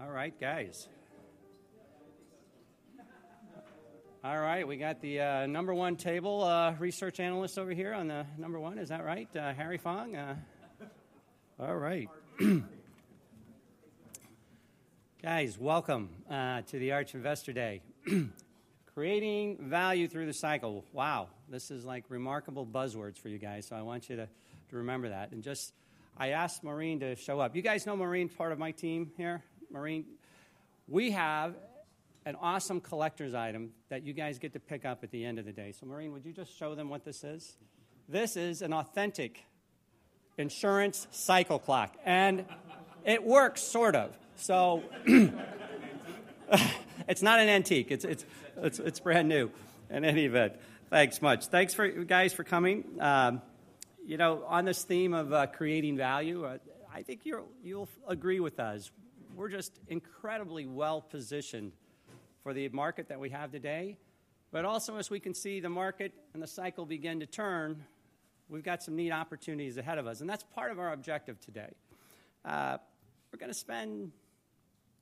All right. Guys, welcome to the Arch Investor Day. Creating value through the cycle. Wow. This is like remarkable buzzwords for you guys, so I want you to remember that. And just I asked Maureen to show up. You guys know Maureen, part of my team here? Maureen we have an awesome collector's item that you guys get to pick up at the end of the day. So Maureen, would you just show them what this is? This is an authentic insurance cycle clock, and it works, sort of. So it's not an antique. It's brand new. In any event, thanks much. Thanks for you guys for coming. On this theme of creating value, I think you'll agree with us. We're just incredibly well-positioned for the market that we have today. But also, as we can see, the market and the cycle begin to turn, we've got some neat opportunities ahead of us, and that's part of our objective today. We're going to spend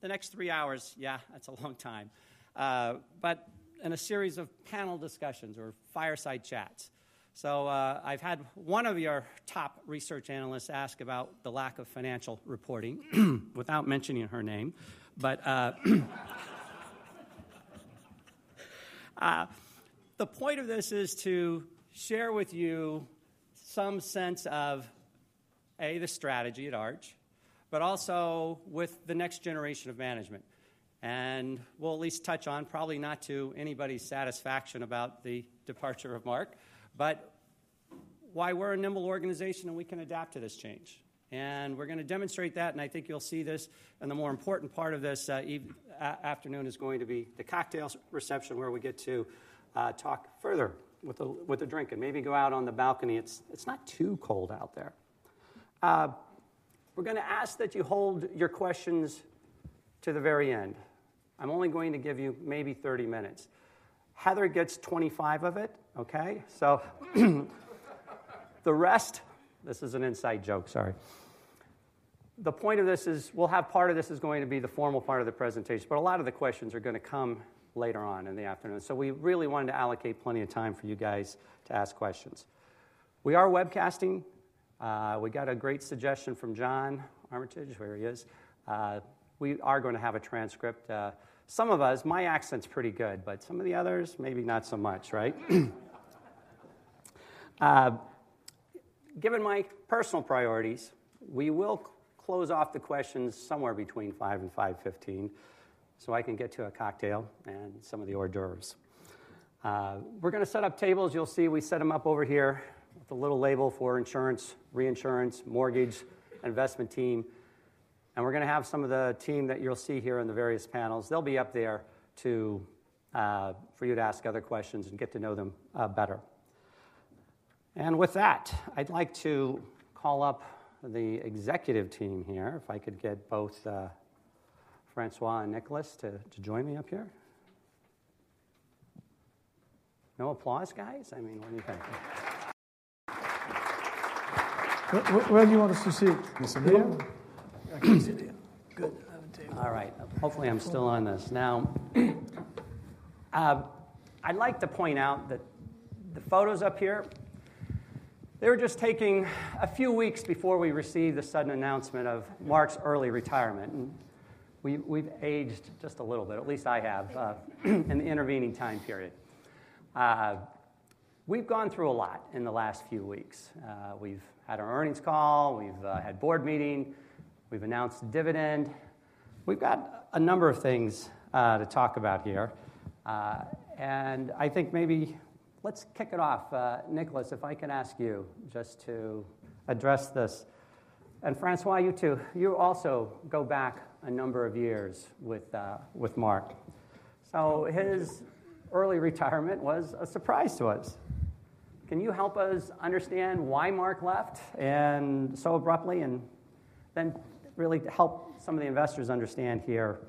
the next three hours, yeah, that's a long time, but in a series of panel discussions or fireside chats, so I've had one of your top research analysts ask about the lack of financial reporting without mentioning her name, but the point of this is to share with you some sense of, A, the strategy at Arch, but also with the next generation of management. We'll at least touch on, probably not to anybody's satisfaction, the departure of Marc, but why we're a nimble organization and we can adapt to this change. We're going to demonstrate that, and I think you'll see this. The more important part of this afternoon is going to be the cocktail reception, where we get to talk further with a drink and maybe go out on the balcony. It's not too cold out there. We're going to ask that you hold your questions to the very end. I'm only going to give you maybe 30 minutes. Heather gets 25 of it, okay? So the rest, this is an inside joke, sorry. The point of this is we'll have part of this is going to be the formal part of the presentation, but a lot of the questions are going to come later on in the afternoon. So we really wanted to allocate plenty of time for you guys to ask questions. We are webcasting. We got a great suggestion from John Armitage. Here he is. We are going to have a transcript. Some of us, my accent's pretty good, but some of the others, maybe not so much, right? Given my personal priorities, we will close off the questions somewhere between 5:00 and 5:15 so I can get to a cocktail and some of the hors d'oeuvres. We're going to set up tables. You'll see we set them up over here with a little label for Insurance, Reinsurance, Mortgage, Investment team. And we're going to have some of the team that you'll see here in the various panels. They'll be up there for you to ask other questions and get to know them better. And with that, I'd like to call up the executive team here, if I could get both François and Nicolas to join me up here. No applause, guys? I mean, what do you think? Where do you want us to sit? In the middle? Good. All right. Hopefully, I'm still on this. Now, I'd like to point out that the photos up here, they were just taken a few weeks before we received the sudden announcement of Marc's early retirement, and we've aged just a little bit, at least I have, in the intervening time period. We've gone through a lot in the last few weeks. We've had our earnings call. We've had a board meeting. We've announced dividend. We've got a number of things to talk about here. I think maybe let's kick it off. Nicolas, if I can ask you just to address this. François, you too. You also go back a number of years with Marc. His early retirement was a surprise to us. Can you help us understand why Marc left so abruptly and then really help some of the investors understand here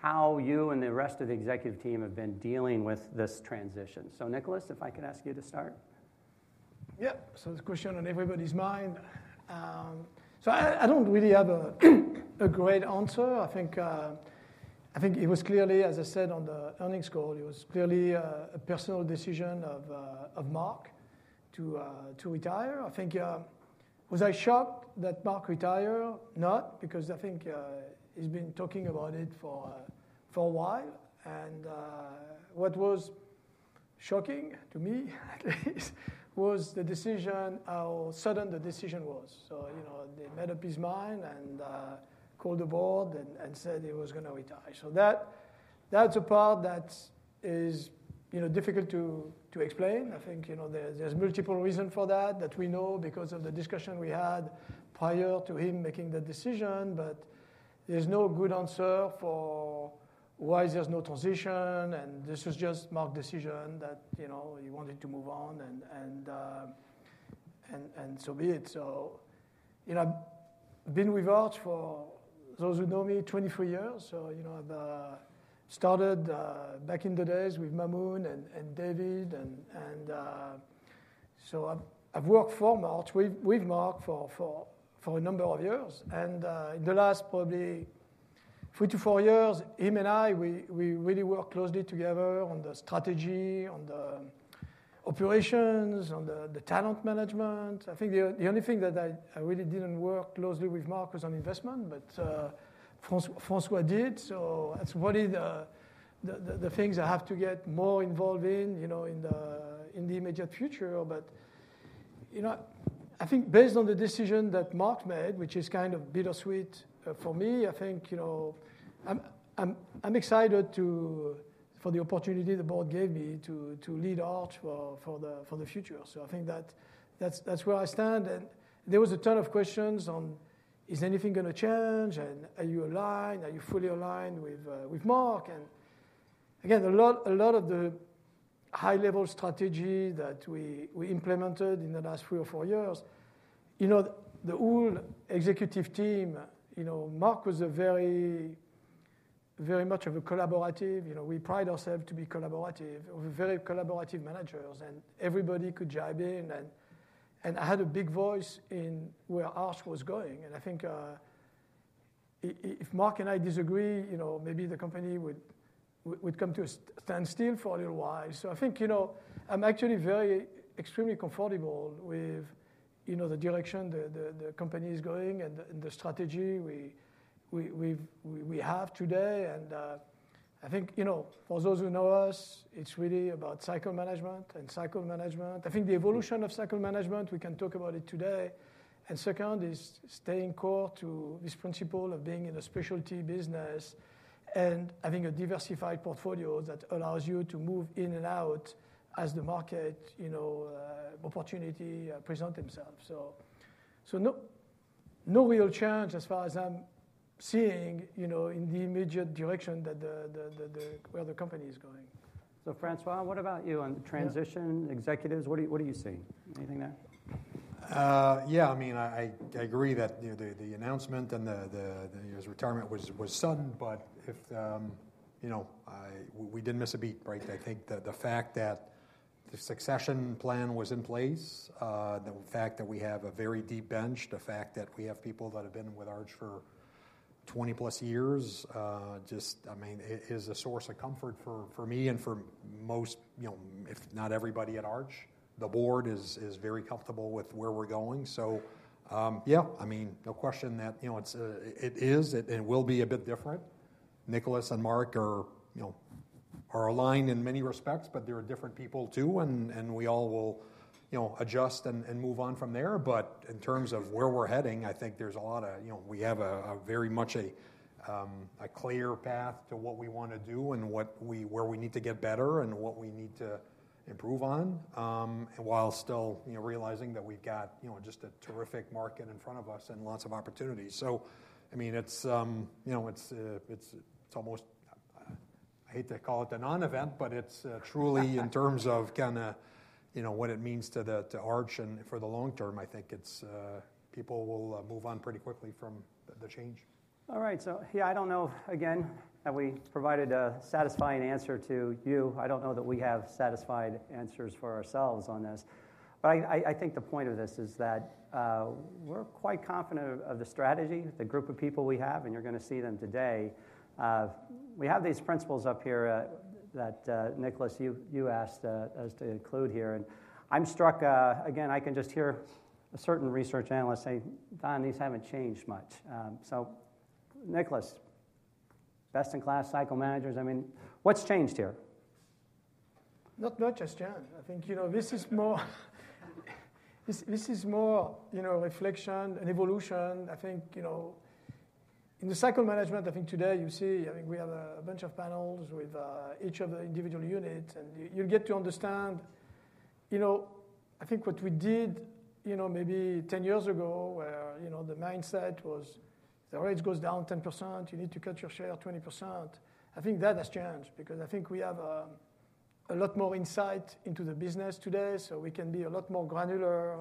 how you and the rest of the executive team have been dealing with this transition? So Nicolas, if I could ask you to start. Yeah. So the question on everybody's mind. So I don't really have a great answer. I think it was clearly, as I said, on the earnings call, it was clearly a personal decision of Marc to retire. I think, was I shocked that Marc retired? Not, because I think he's been talking about it for a while. And what was shocking to me, at least, was the decision, how sudden the decision was. So he made up his mind and called the board and said he was going to retire. So that's a part that is difficult to explain. I think there's multiple reasons for that that we know because of the discussion we had prior to him making the decision. But there's no good answer for why there's no transition. And this was just Marc's decision that he wanted to move on, and so be it. So I've been with Arch for, those who know me, 23 years. So I started back in the days with Maamoun and David. And so I've worked for Marc, with Marc, for a number of years. And in the last probably three to four years, him and I, we really worked closely together on the strategy, on the operations, on the talent management. I think the only thing that I really didn't work closely with Marc was on investment, but François did. So that's probably the things I have to get more involved in in the immediate future. But I think based on the decision that Marc made, which is kind of bittersweet for me, I think I'm excited for the opportunity the board gave me to lead Arch for the future. So I think that's where I stand. And there was a ton of questions on, is anything going to change? And are you aligned? Are you fully aligned with Marc? And again, a lot of the high-level strategy that we implemented in the last three or four years, the whole executive team, Marc was very much of a collaborative. We pride ourselves to be collaborative, very collaborative managers. And everybody could jive in. And I had a big voice in where Arch was going. And I think if Marc and I disagree, maybe the company would come to a standstill for a little while. So I think I'm actually very extremely comfortable with the direction the company is going and the strategy we have today. And I think for those who know us, it's really about cycle management and cycle management. I think the evolution of cycle management, we can talk about it today. And second is staying core to this principle of being in a specialty business and having a diversified portfolio that allows you to move in and out as the market opportunity presents itself. So no real change as far as I'm seeing in the immediate direction where the company is going. So François, what about you on the transition, executives? What do you see? Anything there? Yeah. I mean, I agree that the announcement and his retirement was sudden, but we didn't miss a beat, right? I think the fact that the succession plan was in place, the fact that we have a very deep bench, the fact that we have people that have been with Arch for 20-plus years just, I mean, is a source of comfort for me and for most, if not everybody at Arch. The board is very comfortable with where we're going. So yeah, I mean, no question that it is and will be a bit different. Nicolas and Marc are aligned in many respects, but there are different people too, and we all will adjust and move on from there. But in terms of where we're heading, I think there's a lot. We have very much a clear path to what we want to do and where we need to get better and what we need to improve on while still realizing that we've got just a terrific market in front of us and lots of opportunities. So I mean, it's almost. I hate to call it a non-event, but it's truly in terms of kind of what it means to Arch. And for the long term, I think people will move on pretty quickly from the change. All right. So yeah, I don't know, again, that we provided a satisfying answer to you. I don't know that we have satisfied answers for ourselves on this. But I think the point of this is that we're quite confident of the strategy, the group of people we have, and you're going to see them today. We have these principles up here that Nicolas, you asked us to include here. And I'm struck, again, I can just hear a certain research analyst saying, "Don, these haven't changed much." So Nicolas, best-in-class cycle managers, I mean, what's changed here? Not just, Don. I think this is more reflection and evolution. I think in the cycle management, I think today you see we have a bunch of panels with each of the individual units. And you'll get to understand, I think what we did maybe 10 years ago where the mindset was the rate goes down 10%, you need to cut your share 20%. I think that has changed because I think we have a lot more insight into the business today. So we can be a lot more granular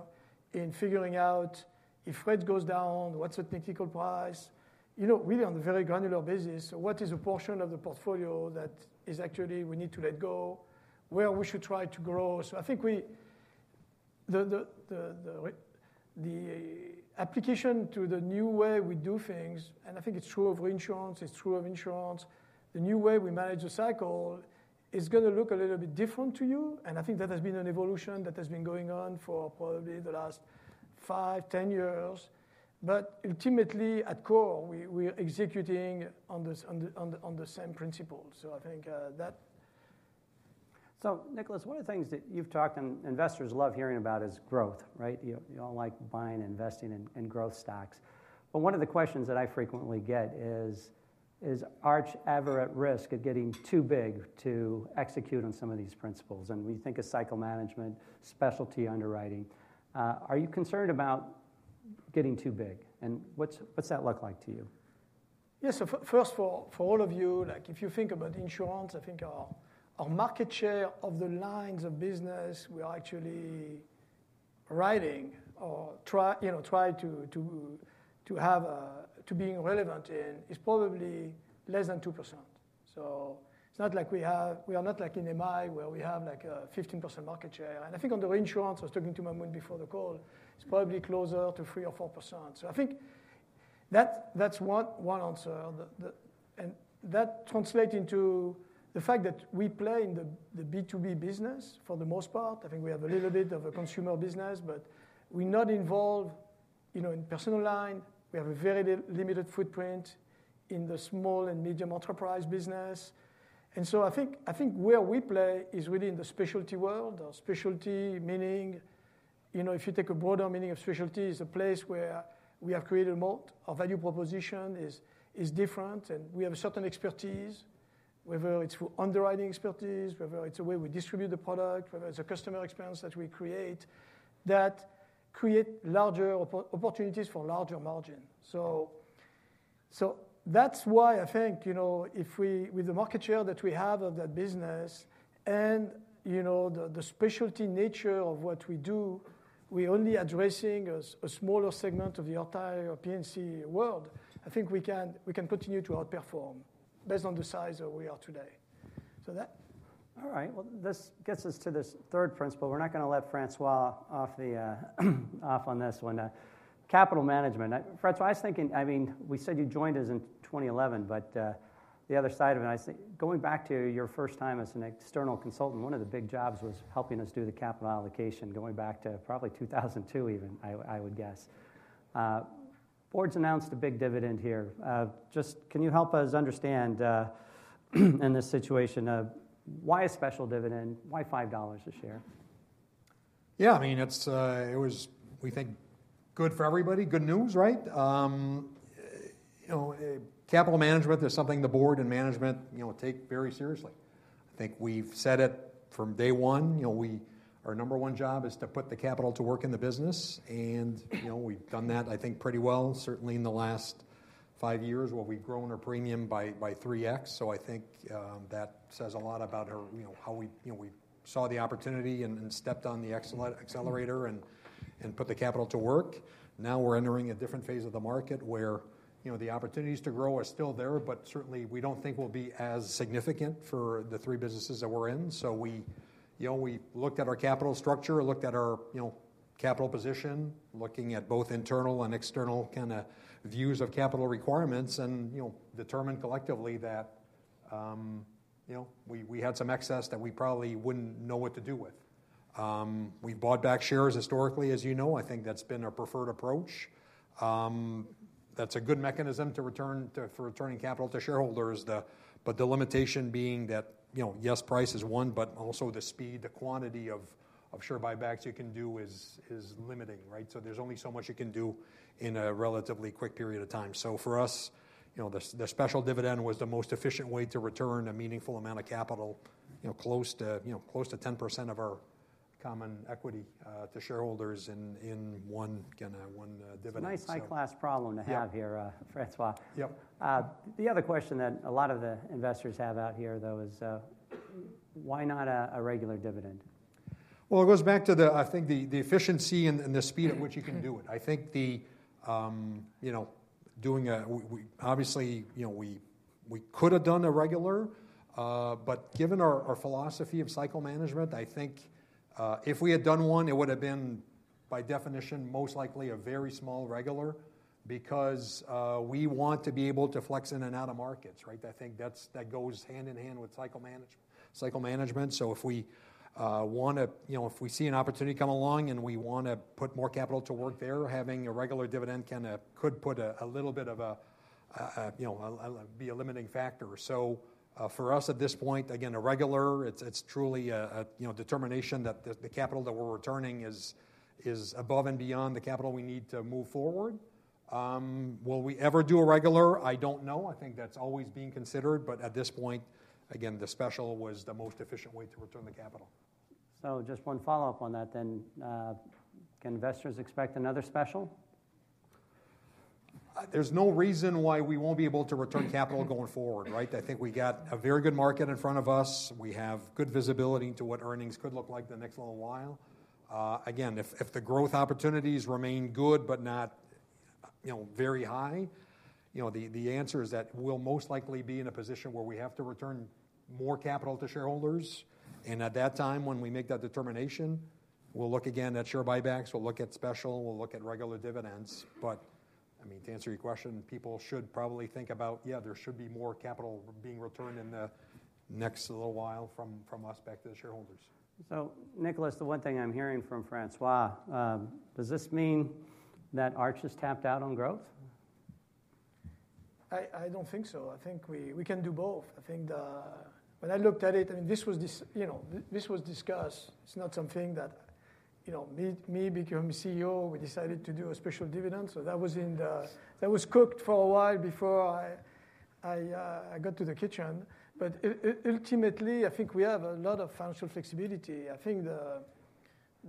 in figuring out if rate goes down, what's the technical price, really on a very granular basis. So what is a portion of the portfolio that is actually we need to let go, where we should try to grow. So I think the application to the new way we do things, and I think it's true of reinsurance, it's true of insurance, the new way we manage the cycle is going to look a little bit different to you. And I think that has been an evolution that has been going on for probably the last five, 10 years. But ultimately, at core, we're executing on the same principles. So I think that. Nicolas, one of the things that you've talked and investors love hearing about is growth, right? You all like buying and investing in growth stocks. But one of the questions that I frequently get is, is Arch ever at risk of getting too big to execute on some of these principles? And we think of cycle management, specialty underwriting. Are you concerned about getting too big? And what's that look like to you? Yeah. So first, for all of you, if you think about insurance, I think our market share of the lines of business we are actually writing or try to have to be relevant in is probably less than 2%. So it's not like we are not like in MI where we have like a 15% market share. And I think on the reinsurance, I was talking to Maamoun before the call, it's probably closer to 3% or 4%. So I think that's one answer. And that translates into the fact that we play in the B2B business for the most part. I think we have a little bit of a consumer business, but we're not involved in personal line. We have a very limited footprint in the small and medium enterprise business. I think where we play is really in the specialty world or specialty, meaning if you take a broader meaning of specialty, it's a place where we have created a lot of value proposition is different. We have a certain expertise, whether it's underwriting expertise, whether it's a way we distribute the product, whether it's a customer experience that we create that create larger opportunities for larger margin. That's why I think if we with the market share that we have of that business and the specialty nature of what we do, we're only addressing a smaller segment of the entire P&C world. I think we can continue to outperform based on the size of where we are today. So that. All right. This gets us to this third principle. We're not going to let François off on this one. Capital management. François, I was thinking. I mean, we said you joined us in 2011, but the other side of it, I think going back to your first time as an external consultant, one of the big jobs was helping us do the capital allocation, going back to probably 2002 even, I would guess. The Board's announced a big dividend here. Just can you help us understand in this situation why a special dividend, why $5 a share? Yeah. I mean, it was, we think, good for everybody, good news, right? Capital management is something the board and management take very seriously. I think we've said it from day one. Our number one job is to put the capital to work in the business. And we've done that, I think, pretty well, certainly in the last five years where we've grown our premium by 3x. So I think that says a lot about how we saw the opportunity and stepped on the accelerator and put the capital to work. Now we're entering a different phase of the market where the opportunities to grow are still there, but certainly we don't think will be as significant for the three businesses that we're in. So we looked at our capital structure, looked at our capital position, looking at both internal and external kind of views of capital requirements and determined collectively that we had some excess that we probably wouldn't know what to do with. We bought back shares historically, as you know. I think that's been our preferred approach. That's a good mechanism for returning capital to shareholders, but the limitation being that, yes, price is one, but also the speed, the quantity of share buybacks you can do is limiting, right? So for us, the special dividend was the most efficient way to return a meaningful amount of capital, close to 10% of our common equity to shareholders in one kind of one dividend. Nice high-class problem to have here, François. Yep. The other question that a lot of the investors have out here, though, is why not a regular dividend? Well, it goes back to the, I think, the efficiency and the speed at which you can do it. I think doing, obviously, we could have done a regular. But given our philosophy of cycle management, I think if we had done one, it would have been by definition most likely a very small regular because we want to be able to flex in and out of markets, right? I think that goes hand in hand with cycle management. So if we want to, if we see an opportunity come along and we want to put more capital to work there, having a regular dividend kind of could put a little bit of a limiting factor. So for us at this point, again, a regular, it's truly a determination that the capital that we're returning is above and beyond the capital we need to move forward. Will we ever do a regular? I don't know. I think that's always being considered. But at this point, again, the special was the most efficient way to return the capital. So just one follow-up on that then. Can investors expect another special? There's no reason why we won't be able to return capital going forward, right? I think we got a very good market in front of us. We have good visibility into what earnings could look like the next little while. Again, if the growth opportunities remain good but not very high, the answer is that we'll most likely be in a position where we have to return more capital to shareholders. And at that time, when we make that determination, we'll look again at share buybacks. We'll look at special. We'll look at regular dividends. But I mean, to answer your question, people should probably think about, yeah, there should be more capital being returned in the next little while from us back to the shareholders. Nicolas, the one thing I'm hearing from François, does this mean that Arch has tapped out on growth? I don't think so. I think we can do both. I think when I looked at it, I mean, this was discussed. It's not something that me becoming CEO, we decided to do a special dividend. So that was cooked for a while before I got to the kitchen. But ultimately, I think we have a lot of financial flexibility. I think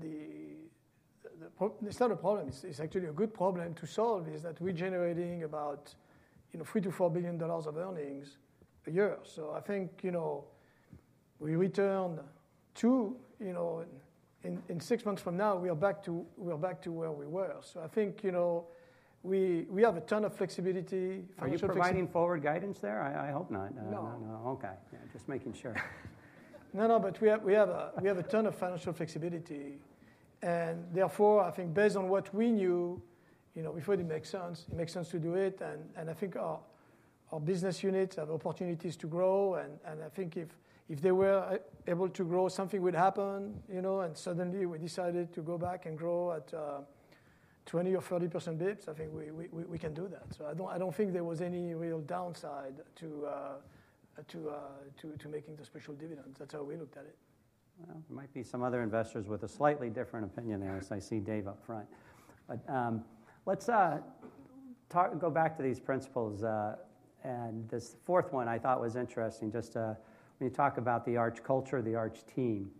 it's not a problem. It's actually a good problem to solve is that we're generating about $3 to $4 billion of earnings a year. So I think we return to in six months from now, we are back to where we were. So I think we have a ton of flexibility. Are you providing forward guidance there? I hope not. No. Okay. Yeah. Just making sure. No, no. But we have a ton of financial flexibility. And therefore, I think based on what we knew, we thought it makes sense. It makes sense to do it. And I think our business units have opportunities to grow. And I think if they were able to grow, something would happen. And suddenly we decided to go back and grow at 20% or 30% basis points. I think we can do that. So I don't think there was any real downside to making the special dividend. That's how we looked at it. There might be some other investors with a slightly different opinion there, as I see Dave up front. Let's go back to these principles. This fourth one I thought was interesting, just when you talk about the Arch culture, the Arch team.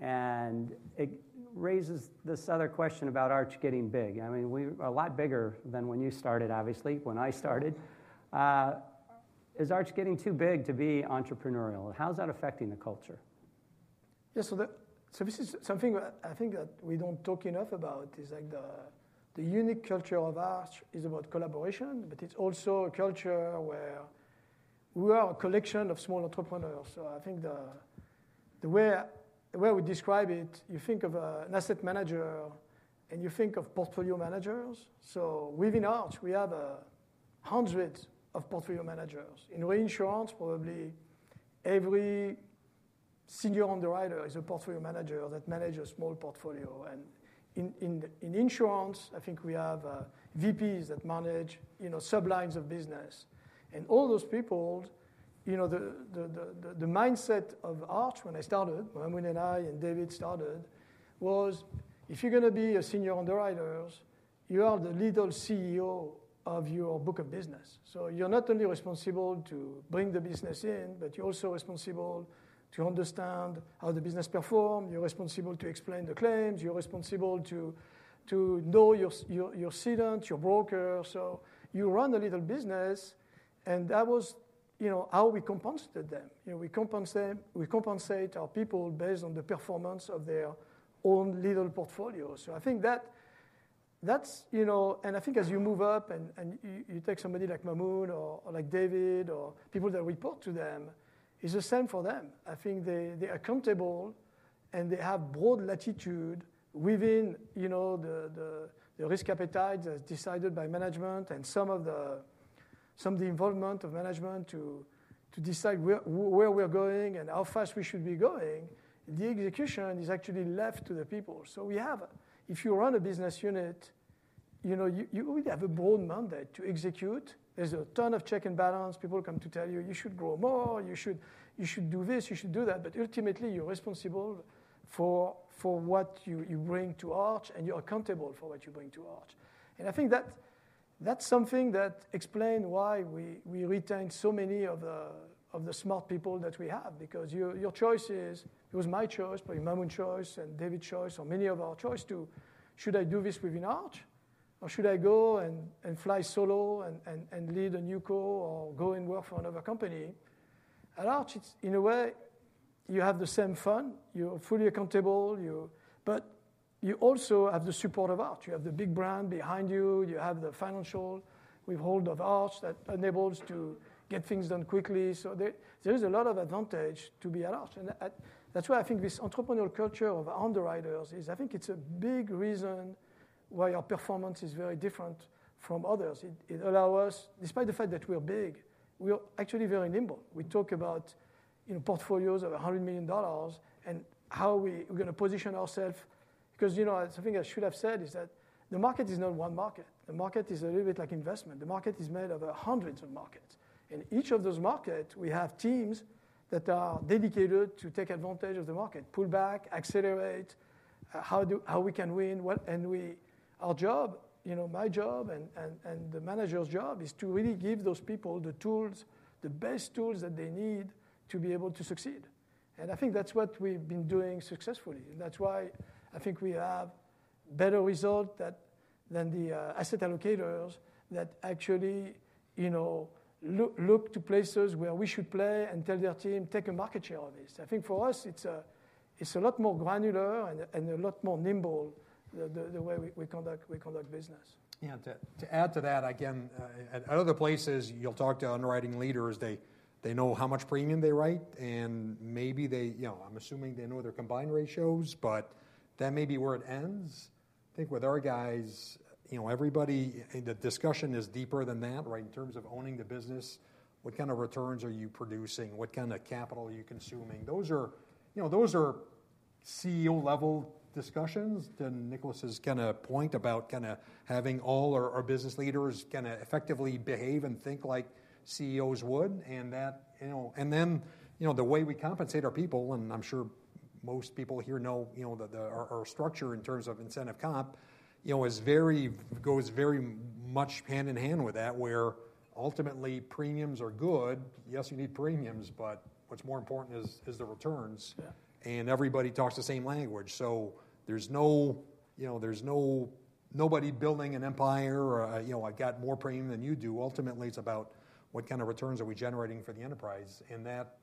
It raises this other question about Arch getting big. I mean, we are a lot bigger than when you started, obviously, when I started. Is Arch getting too big to be entrepreneurial? How is that affecting the culture? Yeah. So this is something I think that we don't talk enough about, is like the unique culture of Arch is about collaboration, but it's also a culture where we are a collection of small entrepreneurs. So I think the way we describe it, you think of an asset manager and you think of portfolio managers. So within Arch, we have hundreds of portfolio managers. In reinsurance, probably every senior underwriter is a portfolio manager that manages a small portfolio. And in insurance, I think we have VPs that manage sublines of business. And all those people, the mindset of Arch when I started, Maamoun and I and David started, was if you're going to be a senior underwriter, you are the legal CEO of your book of business. So you're not only responsible to bring the business in, but you're also responsible to understand how the business performed. You're responsible to explain the claims. You're responsible to know your cedent, your broker. So you run a little business, and that was how we compensated them. We compensate our people based on the performance of their own little portfolio. So I think that's, and I think as you move up and you take somebody like Maamoun or like David or people that report to them, it's the same for them. I think they are comfortable and they have broad latitude within the risk appetite that's decided by management and some of the involvement of management to decide where we're going and how fast we should be going. The execution is actually left to the people. If you run a business unit, you already have a broad mandate to execute. There's a ton of check and balance. People come to tell you, you should grow more. You should do this. You should do that. But ultimately, you're responsible for what you bring to Arch and you're accountable for what you bring to Arch. And I think that's something that explains why we retain so many of the smart people that we have, because your choice is it was my choice, Maamoun's choice, and David's choice, or many of our choice to, should I do this within Arch, or should I go and fly solo and lead a NewCo or go and work for another company? At Arch, in a way, you have the same fund. You're fully accountable. But you also have the support of Arch. You have the big brand behind you. You have the financial withhold of Arch that enables to get things done quickly. So there is a lot of advantage to be at Arch. That's why I think this entrepreneurial culture of underwriters is. I think it's a big reason why our performance is very different from others. It allows us, despite the fact that we're big, we're actually very nimble. We talk about portfolios of $100 million and how we're going to position ourselves. Because something I should have said is that the market is not one market. The market is a little bit like investment. The market is made of hundreds of markets. And each of those markets, we have teams that are dedicated to take advantage of the market, pull back, accelerate, how we can win. And our job, my job, and the manager's job is to really give those people the tools, the best tools that they need to be able to succeed. And I think that's what we've been doing successfully. And that's why I think we have better results than the asset allocators that actually look to places where we should play and tell their team, take a market share of this. I think for us, it's a lot more granular and a lot more nimble the way we conduct business. Yeah. To add to that, again, at other places, you'll talk to underwriting leaders. They know how much premium they write. And maybe, I'm assuming, they know their combined ratios, but that may be where it ends. I think with our guys, everybody, the discussion is deeper than that, right, in terms of owning the business. What kind of returns are you producing? What kind of capital are you consuming? Those are CEO-level discussions. To Nicholas's kind of point about kind of having all our business leaders kind of effectively behave and think like CEOs would. And then the way we compensate our people, and I'm sure most people here know our structure in terms of incentive comp, goes very much hand in hand with that where ultimately premiums are good. Yes, you need premiums, but what's more important is the returns. And everybody talks the same language. So, there's nobody building an empire. I've got more premium than you do. Ultimately, it's about what kind of returns are we generating for the enterprise. And that,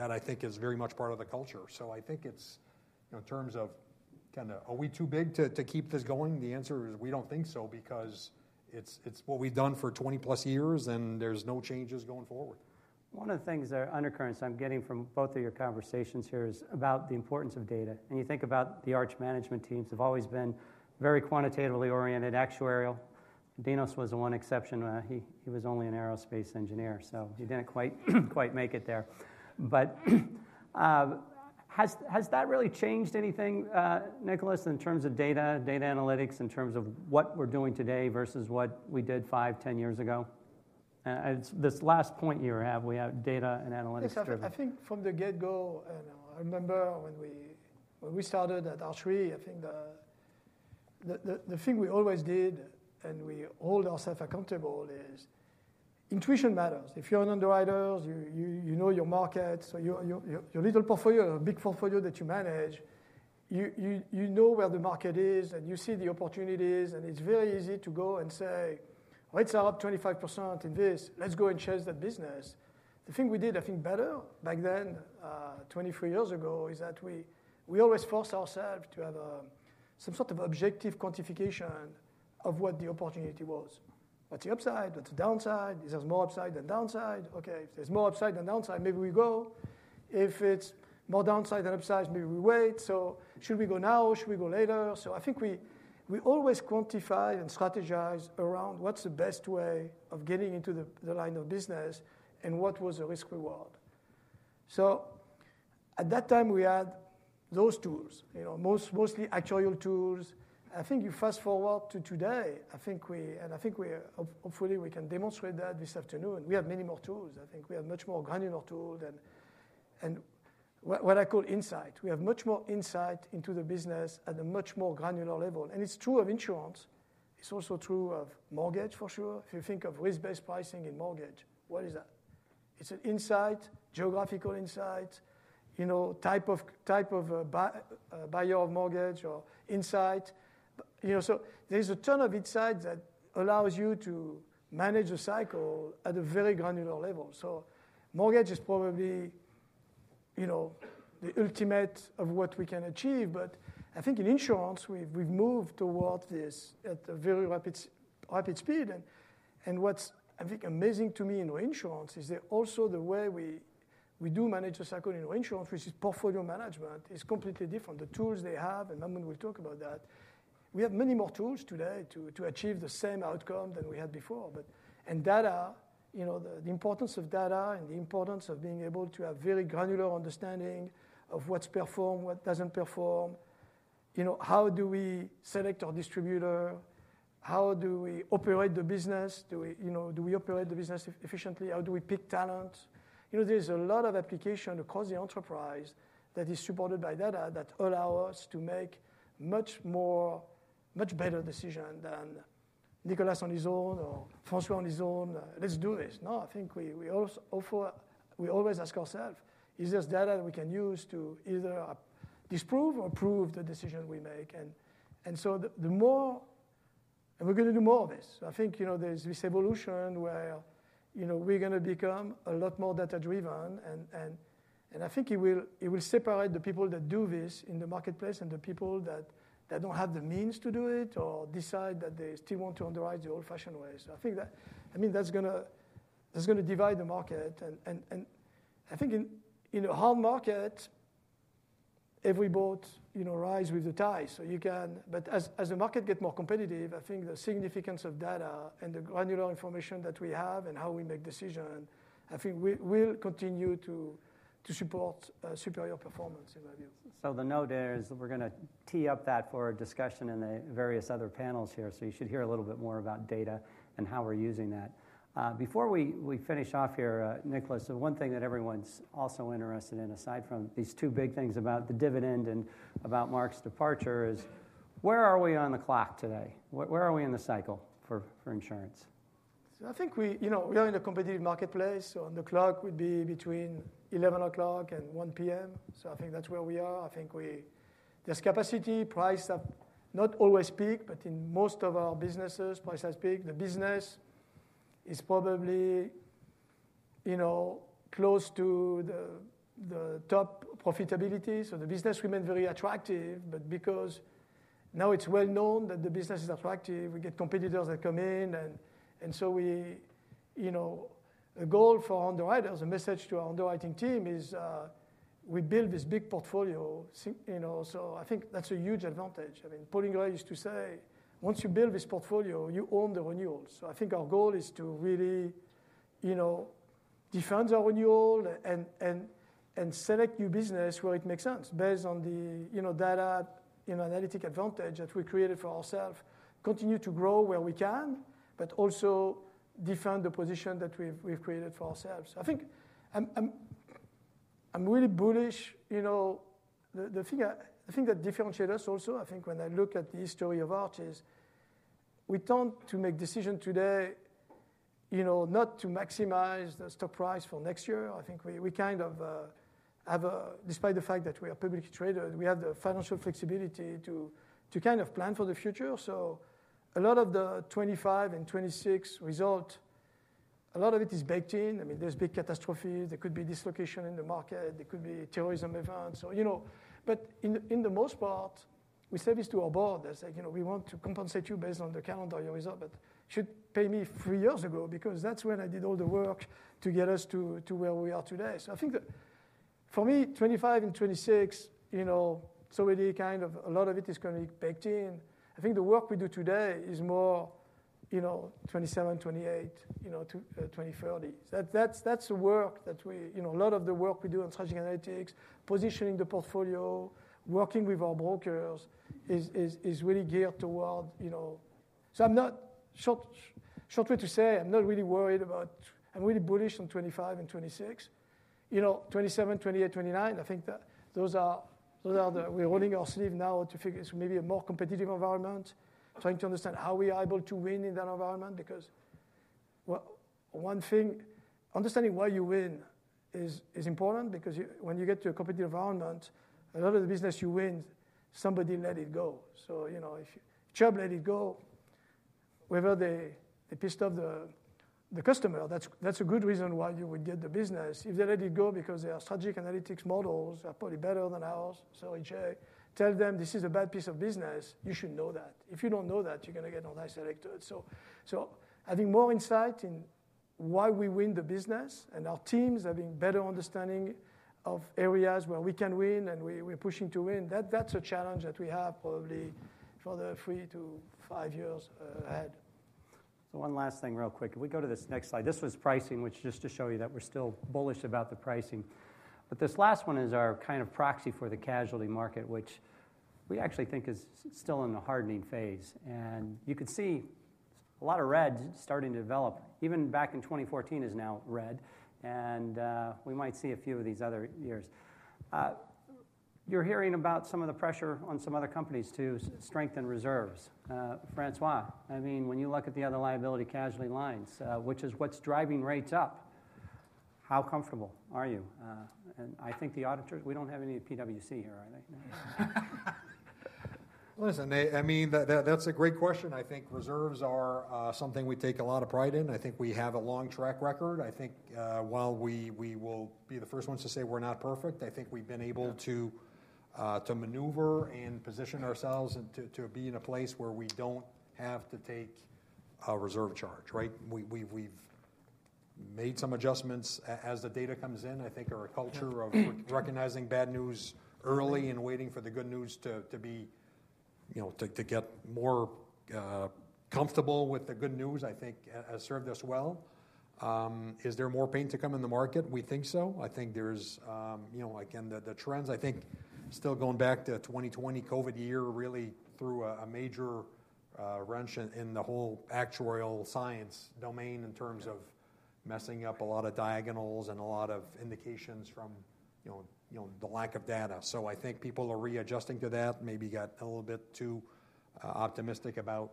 I think, is very much part of the culture. So, I think it's in terms of kind of are we too big to keep this going? The answer is we don't think so because it's what we've done for 20-plus years and there's no changes going forward. One of the things that are undercurrents I'm getting from both of your conversations here is about the importance of data, and you think about the Arch management teams. They've always been very quantitatively oriented, actuarial. Dinos was the one exception. He was only an aerospace engineer, so he didn't quite make it there, but has that really changed anything, Nicholas, in terms of data, data analytics, in terms of what we're doing today versus what we did five, ten years ago? This last point you have, we have data and analytics structure. I think from the get-go, I remember when we started at Arch Re, I think the thing we always did and we hold ourselves accountable is intuition matters. If you're an underwriter, you know your market. So your little portfolio or big portfolio that you manage, you know where the market is and you see the opportunities. And it's very easy to go and say, "Rates are up 25% in this. Let's go and change that business." The thing we did, I think, better back then, 23 years ago, is that we always forced ourselves to have some sort of objective quantification of what the opportunity was. What's the upside? What's the downside? Is there more upside than downside? Okay. If there's more upside than downside, maybe we go. If it's more downside than upside, maybe we wait. So should we go now? Should we go later? So I think we always quantify and strategize around what's the best way of getting into the line of business and what was the risk-reward. So at that time, we had those tools, mostly actuarial tools. I think you fast forward to today, and I think hopefully we can demonstrate that this afternoon. We have many more tools. I think we have much more granular tools and what I call insight. We have much more insight into the business at a much more granular level. And it's true of insurance. It's also true of mortgage, for sure. If you think of risk-based pricing in mortgage, what is that? It's an insight, geographical insight, type of buyer of mortgage or insight. So there's a ton of insight that allows you to manage a cycle at a very granular level. So mortgage is probably the ultimate of what we can achieve. But I think in insurance, we've moved towards this at a very rapid speed. And what's, I think, amazing to me in insurance is also the way we do manage a cycle in insurance, which is portfolio management, is completely different. The tools they have, and Maamoun will talk about that. We have many more tools today to achieve the same outcome than we had before. And data, the importance of data and the importance of being able to have very granular understanding of what's performed, what doesn't perform, how do we select our distributor, how do we operate the business, do we operate the business efficiently, how do we pick talent. There's a lot of application across the enterprise that is supported by data that allow us to make much better decisions than Nicolas on his own or François on his own. Let's do this. No, I think we always ask ourselves, is this data that we can use to either disprove or prove the decision we make? And so the more, and we're going to do more of this. I think there's this evolution where we're going to become a lot more data-driven. And I think it will separate the people that do this in the marketplace and the people that don't have the means to do it or decide that they still want to underwrite the old-fashioned way. So I think that, I mean, that's going to divide the market. And I think in a hard market, every boat rides with the tide. But as the market gets more competitive, I think the significance of data and the granular information that we have and how we make decisions. I think we'll continue to support superior performance in my view. So the note there is we're going to tee up that for a discussion in the various other panels here. So you should hear a little bit more about data and how we're using that. Before we finish off here, Nicolas, one thing that everyone's also interested in, aside from these two big things about the dividend and about Marc's departure, is where are we on the clock today? Where are we in the cycle for insurance? I think we are in a competitive marketplace. On the clock, we'd be between 11:00 a.m. and 1:00 p.m. I think that's where we are. I think there's capacity. Price is not always peak, but in most of our businesses, price is peak. The business is probably close to the top profitability. The business remains very attractive. But because now it's well known that the business is attractive, we get competitors that come in. The goal for underwriters, the message to our underwriting team is we build this big portfolio. I think that's a huge advantage. I mean, Paul Ingrey used to say, once you build this portfolio, you own the renewals. So I think our goal is to really defend our renewal and select new business where it makes sense based on the data analytic advantage that we created for ourselves, continue to grow where we can, but also defend the position that we've created for ourselves. I think I'm really bullish. The thing that differentiates us also, I think when I look at the history of Arch is we tend to make decisions today not to maximize the stock price for next year. I think we kind of have, despite the fact that we are publicly traded, we have the financial flexibility to kind of plan for the future. So a lot of the 2025 and 2026 result, a lot of it is baked in. I mean, there's big catastrophes. There could be dislocation in the market. There could be terrorism events. But in the most part, we say this to our board. They say, we want to compensate you based on the calendar year results, but you should pay me three years ago because that's when I did all the work to get us to where we are today. So I think for me, 2025 and 2026, it's already kind of a lot of it is going to be baked in. I think the work we do today is more 2027, 2028, 2030. That's a lot of the work we do on strategic analytics, positioning the portfolio, working with our brokers is really geared toward. So short way to say, I'm not really worried about it. I'm really bullish on 2025 and 2026. 2027, 2028, 2029, I think those are where we're rolling up our sleeves now to figure out maybe a more competitive environment, trying to understand how we are able to win in that environment. Because one thing, understanding why you win is important because when you get to a competitive environment, a lot of the business you win, somebody let it go. So if Chubb let it go, whether they pissed off the customer, that's a good reason why you would get the business. If they let it go because their strategic analytics models are probably better than ours, so they think this is a bad piece of business, you should know that. If you don't know that, you're going to get all that adverse selection. So, having more insight into why we win the business and our teams having better understanding of areas where we can win and we're pushing to win, that's a challenge that we have probably for the three to five years ahead. So one last thing real quick. If we go to this next slide, this was pricing, which just to show you that we're still bullish about the pricing. But this last one is our kind of proxy for the casualty market, which we actually think is still in the hardening phase. And you could see a lot of red starting to develop. Even back in 2014 is now red. And we might see a few of these other years. You're hearing about some of the pressure on some other companies to strengthen reserves. François, I mean, when you look at the other liability casualty lines, which is what's driving rates up, how comfortable are you? And I think the auditors, we don't have any PwC here, are they? Listen, I mean, that's a great question. I think reserves are something we take a lot of pride in. I think we have a long track record. I think while we will be the first ones to say we're not perfect, I think we've been able to maneuver and position ourselves to be in a place where we don't have to take a reserve charge, right? We've made some adjustments as the data comes in. I think our culture of recognizing bad news early and waiting for the good news to get more comfortable with the good news, I think, has served us well. Is there more pain to come in the market? We think so. I think there's, again, the trends. I think, still going back to 2020 COVID year, really threw a major wrench in the whole actuarial science domain in terms of messing up a lot of diagonals and a lot of indications from the lack of data. So I think people are readjusting to that, maybe got a little bit too optimistic about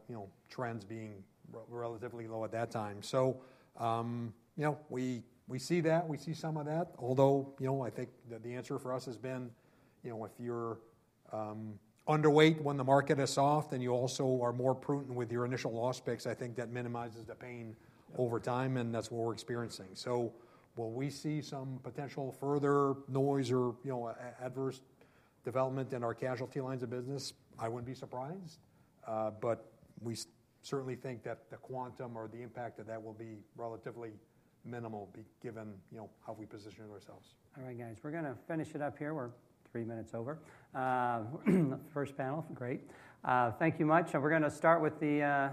trends being relatively low at that time. So we see that. We see some of that. Although I think that the answer for us has been if you're underweight when the market is soft, then you also are more prudent with your initial loss picks. I think that minimizes the pain over time, and that's what we're experiencing. So will we see some potential further noise or adverse development in our casualty lines of business? I wouldn't be surprised. But we certainly think that the quantum or the impact of that will be relatively minimal given how we position ourselves. All right, guys. We're going to finish it up here. We're three minutes over. First panel, great. Thank you much. And we're going to start with the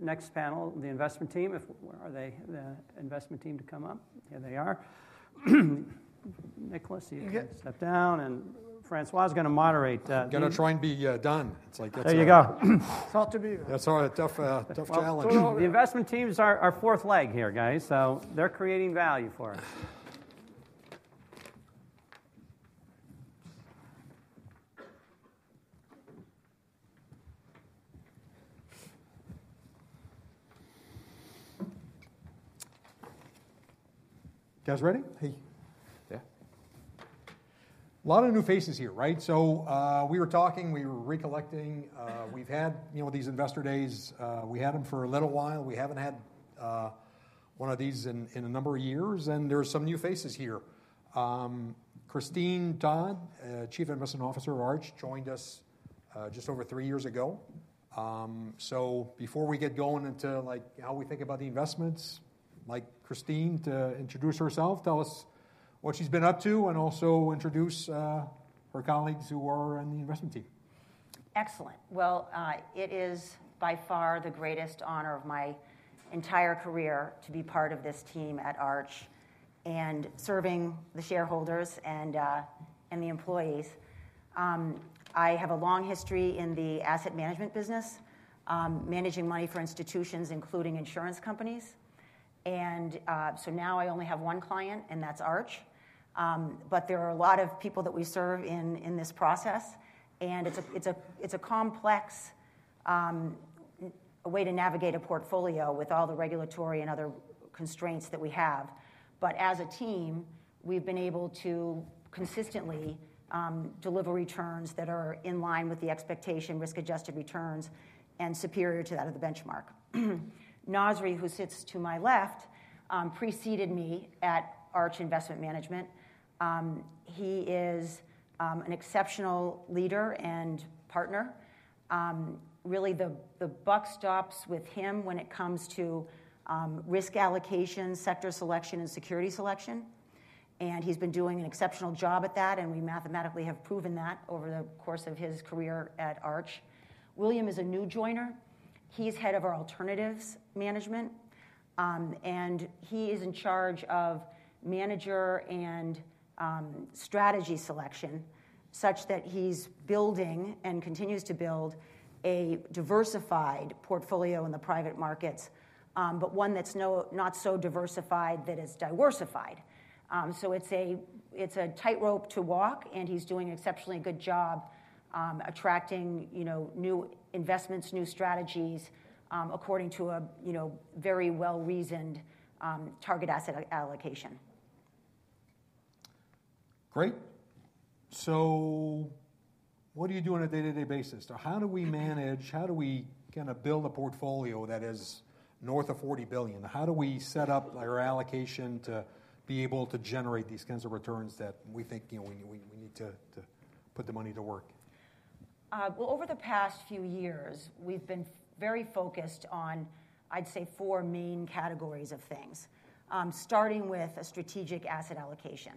next panel, the investment team. Are they the investment team to come up? Here they are. Nicolas, you step down. And François is going to moderate. I'm going to try and be done. It's like. There you go. It's hard to be there. That's a tough challenge. The investment team is our fourth leg here, guys. So they're creating value for us. You guys ready? Hi Yeah. A lot of new faces here, right? So we were talking, we were recollecting. We've had these investor days. We had them for a little while. We haven't had one of these in a number of years. And there are some new faces here. Christine Todd, Chief Investment Officer of Arch, joined us just over three years ago. So before we get going into how we think about the investments, I'd like Christine to introduce herself, tell us what she's been up to, and also introduce her colleagues who are on the investment team. Excellent. Well, it is by far the greatest honor of my entire career to be part of this team at Arch and serving the shareholders and the employees. I have a long history in the asset management business, managing money for institutions, including insurance companies. And so now I only have one client, and that's Arch. But there are a lot of people that we serve in this process. And it's a complex way to navigate a portfolio with all the regulatory and other constraints that we have. But as a team, we've been able to consistently deliver returns that are in line with the expectation, risk-adjusted returns, and superior to that of the benchmark. Nasri, who sits to my left, preceded me at Arch Investment Management. He is an exceptional leader and partner. Really, the buck stops with him when it comes to risk allocation, sector selection, and security selection. And he's been doing an exceptional job at that. And we mathematically have proven that over the course of his career at Arch. William is a new joiner. He's head of our alternatives management. And he is in charge of manager and strategy selection such that he's building and continues to build a diversified portfolio in the private markets, but one that's not so diversified that it's diversified. So it's a tightrope to walk. And he's doing an exceptionally good job attracting new investments, new strategies according to a very well-reasoned target asset allocation. Great. So what do you do on a day-to-day basis? So how do we manage? How do we kind of build a portfolio that is north of $40 billion? How do we set up our allocation to be able to generate these kinds of returns that we think we need to put the money to work? Over the past few years, we've been very focused on, I'd say, four main categories of things, starting with a strategic asset allocation.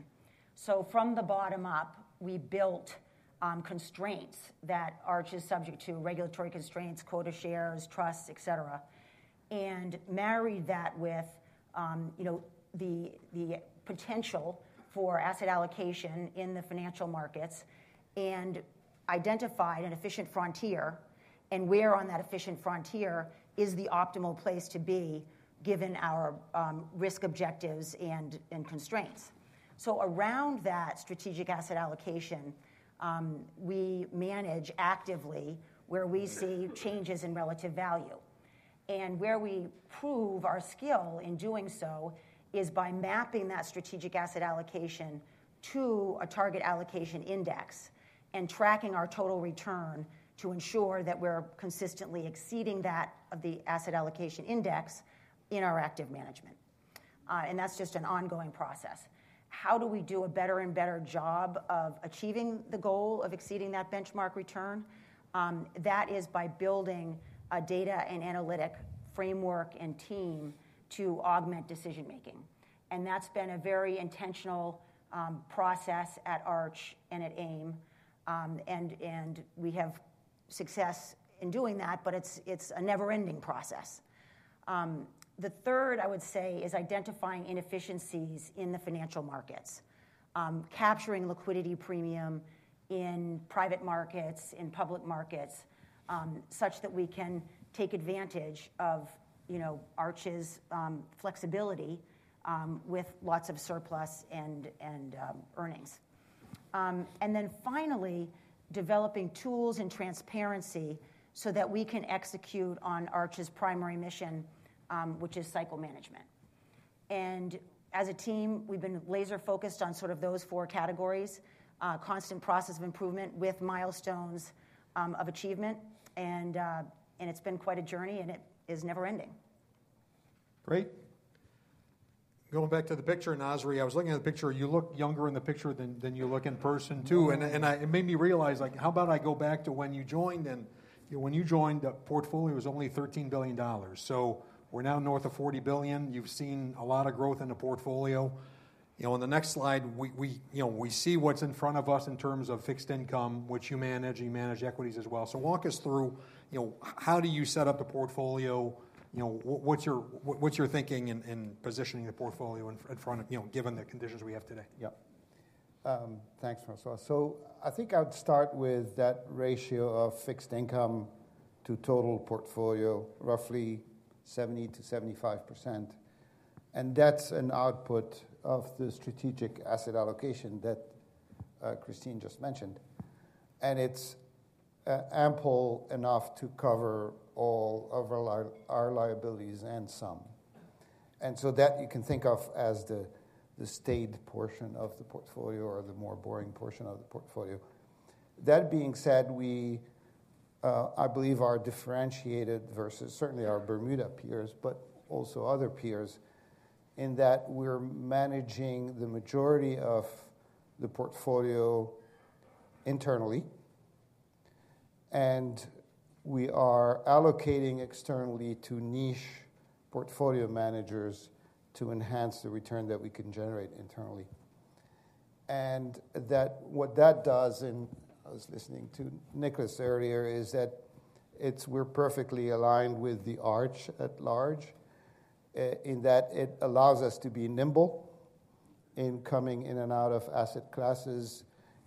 From the bottom up, we built constraints that Arch is subject to, regulatory constraints, quota shares, trusts, etc., and married that with the potential for asset allocation in the financial markets and identified an efficient frontier. Where on that efficient frontier is the optimal place to be given our risk objectives and constraints? Around that strategic asset allocation, we manage actively where we see changes in relative value. Where we prove our skill in doing so is by mapping that strategic asset allocation to a target allocation index and tracking our total return to ensure that we're consistently exceeding that of the asset allocation index in our active management. That's just an ongoing process. How do we do a better and better job of achieving the goal of exceeding that benchmark return? That is by building a data and analytic framework and team to augment decision-making. And that's been a very intentional process at Arch and at AIM. And we have success in doing that, but it's a never-ending process. The third, I would say, is identifying inefficiencies in the financial markets, capturing liquidity premium in private markets, in public markets, such that we can take advantage of Arch's flexibility with lots of surplus and earnings. And then finally, developing tools and transparency so that we can execute on Arch's primary mission, which is cycle management. And as a team, we've been laser-focused on sort of those four categories: constant process of improvement with milestones of achievement. And it's been quite a journey, and it is never-ending. Great. Going back to the picture, Nasri, I was looking at the picture. You look younger in the picture than you look in person too. And it made me realize, how about I go back to when you joined? And when you joined, the portfolio was only $13 billion. So we're now north of $40 billion. You've seen a lot of growth in the portfolio. On the next slide, we see what's in front of us in terms of fixed income, which you manage. You manage equities as well. So walk us through how do you set up the portfolio? What's your thinking in positioning the portfolio given the conditions we have today? Yep. Thanks, François. I think I would start with that ratio of fixed income to total portfolio, roughly 70%-75%. That's an output of the strategic asset allocation that Christine just mentioned. It's ample enough to cover all of our liabilities and some. You can think of that as the staid portion of the portfolio or the more boring portion of the portfolio. That being said, I believe our differentiated versus certainly our Bermuda peers, but also other peers, in that we're managing the majority of the portfolio internally. We are allocating externally to niche portfolio managers to enhance the return that we can generate internally. What that does, and I was listening to Nicholas earlier, is that we're perfectly aligned with the Arch at large in that it allows us to be nimble in coming in and out of asset classes,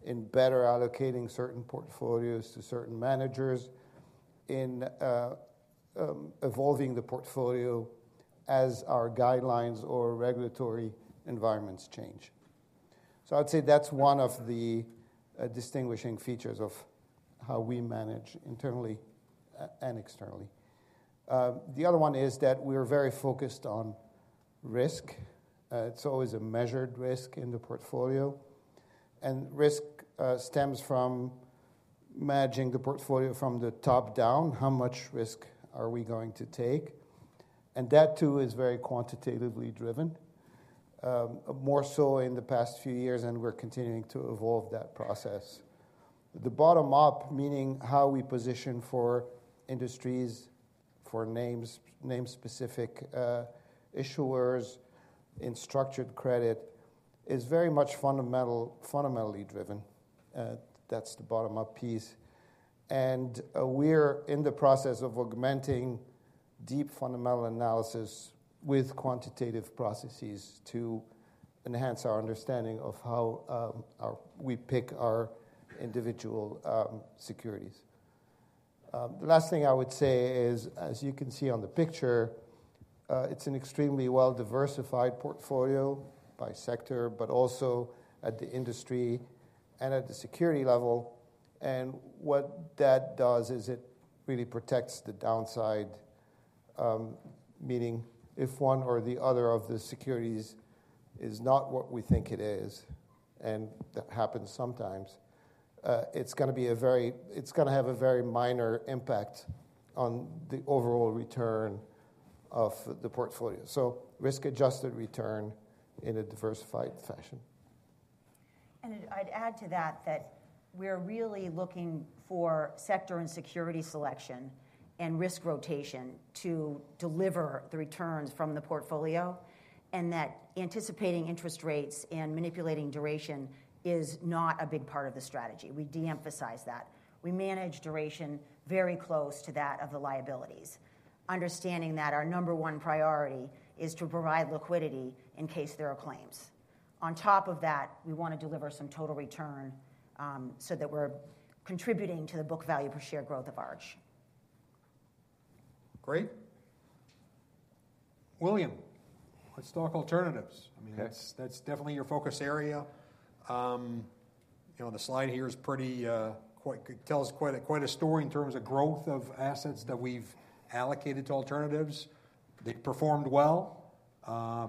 in better allocating certain portfolios to certain managers, in evolving the portfolio as our guidelines or regulatory environments change. So I'd say that's one of the distinguishing features of how we manage internally and externally. The other one is that we're very focused on risk. It's always a measured risk in the portfolio. And risk stems from managing the portfolio from the top down. How much risk are we going to take? And that too is very quantitatively driven, more so in the past few years, and we're continuing to evolve that process. The bottom up, meaning how we position for industries, for names specific issuers in structured credit, is very much fundamentally driven. That's the bottom up piece. And we're in the process of augmenting deep fundamental analysis with quantitative processes to enhance our understanding of how we pick our individual securities. The last thing I would say is, as you can see on the picture, it's an extremely well-diversified portfolio by sector, but also at the industry and at the security level. And what that does is it really protects the downside, meaning if one or the other of the securities is not what we think it is, and that happens sometimes, it's going to have a very minor impact on the overall return of the portfolio. So risk-adjusted return in a diversified fashion. And I'd add to that that we're really looking for sector and security selection and risk rotation to deliver the returns from the portfolio. And that anticipating interest rates and manipulating duration is not a big part of the strategy. We de-emphasize that. We manage duration very close to that of the liabilities, understanding that our number one priority is to provide liquidity in case there are claims. On top of that, we want to deliver some total return so that we're contributing to the book value per share growth of Arch. Great. William, let's talk alternatives. I mean, that's definitely your focus area. The slide here is pretty telling. It tells quite a story in terms of growth of assets that we've allocated to alternatives. They performed well.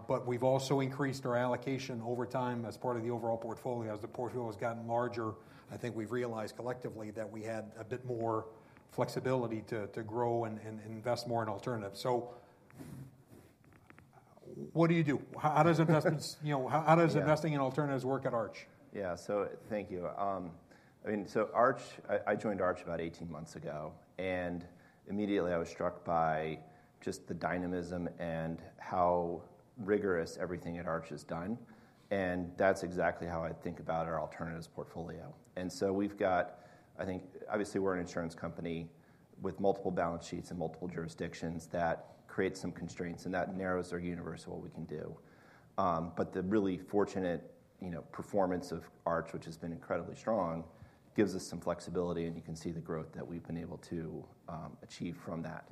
But we've also increased our allocation over time as part of the overall portfolio. As the portfolio has gotten larger, I think we've realized collectively that we had a bit more flexibility to grow and invest more in alternatives. So what do you do? How does investing in alternatives work at Arch? Yeah, so thank you. I mean, so Arch, I joined Arch about 18 months ago, and immediately, I was struck by just the dynamism and how rigorous everything at Arch is done, and that's exactly how I think about our alternatives portfolio, and so we've got, I think, obviously, we're an insurance company with multiple balance sheets and multiple jurisdictions that create some constraints, and that narrows our universe of what we can do, but the really fortunate performance of Arch, which has been incredibly strong, gives us some flexibility, and you can see the growth that we've been able to achieve from that,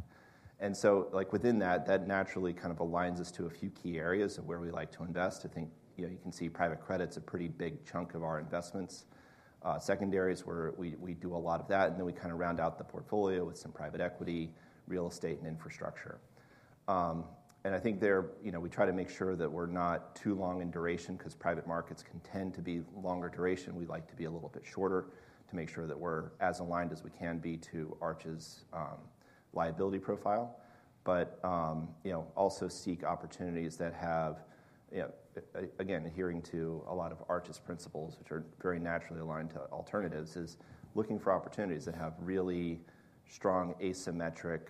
and so within that, that naturally kind of aligns us to a few key areas of where we like to invest. I think you can see private credit's a pretty big chunk of our investments. Secondary is where we do a lot of that. We kind of round out the portfolio with some private equity, real estate, and infrastructure. I think we try to make sure that we're not too long in duration because private markets can tend to be longer duration. We like to be a little bit shorter to make sure that we're as aligned as we can be to Arch's liability profile, but also seek opportunities that have, again, adhering to a lot of Arch's principles, which are very naturally aligned to alternatives, is looking for opportunities that have really strong asymmetric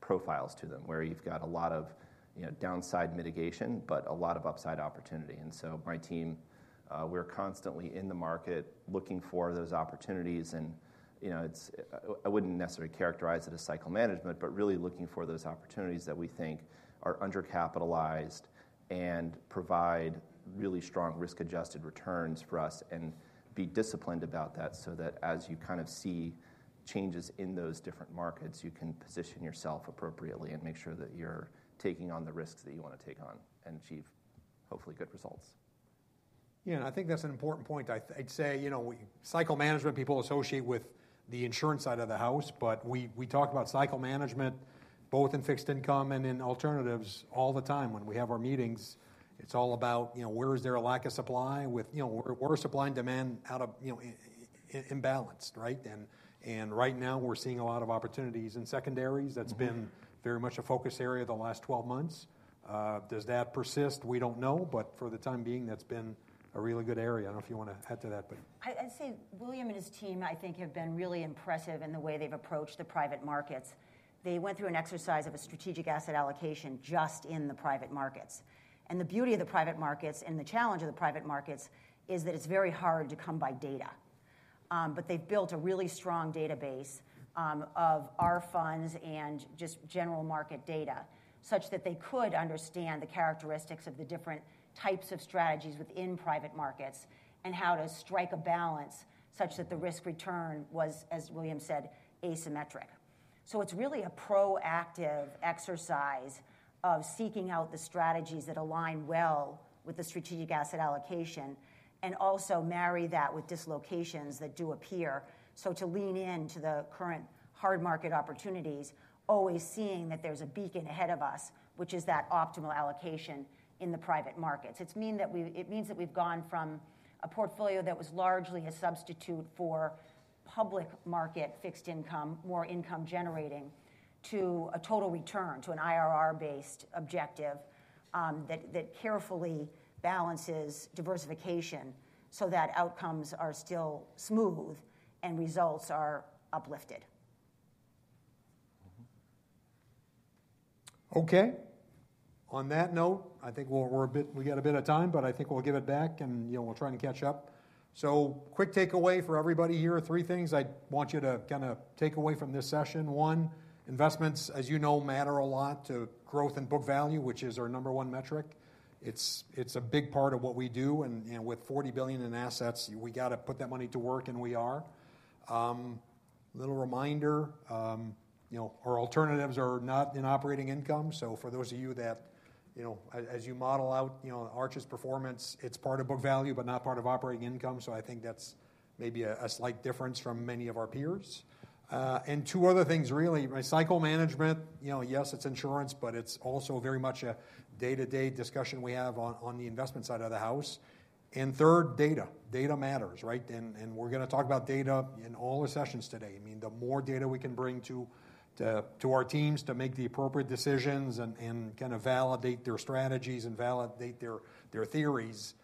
profiles to them, where you've got a lot of downside mitigation, but a lot of upside opportunity. My team, we're constantly in the market looking for those opportunities. And I wouldn't necessarily characterize it as cycle management, but really looking for those opportunities that we think are undercapitalized and provide really strong risk-adjusted returns for us and be disciplined about that so that as you kind of see changes in those different markets, you can position yourself appropriately and make sure that you're taking on the risks that you want to take on and achieve, hopefully, good results. Yeah. And I think that's an important point. I'd say cycle management people associate with the insurance side of the house. But we talk about cycle management both in fixed income and in alternatives all the time. When we have our meetings, it's all about where is there a lack of supply with where is supply and demand out of imbalance, right? And right now, we're seeing a lot of opportunities in secondaries. That's been very much a focus area the last 12 months. Does that persist? We don't know. But for the time being, that's been a really good area. I don't know if you want to add to that, but. I'd say William and his team, I think, have been really impressive in the way they've approached the private markets. They went through an exercise of a strategic asset allocation just in the private markets, and the beauty of the private markets and the challenge of the private markets is that it's very hard to come by data, but they've built a really strong database of our funds and just general market data such that they could understand the characteristics of the different types of strategies within private markets and how to strike a balance such that the risk return was, as William said, asymmetric, so it's really a proactive exercise of seeking out the strategies that align well with the strategic asset allocation and also marry that with dislocations that do appear. So to lean into the current hard market opportunities, always seeing that there's a beacon ahead of us, which is that optimal allocation in the private markets. It means that we've gone from a portfolio that was largely a substitute for public market fixed income, more income generating, to a total return, to an IRR-based objective that carefully balances diversification so that outcomes are still smooth and results are uplifted. Okay. On that note, I think we've got a bit of time, but I think we'll give it back, and we'll try and catch up, so quick takeaway for everybody here, three things I want you to kind of take away from this session. One, investments, as you know, matter a lot to growth and book value, which is our number one metric. It's a big part of what we do. And with $40 billion in assets, we got to put that money to work. And we are. Little reminder, our alternatives are not in operating income. So for those of you that, as you model out Arch's performance, it's part of book value, but not part of operating income. So I think that's maybe a slight difference from many of our peers, and two other things, really. Cycle management, yes, it's insurance, but it's also very much a day-to-day discussion we have on the investment side of the house. And third, data. Data matters, right? And we're going to talk about data in all the sessions today. I mean, the more data we can bring to our teams to make the appropriate decisions and kind of validate their strategies and validate their theories,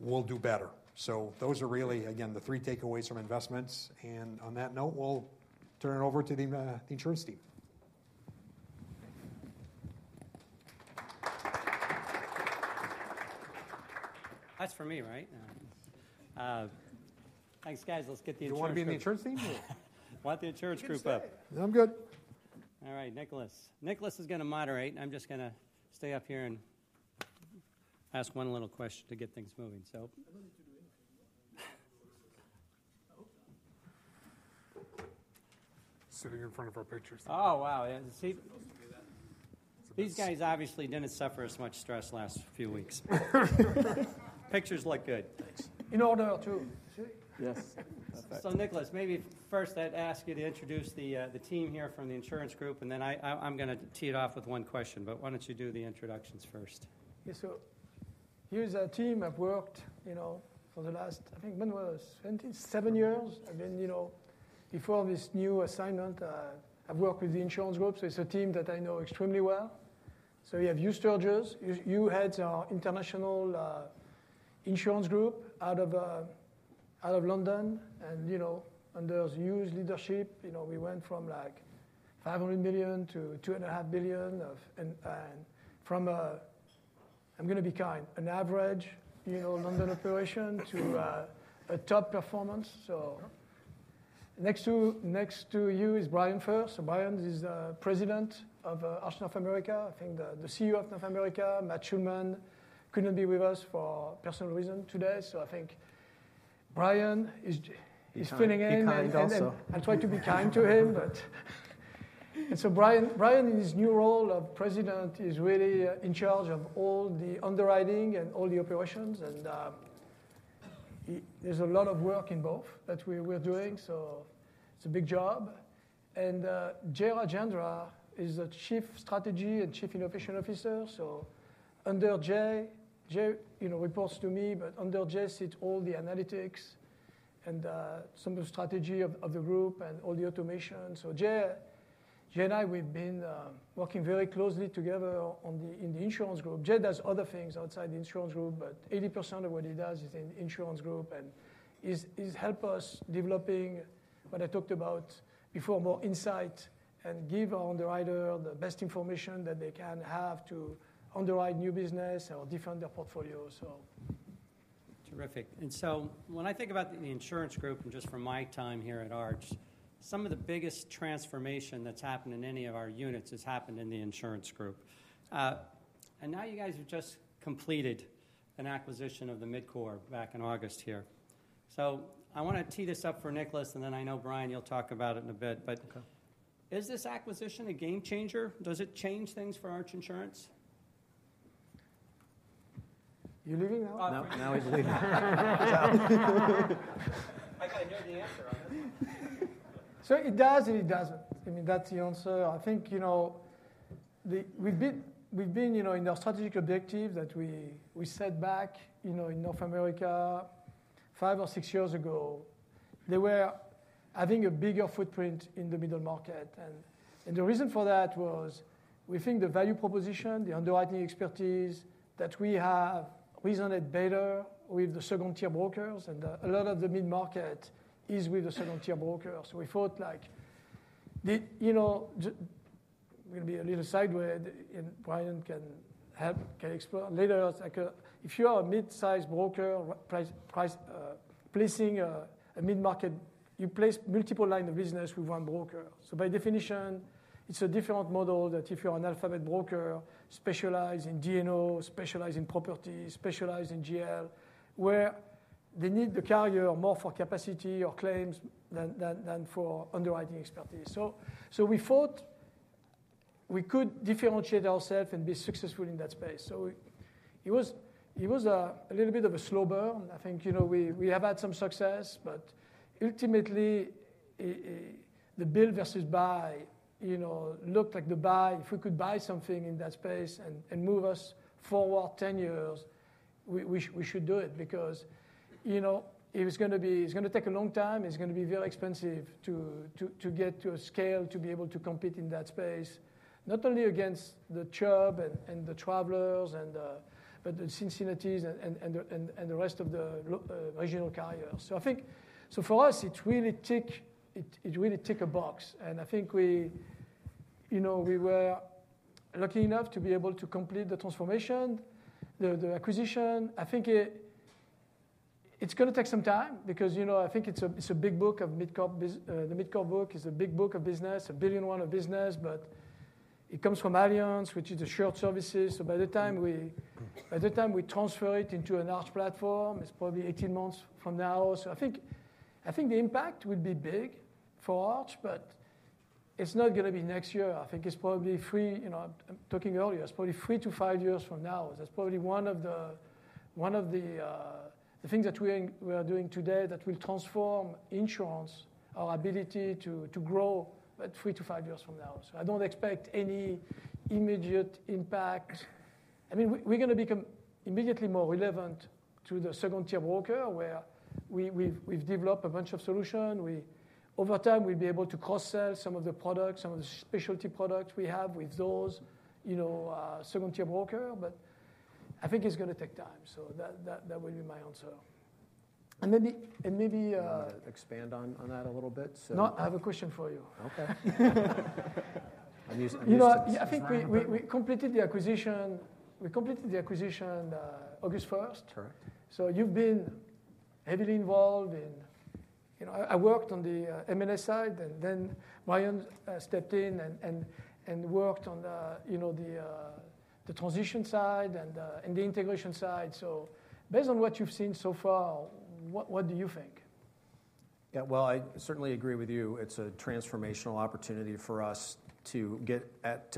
we'll do better. So those are really, again, the three takeaways from investments. And on that note, we'll turn it over to the insurance team. That's for me, right? Thanks, guys. Let's get the Insurance Group. Do you want to be in the insurance team? Yeah. Want the Insurance Group up. I'm good. All right, Nicolas. Nicolas is going to moderate. I'm just going to stay up here and ask one little question to get things moving, so. Sitting in front of our pictures. Oh, wow. These guys obviously didn't suffer as much stress last few weeks. Pictures look good. Thanks. In order to. Yes. So, Nicolas, maybe first, I'd ask you to introduce the team here from the Insurance Group. And then I'm going to tee it off with one question. But why don't you do the introductions first? Yeah. So here's a team I've worked for the last, I think, seven years. I mean, before this new assignment, I've worked with the Insurance Group. So it's a team that I know extremely well. So we have Hugh Sturgess. You head our International Insurance Group out of London. And under your leadership, we went from like $500 million to $2.5 billion and from, I'm going to be kind, an average London operation to a top performance. So next to you is Brian First. So Brian is the president of Arch North America. I think the CEO of North America, Matt Shulman, couldn't be with us for personal reasons today. So I think Brian is filling in. He's kind. And I'll try to be kind to him. And so Brian, in his new role of President, is really in charge of all the underwriting and all the operations. And there's a lot of work in both that we're doing. So it's a big job. And Jay Rajendra is the Chief Strategy and Chief Innovation Officer. So under Jay, Jay reports to me. But under Jay sits all the analytics and some of the strategy of the group and all the automation. So Jay and I, we've been working very closely together in the Insurance Group. Jay does other things outside the Insurance Group. But 80% of what he does is in the Insurance Group. And he's helped us developing, what I talked about before, more insight and give our underwriter the best information that they can have to underwrite new business or defend their portfolio, so. Terrific. And so when I think about the Insurance Group and just from my time here at Arch, some of the biggest transformation that's happened in any of our units has happened in the Insurance Group. And now you guys have just completed an acquisition of the MidCorp back in August here. So I want to tee this up for Nicolas. And then I know Brian, you'll talk about it in a bit. But is this acquisition a game changer? Does it change things for Arch Insurance? You're leaving now? No, now he's leaving. So it does and it doesn't. I mean, that's the answer. I think we've been in our strategic objective that we set back in North America five or six years ago. They were having a bigger footprint in the middle market. And the reason for that was we think the value proposition, the underwriting expertise that we have resonates better with the second-tier brokers. And a lot of the mid-market is with the second-tier brokers. So we thought like we're going to be a little sideways. And Brian can help, can explore later. If you are a mid-size broker placing a mid-market, you place multiple lines of business with one broker. So by definition, it's a different model that if you're an A to Z broker, specialize in D&O, specialize in property, specialize in GL, where they need the carrier more for capacity or claims than for underwriting expertise. So we thought we could differentiate ourselves and be successful in that space. So it was a little bit of a slow burn. I think we have had some success. But ultimately, the build versus buy looked like the buy. If we could buy something in that space and move us forward 10 years, we should do it because it's going to take a long time. It's going to be very expensive to get to a scale to be able to compete in that space, not only against the Chubb and the Travelers but the Cincinnatis and the rest of the regional carriers. So I think for us, it really ticked a box. I think we were lucky enough to be able to complete the transformation, the acquisition. I think it's going to take some time because I think it's a big book of MidCorp. The MidCorp book is a big book of business, $1 billion worth of business. But it comes from Allianz, which is the shared services. So by the time we transfer it into an Arch platform, it's probably 18 months from now. So I think the impact would be big for Arch. But it's not going to be next year. I think it's probably three, I'm talking earlier, it's probably three to five years from now. That's probably one of the things that we are doing today that will transform insurance, our ability to grow, but three to five years from now. So I don't expect any immediate impact. I mean, we're going to become immediately more relevant to the second-tier broker where we've developed a bunch of solutions. Over time, we'll be able to cross-sell some of the products, some of the specialty products we have with those second-tier brokers. But I think it's going to take time. So that will be my answer. And maybe. Can I expand on that a little bit, so. No, I have a question for you. Okay. I'm used to it. I think we completed the acquisition. We completed the acquisition August 1st. Correct. So you've been heavily involved. I worked on the M&A side. And then Brian stepped in and worked on the transition side and the integration side. So based on what you've seen so far, what do you think? Yeah. Well, I certainly agree with you. It's a transformational opportunity for us to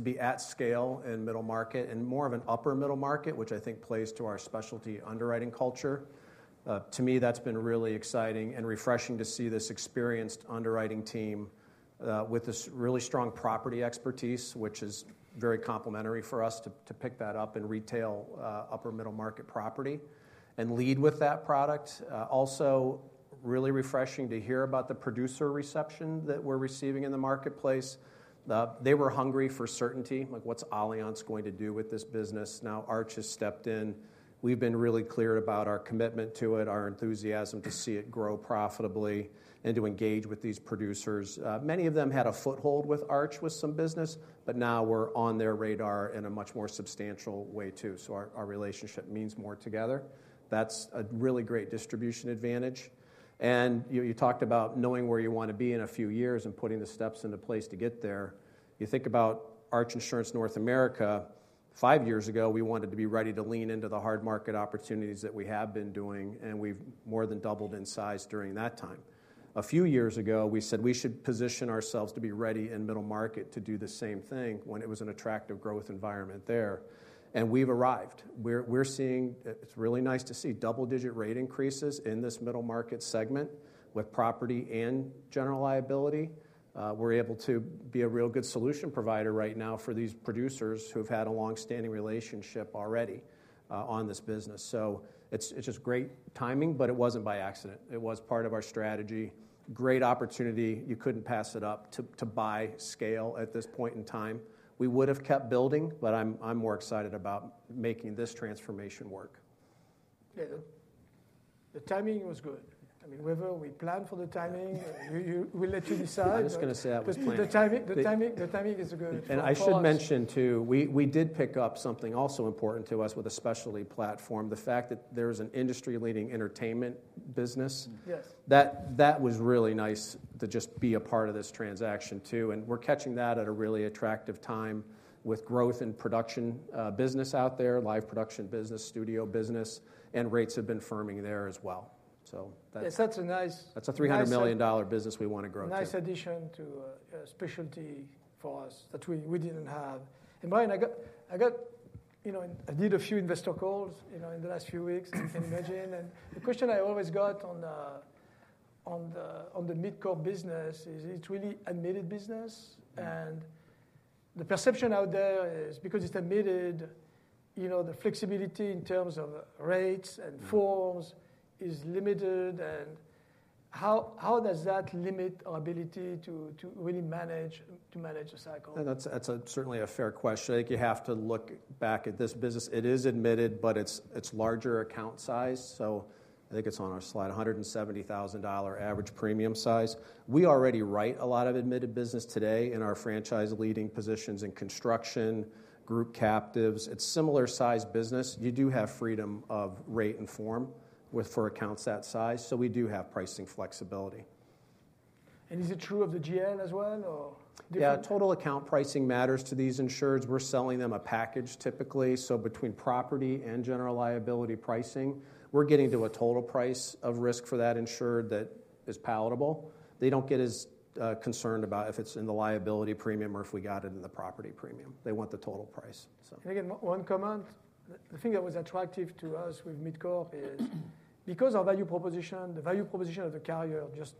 be at scale in middle market and more of an upper middle market, which I think plays to our specialty underwriting culture. To me, that's been really exciting and refreshing to see this experienced underwriting team with this really strong property expertise, which is very complementary for us to pick that up and retail upper middle market property and lead with that product. Also, really refreshing to hear about the producer reception that we're receiving in the marketplace. They were hungry for certainty, like, what's Allianz going to do with this business? Now, Arch has stepped in. We've been really clear about our commitment to it, our enthusiasm to see it grow profitably and to engage with these producers. Many of them had a foothold with Arch with some business. But now we're on their radar in a much more substantial way, too. So our relationship means more together. That's a really great distribution advantage. And you talked about knowing where you want to be in a few years and putting the steps into place to get there. You think about Arch Insurance North America. Five years ago, we wanted to be ready to lean into the hard market opportunities that we have been doing. And we've more than doubled in size during that time. A few years ago, we said we should position ourselves to be ready in middle market to do the same thing when it was an attractive growth environment there. And we've arrived. We're seeing it's really nice to see double-digit rate increases in this middle market segment with property and general liability. We're able to be a real good solution provider right now for these producers who've had a long-standing relationship already on this business. So it's just great timing. But it wasn't by accident. It was part of our strategy. Great opportunity. You couldn't pass it up to buy scale at this point in time. We would have kept building. But I'm more excited about making this transformation work. Yeah. The timing was good. I mean, whether we plan for the timing, we'll let you decide. I was going to say that was planned. The timing is good. And I should mention, too, we did pick up something also important to us with a specialty platform, the fact that there's an industry-leading Entertainment business. That was really nice to just be a part of this transaction, too. And we're catching that at a really attractive time with growth in production business out there, live production business, studio business. And rates have been firming there as well. So that's. Yeah, such a nice. That's a $300 million business we want to grow to— Nice addition to specialty for us that we didn't have. And Brian, I did a few investor calls in the last few weeks, as you can imagine. And the question I always got on the MidCorp business is it's really a middle business. And the perception out there is because it's a middle, the flexibility in terms of rates and forms is limited. And how does that limit our ability to really manage the cycle? That's certainly a fair question. I think you have to look back at this business. It is admitted. But it's larger account size. So I think it's on our slide, $170,000 average premium size. We already write a lot of admitted business today in our franchise leading positions in construction, group captives. It's similar size business. You do have freedom of rate and form for accounts that size. So we do have pricing flexibility. And is it true of the GL as well, or? Yeah. Total account pricing matters to these insureds. We're selling them a package, typically. So between property and general liability pricing, we're getting to a total price of risk for that insured that is palatable. They don't get as concerned about if it's in the liability premium or if we got it in the property premium. They want the total price, so. Can I get one comment? The thing that was attractive to us with MidCorp is because our value proposition, the value proposition of the carrier, just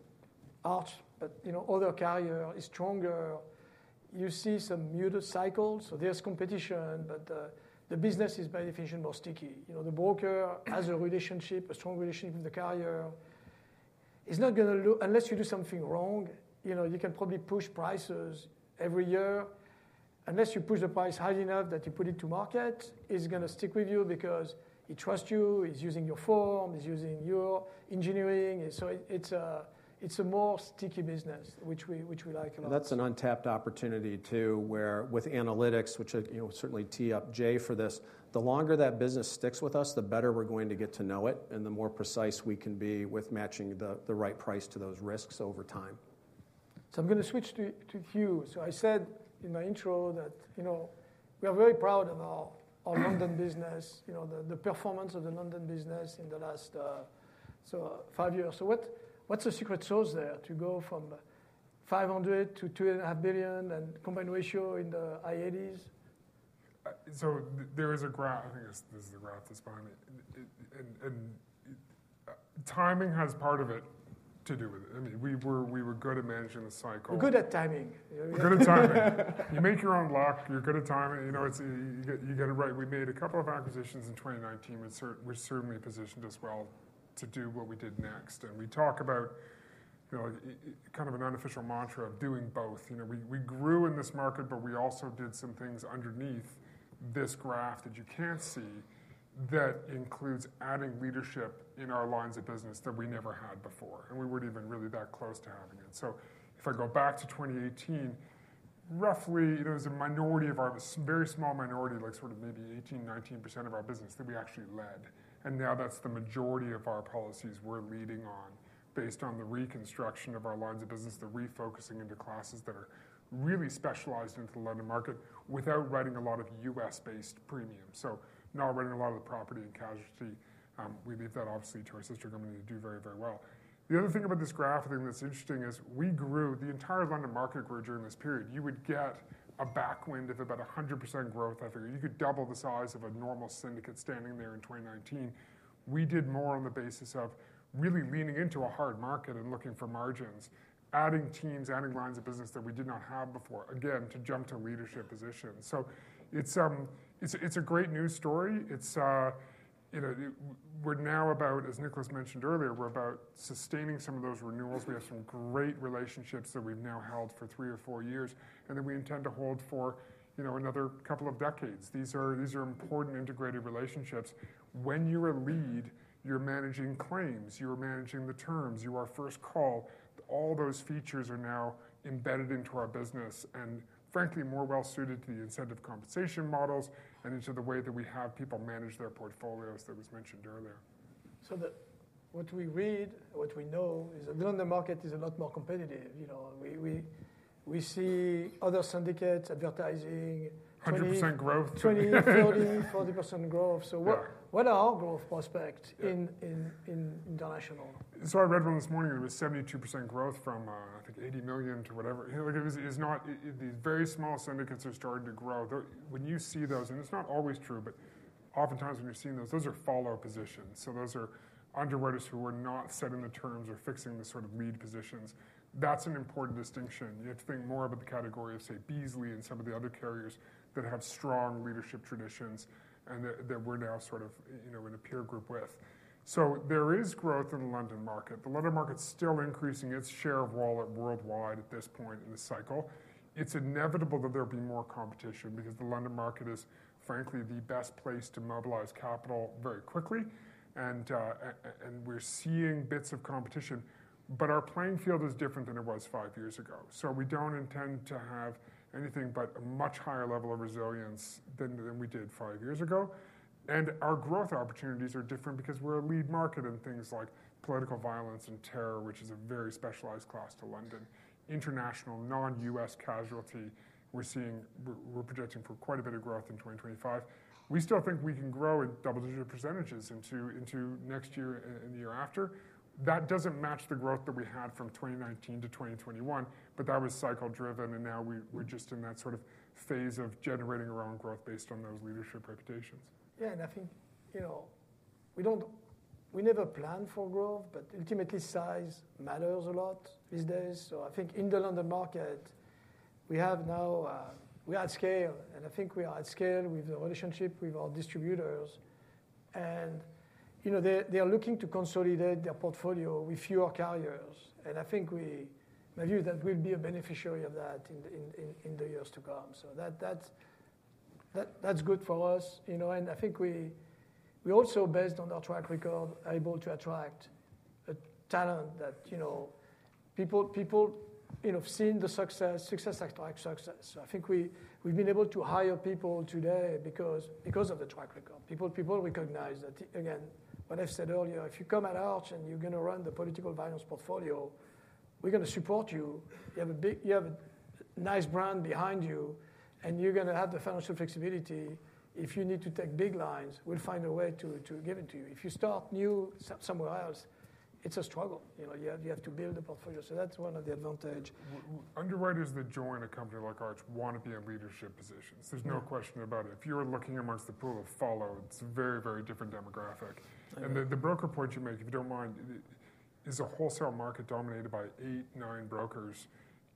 Arch but other carrier is stronger, you see some muted cycles. So there's competition. But the business is, by definition, more sticky. The broker has a relationship, a strong relationship with the carrier. It's not going to unless you do something wrong, you can probably push prices every year. Unless you push the price high enough that you put it to market, it's going to stick with you because he trusts you. He's using your form. He's using your engineering. So it's a more sticky business, which we like a lot. That's an untapped opportunity, too, where with analytics, which will certainly tee up Jay for this, the longer that business sticks with us, the better we're going to get to know it and the more precise we can be with matching the right price to those risks over time. I'm going to switch to you. I said in my intro that we are very proud of our London business, the performance of the London business in the last five years. What's the secret sauce there to go from $500 million to $2.5 billion and combined ratio in the high 80s? So, there is a graph. I think this is the graph that's behind me. And timing has part of it to do with it. I mean, we were good at managing the cycle. You're good at timing. We're good at timing. You make your own luck. You're good at timing. You get it right. We made a couple of acquisitions in 2019, which certainly positioned us well to do what we did next. And we talk about kind of an unofficial mantra of doing both. We grew in this market. But we also did some things underneath this graph that you can't see that includes adding leadership in our lines of business that we never had before. And we weren't even really that close to having it. So if I go back to 2018, roughly, there was a minority of our very small minority, like sort of maybe 18%, 19% of our business that we actually led. And now that's the majority of our policies we're leading on based on the reconstruction of our lines of business, the refocusing into classes that are really specialized into the London market without writing a lot of U.S.-based premium. So not writing a lot of the property and casualty. We leave that, obviously, to our sister company to do very, very well. The other thing about this graph, I think that's interesting, is we grew the entire London market grew during this period. You would get a tailwind of about 100% growth. I think you could double the size of a normal syndicate standing there in 2019. We did more on the basis of really leaning into a hard market and looking for margins, adding teams, adding lines of business that we did not have before, again, to jump to leadership positions. So it's a great news story. As Nicolas mentioned earlier, we're about sustaining some of those renewals. We have some great relationships that we've now held for three or four years. We intend to hold for another couple of decades. These are important integrated relationships. When you are a lead, you're managing claims. You are managing the terms. You are first call. All those features are now embedded into our business and, frankly, more well-suited to the incentive compensation models and into the way that we have people manage their portfolios that was mentioned earlier. What we read, what we know is the London market is a lot more competitive. We see other syndicates advertising. 100% growth. 20%, 30%, 40% growth. So what are our growth prospects in international? I read one this morning. There was 72% growth from, I think, 80 million to whatever. These very small syndicates are starting to grow. When you see those, and it's not always true. But oftentimes, when you're seeing those, those are following positions. So those are underwriters who are not setting the terms or fixing the sort of lead positions. That's an important distinction. You have to think more about the category of, say, Beazley and some of the other carriers that have strong leadership traditions and that we're now sort of in a peer group with. So there is growth in the London market. The London market's still increasing its share of wallet worldwide at this point in the cycle. It's inevitable that there'll be more competition because the London market is, frankly, the best place to mobilize capital very quickly. And we're seeing bits of competition. But our playing field is different than it was five years ago. So we don't intend to have anything but a much higher level of resilience than we did five years ago. And our growth opportunities are different because we're a lead market in things like political violence and terror, which is a very specialized class to London. International non-U.S. casualty, we're seeing we're projecting for quite a bit of growth in 2025. We still think we can grow in double-digit percentages into next year and the year after. That doesn't match the growth that we had from 2019 to 2021. But that was cycle-driven. And now we're just in that sort of phase of generating our own growth based on those leadership reputations. Yeah. And I think we never plan for growth. But ultimately, size matters a lot these days. So I think in the London market, we are at scale. And I think we are at scale with the relationship with our distributors. And they are looking to consolidate their portfolio with fewer carriers. And I think my view is that we'll be a beneficiary of that in the years to come. So that's good for us. And I think we're also, based on our track record, able to attract talent that people have seen the success, success after success. So I think we've been able to hire people today because of the track record. People recognize that, again, what I've said earlier, if you come to Arch and you're going to run the political violence portfolio, we're going to support you. You have a nice brand behind you. And you're going to have the financial flexibility. If you need to take big lines, we'll find a way to give it to you. If you start new somewhere else, it's a struggle. You have to build a portfolio. So that's one of the advantages. Underwriters that join a company like Arch want to be in leadership positions. There's no question about it. If you were looking amongst the pool of talent, it's a very, very different demographic, and the broker point you make, if you don't mind, is a wholesale market dominated by eight, nine brokers.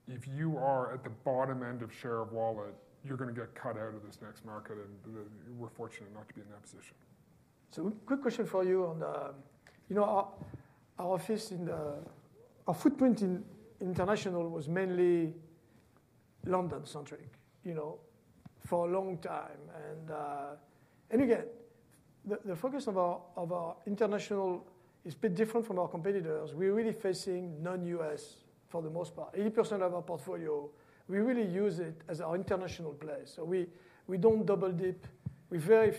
If you are at the bottom end of share of wallet, you're going to get cut out of this next market, and we're fortunate not to be in that position. So, quick question for you. Our office in our footprint in international was mainly London-centric for a long time, and again, the focus of our international is a bit different from our competitors. We're really facing non-U.S. for the most part. 80% of our portfolio, we really use it as our international place. So we don't double-dip. A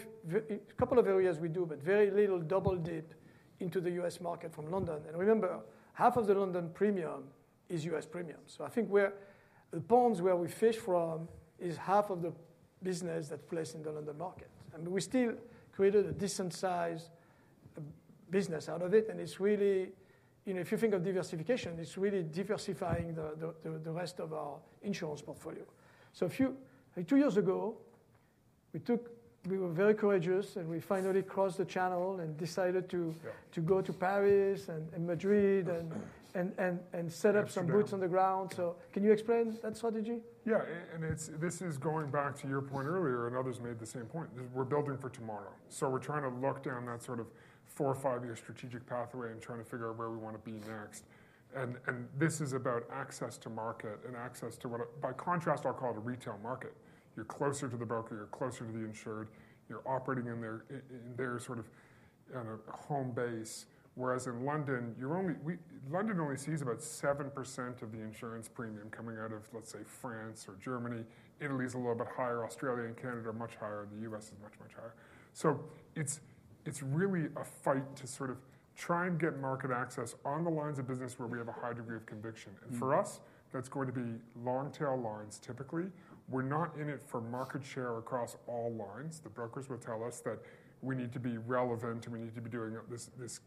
couple of areas we do, but very little double-dip into the U.S. market from London. And remember, half of the London premium is U.S. premium. So I think the ponds where we fish from is half of the business that plays in the London market. And we still created a decent-sized business out of it. And it's really, if you think of diversification, it's really diversifying the rest of our insurance portfolio. So two years ago, we took we were very courageous. And we finally crossed the Channel and decided to go to Paris and Madrid and set up some boots on the ground. So can you explain that strategy? Yeah. And this is going back to your point earlier. And others made the same point. We're building for tomorrow. So we're trying to lock down that sort of four or five-year strategic pathway and trying to figure out where we want to be next. And this is about access to market and access to what, by contrast, I'll call it a retail market. You're closer to the broker. You're closer to the insured. You're operating in their sort of home base. Whereas in London, London only sees about 7% of the insurance premium coming out of, let's say, France or Germany. Italy is a little bit higher. Australia and Canada are much higher. The U.S. is much, much higher. So it's really a fight to sort of try and get market access on the lines of business where we have a high degree of conviction. For us, that's going to be long-tail lines, typically. We're not in it for market share across all lines. The brokers will tell us that we need to be relevant. We need to be doing this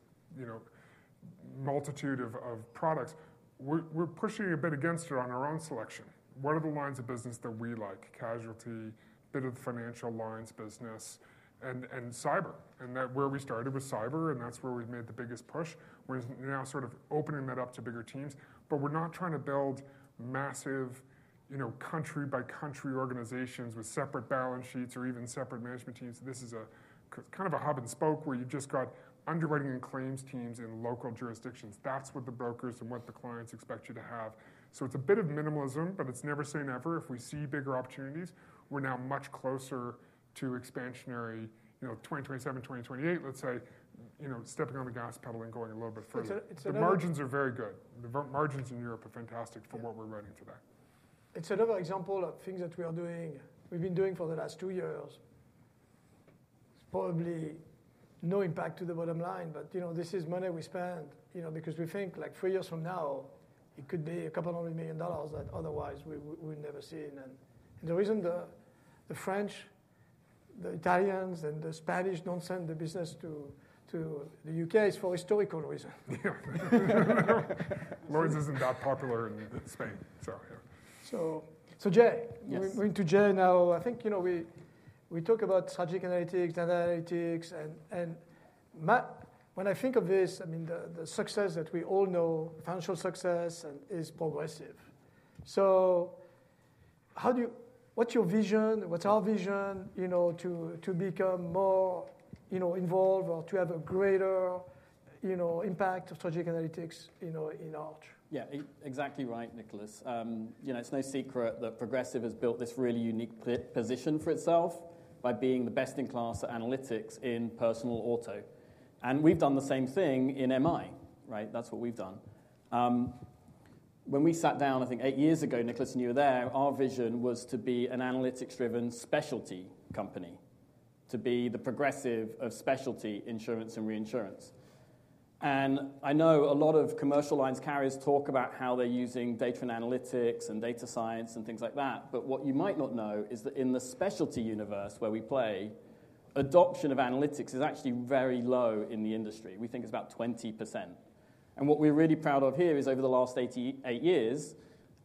multitude of products. We're pushing a bit against it on our own selection. What are the lines of business that we like? Casualty, a bit of the financial lines business, and cyber. Where we started was cyber. That's where we've made the biggest push. We're now sort of opening that up to bigger teams. We're not trying to build massive country-by-country organizations with separate balance sheets or even separate management teams. This is kind of a hub and spoke where you've just got underwriting and claims teams in local jurisdictions. That's what the brokers and what the clients expect you to have. It's a bit of minimalism. But it's never say never. If we see bigger opportunities, we're now much closer to expansionary 2027, 2028, let's say, stepping on the gas pedal and going a little bit further. The margins are very good. The margins in Europe are fantastic for what we're writing today. It's another example of things that we are doing we've been doing for the last two years. It's probably no impact to the bottom line. But this is money we spend because we think, like, three years from now, it could be $200 million that otherwise we've never seen. And the reason the French, the Italians, and the Spanish don't send the business to the U.K. is for historical reasons. Lloyd's isn't that popular in Spain. Sorry. Jay, we're into Jay now. I think we talk about strategic analytics, data analytics. And when I think of this, I mean, the success that we all know, financial success, is Progressive. What's your vision? What's our vision to become more involved or to have a greater impact of strategic analytics in Arch? Yeah. Exactly right, Nicolas. It's no secret that Progressive has built this really unique position for itself by being the best in class at analytics in personal auto. And we've done the same thing in MI. That's what we've done. When we sat down, I think, eight years ago, Nicolas, and you were there, our vision was to be an analytics-driven specialty company, to be the Progressive of specialty insurance and reinsurance. And I know a lot of commercial lines carriers talk about how they're using data and analytics and data science and things like that. But what you might not know is that in the specialty universe where we play, adoption of analytics is actually very low in the industry. We think it's about 20%. What we're really proud of here is, over the last eight years,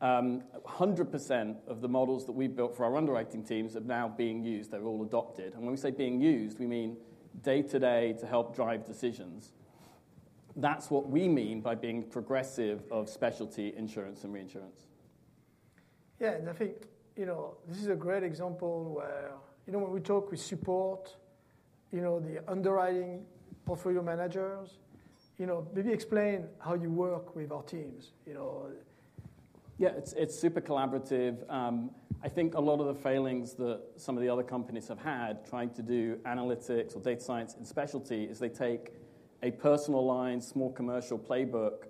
100% of the models that we've built for our underwriting teams are now being used. They're all adopted. When we say being used, we mean day to day to help drive decisions. That's what we mean by being Progressive of specialty insurance and reinsurance. Yeah. And I think this is a great example where, when we talk with support, the underwriting portfolio managers, maybe explain how you work with our teams. Yeah. It's super collaborative. I think a lot of the failings that some of the other companies have had trying to do analytics or data science in specialty is they take a personal line, small commercial playbook,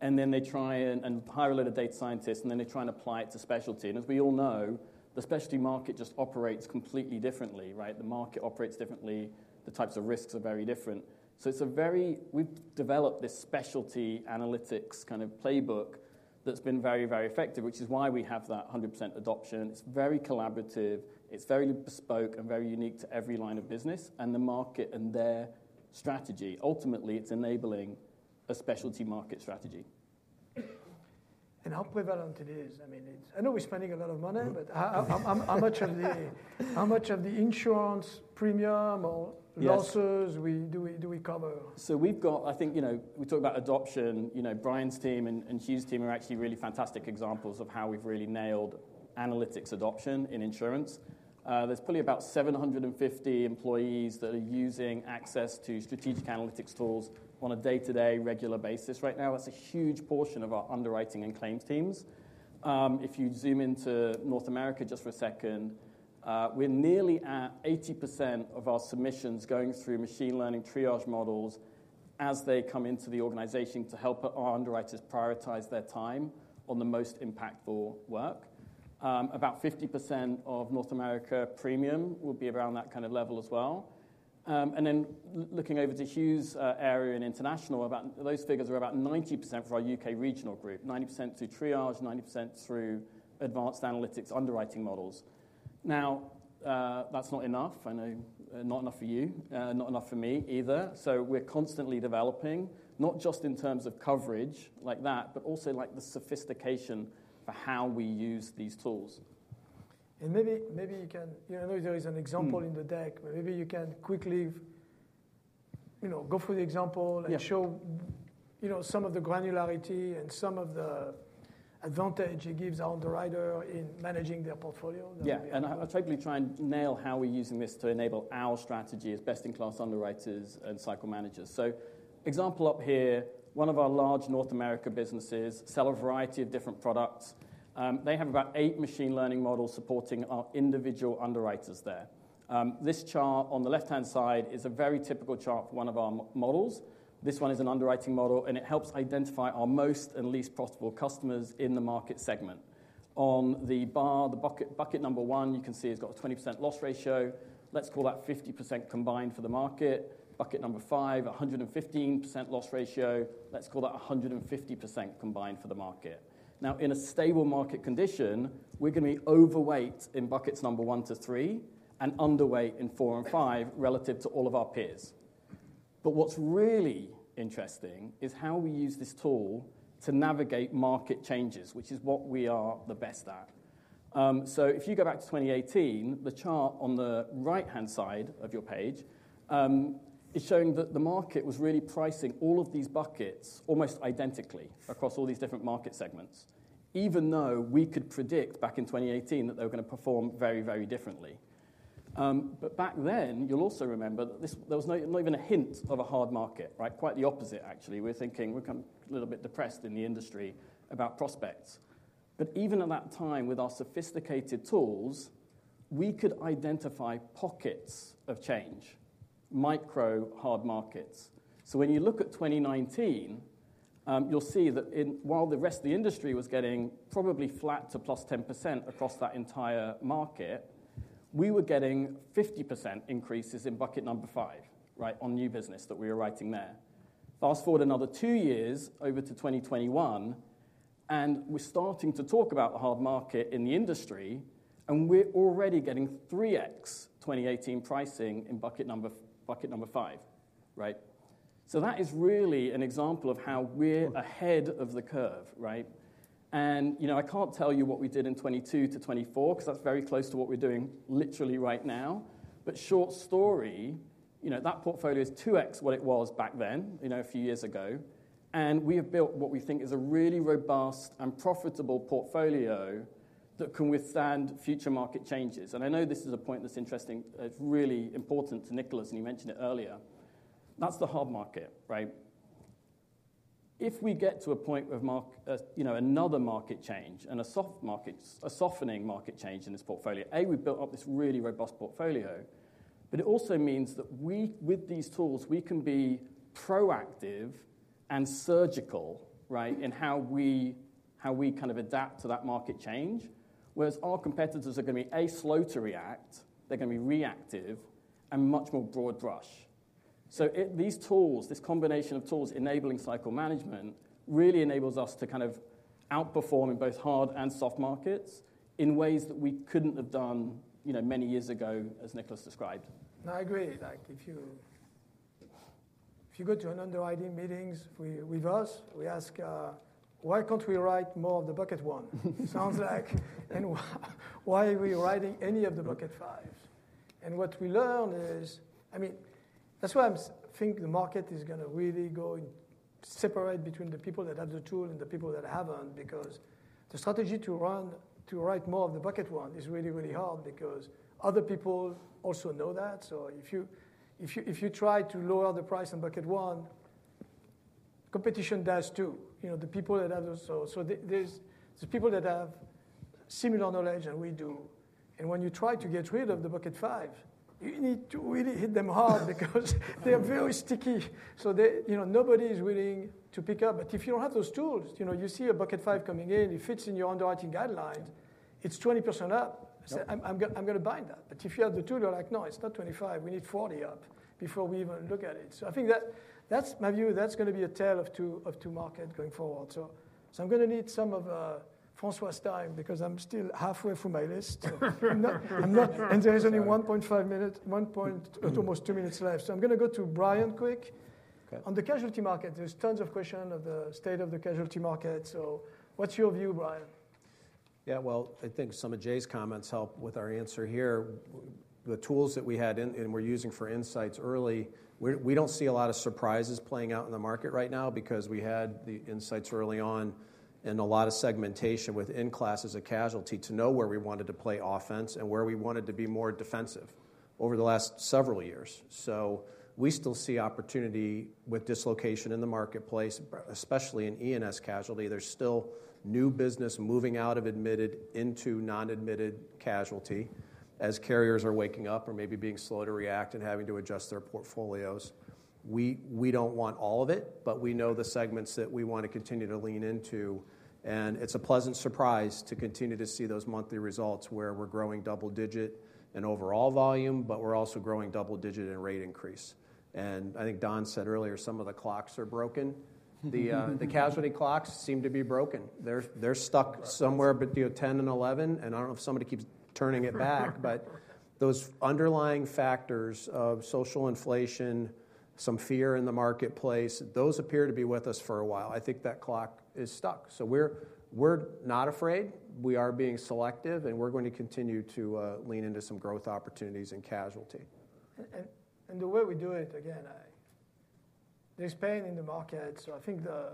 and then they try and hire a lot of data scientists. And then they try and apply it to specialty. And as we all know, the specialty market just operates completely differently. The market operates differently. The types of risks are very different. So it's a very we've developed this specialty analytics kind of playbook that's been very, very effective, which is why we have that 100% adoption. It's very collaborative. It's very bespoke and very unique to every line of business and the market and their strategy. Ultimately, it's enabling a specialty market strategy. And how prevalent it is. I mean, I know we're spending a lot of money. But how much of the insurance premium or losses do we cover? We've got, I think we talk about adoption. Brian's team and Hugh's team are actually really fantastic examples of how we've really nailed analytics adoption in insurance. There's probably about 750 employees that are using access to strategic analytics tools on a day-to-day regular basis right now. That's a huge portion of our underwriting and claims teams. If you zoom into North America just for a second, we're nearly at 80% of our submissions going through machine learning triage models as they come into the organization to help our underwriters prioritize their time on the most impactful work. About 50% of North America premium will be around that kind of level as well. And then looking over to Hugh's area in International, those figures are about 90% for our U.K. regional group, 90% through triage, 90% through advanced analytics underwriting models. Now, that's not enough. I know not enough for you, not enough for me either. So we're constantly developing, not just in terms of coverage like that, but also like the sophistication for how we use these tools. Maybe you can. I know there is an example in the deck. Maybe you can quickly go through the example and show some of the granularity and some of the advantage it gives our underwriter in managing their portfolio. Yeah. And I'll frankly try and nail how we're using this to enable our strategy as best-in-class underwriters and cycle managers. So, example up here, one of our large North America businesses sells a variety of different products. They have about eight machine learning models supporting our individual underwriters there. This chart on the left-hand side is a very typical chart for one of our models. This one is an underwriting model. And it helps identify our most and least profitable customers in the market segment. On the bar, the bucket number one, you can see it's got a 20% loss ratio. Let's call that 50% combined for the market. Bucket number five, 115% loss ratio. Let's call that 150% combined for the market. Now, in a stable market condition, we're going to be overweight in buckets number one to three and underweight in four and five relative to all of our peers. But what's really interesting is how we use this tool to navigate market changes, which is what we are the best at. So if you go back to 2018, the chart on the right-hand side of your page is showing that the market was really pricing all of these buckets almost identically across all these different market segments, even though we could predict back in 2018 that they were going to perform very, very differently. But back then, you'll also remember that there was not even a hint of a hard market, quite the opposite, actually. We're thinking we're kind of a little bit depressed in the industry about prospects. But even at that time, with our sophisticated tools, we could identify pockets of change, micro hard markets. So when you look at 2019, you'll see that while the rest of the industry was getting probably flat to plus 10% across that entire market, we were getting 50% increases in bucket number five on new business that we were writing there. Fast forward another two years over to 2021. We're starting to talk about the hard market in the industry. We're already getting 3x 2018 pricing in bucket number five. That is really an example of how we're ahead of the curve. I can't tell you what we did in 2022 to 2024 because that's very close to what we're doing literally right now. Short story, that portfolio is 2x what it was back then, a few years ago. And we have built what we think is a really robust and profitable portfolio that can withstand future market changes. And I know this is a point that's interesting. It's really important to Nicolas. And you mentioned it earlier. That's the hard market. If we get to a point of another market change and a softening market change in this portfolio, A, we've built up this really robust portfolio. But it also means that with these tools, we can be proactive and surgical in how we kind of adapt to that market change. Whereas our competitors are going to be, A, slow to react. They're going to be reactive and much more broad brush. So these tools, this combination of tools enabling cycle management really enables us to kind of outperform in both hard and soft markets in ways that we couldn't have done many years ago, as Nicolas described. I agree. If you go to an underwriting meeting with us, we ask, why can't we write more of the bucket one? Sounds like, and why are we writing any of the bucket fives? And what we learn is, I mean, that's why I think the market is going to really go separate between the people that have the tool and the people that haven't. Because the strategy to write more of the bucket one is really, really hard because other people also know that. So if you try to lower the price on bucket one, competition does too. The people that have the so there's people that have similar knowledge and we do. And when you try to get rid of the bucket five, you need to really hit them hard because they are very sticky. So nobody is willing to pick up. But if you don't have those tools, you see a bucket five coming in. It fits in your underwriting guidelines. It's 20% up. I'm going to bind that. But if you have the tool, you're like, no, it's not 25. We need 40 up before we even look at it. So I think that's my view. That's going to be a tale of two markets going forward. So I'm going to need some of François's time because I'm still halfway through my list. And there is only 1.5 minutes, almost two minutes left. So I'm going to go to Brian quick. On the casualty market, there's tons of questions of the state of the casualty market. So what's your view, Brian? Yeah. Well, I think some of Jay's comments help with our answer here. The tools that we had and were using for insights early, we don't see a lot of surprises playing out in the market right now because we had the insights early on and a lot of segmentation within classes of casualty to know where we wanted to play offense and where we wanted to be more defensive over the last several years. So we still see opportunity with dislocation in the marketplace, especially in E&S casualty. There's still new business moving out of admitted into non-admitted casualty as carriers are waking up or maybe being slow to react and having to adjust their portfolios. We don't want all of it. But we know the segments that we want to continue to lean into. It's a pleasant surprise to continue to see those monthly results where we're growing double-digit in overall volume, but we're also growing double-digit in rate increase. I think Don said earlier, some of the clocks are broken. The casualty clocks seem to be broken. They're stuck somewhere between 10 and 11. I don't know if somebody keeps turning it back. But those underlying factors of social inflation, some fear in the marketplace, those appear to be with us for a while. I think that clock is stuck. We're not afraid. We are being selective. We're going to continue to lean into some growth opportunities in casualty. And the way we do it, again, there's pain in the market. So I think the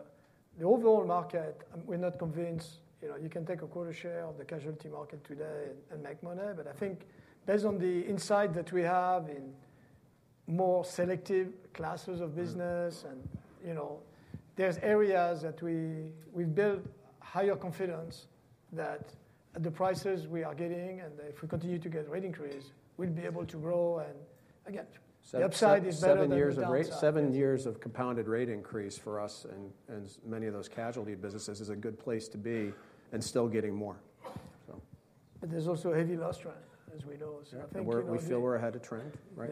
overall market, we're not convinced you can take a quota share of the casualty market today and make money. But I think based on the insight that we have in more selective classes of business, there's areas that we've built higher confidence that the prices we are getting, and if we continue to get rate increase, we'll be able to grow. And again, the upside is better than the downside. Seven years of compounded rate increase for us and many of those casualty businesses is a good place to be and still getting more. But there's also a heavy loss trend, as we know. Yeah. We feel we're ahead of trend, right?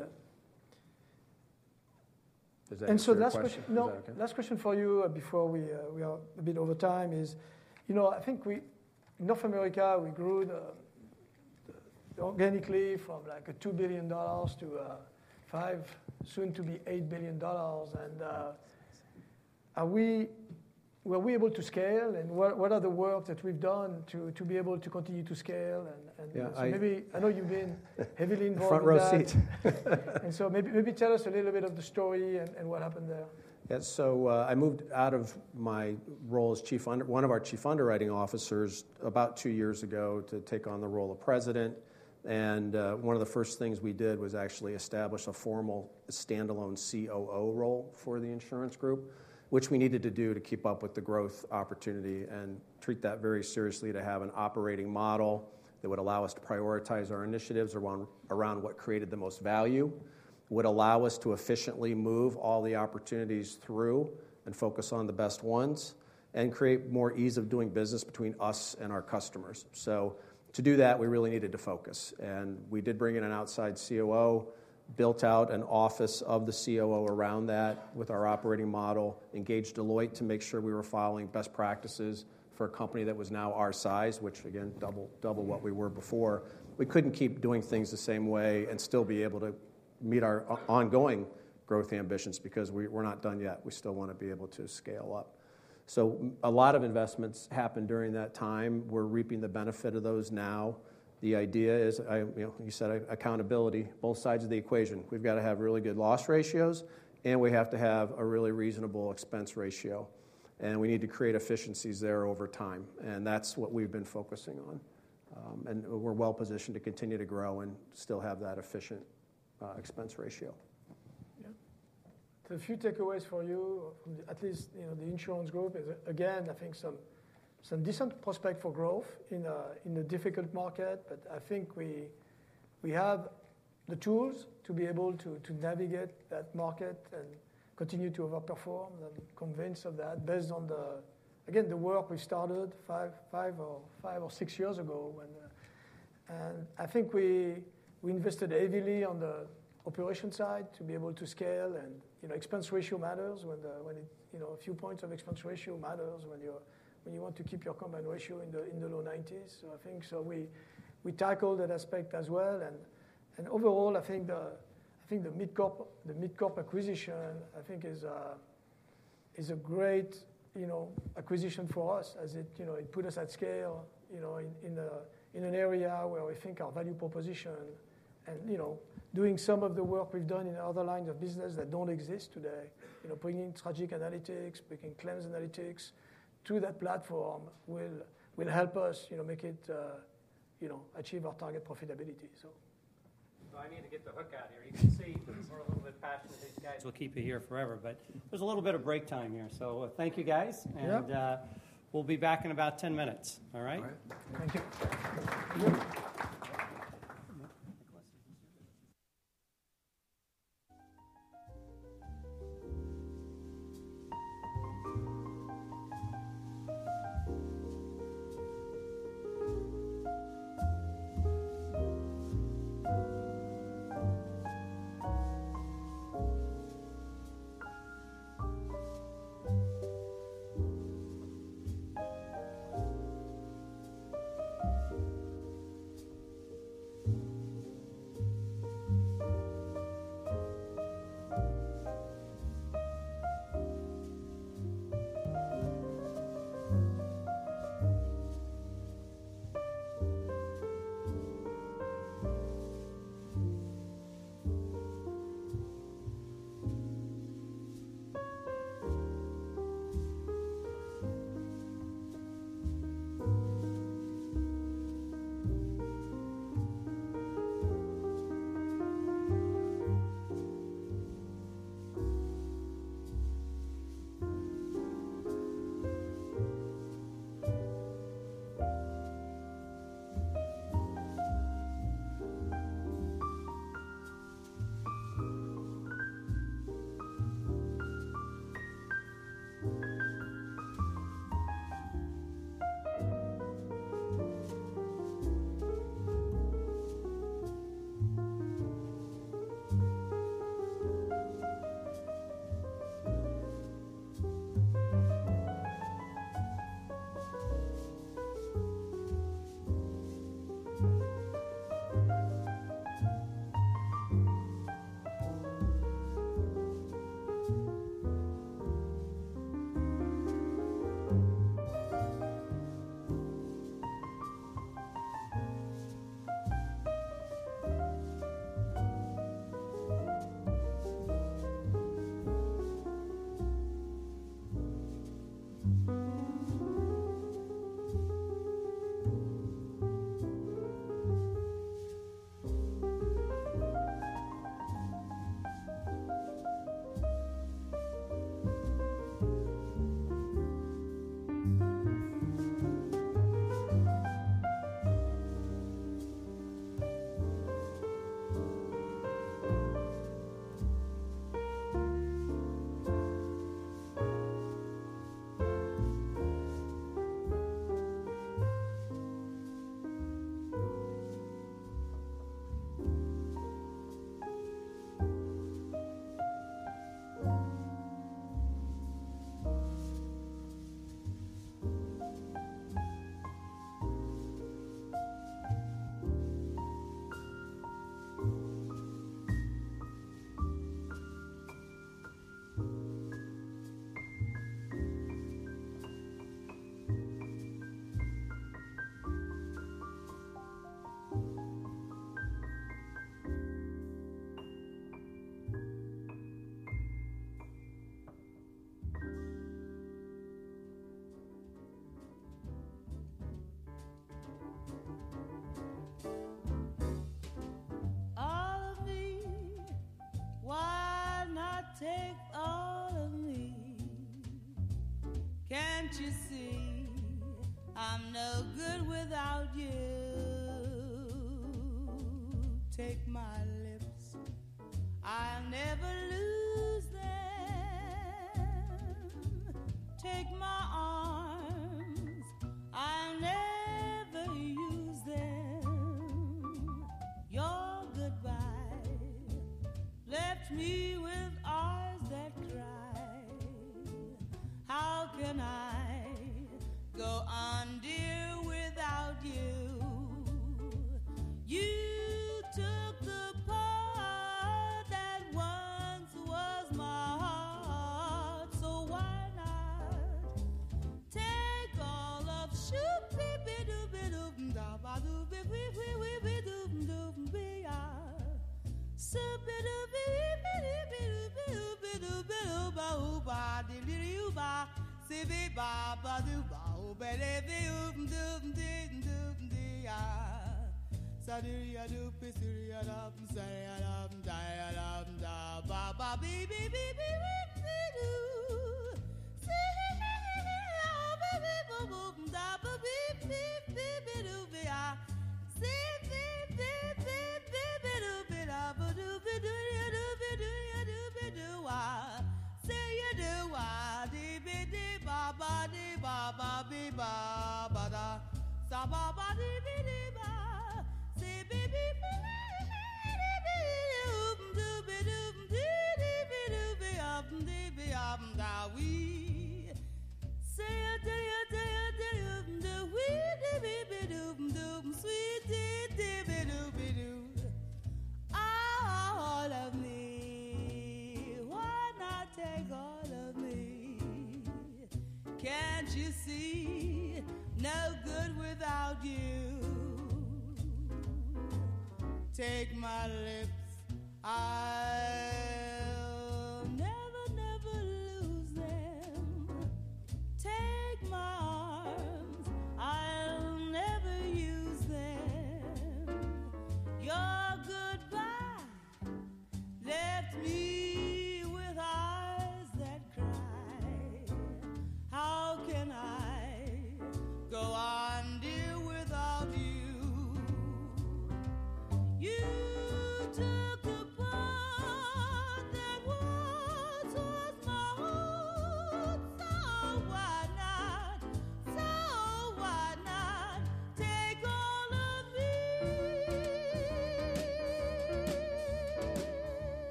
Yes. Does that answer your question? And so the last question for you before we are a bit over time is, I think, North America, we grew organically from like $2 billion to soon to be $8 billion. And were we able to scale? And what are the work that we've done to be able to continue to scale? And maybe I know you've been heavily involved in that. Yes. I—in front row seat. Maybe tell us a little bit of the story and what happened there. Yeah. So I moved out of my role as one of our chief underwriting officers about two years ago to take on the role of president. And one of the first things we did was actually establish a formal standalone COO role for the Insurance Group, which we needed to do to keep up with the growth opportunity and treat that very seriously to have an operating model that would allow us to prioritize our initiatives around what created the most value, would allow us to efficiently move all the opportunities through and focus on the best ones, and create more ease of doing business between us and our customers. So to do that, we really needed to focus. And we did bring in an outside COO, built out an Office of the COO around that with our operating model, engaged Deloitte to make sure we were following best practices for a company that was now our size, which, again, double what we were before. We couldn't keep doing things the same way and still be able to meet our ongoing growth ambitions because we're not done yet. We still want to be able to scale up. So a lot of investments happened during that time. We're reaping the benefit of those now. The idea is, like you said, accountability, both sides of the equation. We've got to have really good loss ratios. And we have to have a really reasonable expense ratio. And we need to create efficiencies there over time. And that's what we've been focusing on. We're well positioned to continue to grow and still have that efficient expense ratio. Yeah. So a few takeaways for you, at least the Insurance Group. Again, I think some decent prospects for growth in a difficult market. But I think we have the tools to be able to navigate that market and continue to overperform. I'm convinced of that based on, again, the work we started five or six years ago. And I think we invested heavily on the operations side to be able to scale. And expense ratio matters when a few points of expense ratio matter when you want to keep your combined ratio in the low 90s. So I think we tackled that aspect as well. Overall, I think the MidCorp acquisition, I think, is a great acquisition for us as it put us at scale in an area where we think our value proposition and doing some of the work we've done in other lines of business that don't exist today, bringing strategic analytics, bringing claims analytics to that platform will help us make it achieve our target profitability. So I need to get the hook out here. You can see we're a little bit passionate these days. We'll keep you here forever, but there's a little bit of break time here, so thank you, guys, and we'll be back in about 10 minutes. All right?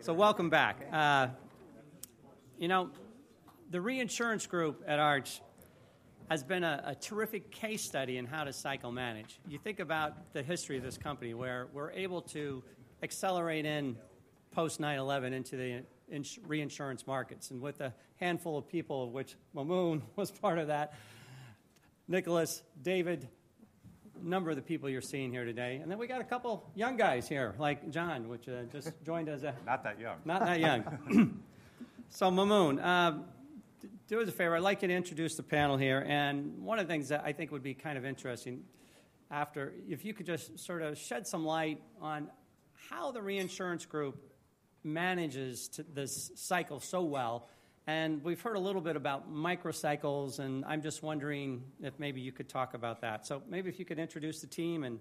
So welcome back. The Reinsurance Group at Arch has been a terrific case study in how to cycle manage. You think about the history of this company where we're able to accelerate in post-9/11 into the reinsurance markets and with a handful of people, of which Maamoun was part of that, Nicolas, David, a number of the people you're seeing here today, and then we got a couple of young guys here, like John, which just joined us. Not that young. Not that young. So Maamoun, do us a favor. I'd like you to introduce the panel here. And one of the things that I think would be kind of interesting after, if you could just sort of shed some light on how the Reinsurance Group manages this cycle so well. And we've heard a little bit about microcycles. And I'm just wondering if maybe you could talk about that. So maybe if you could introduce the team and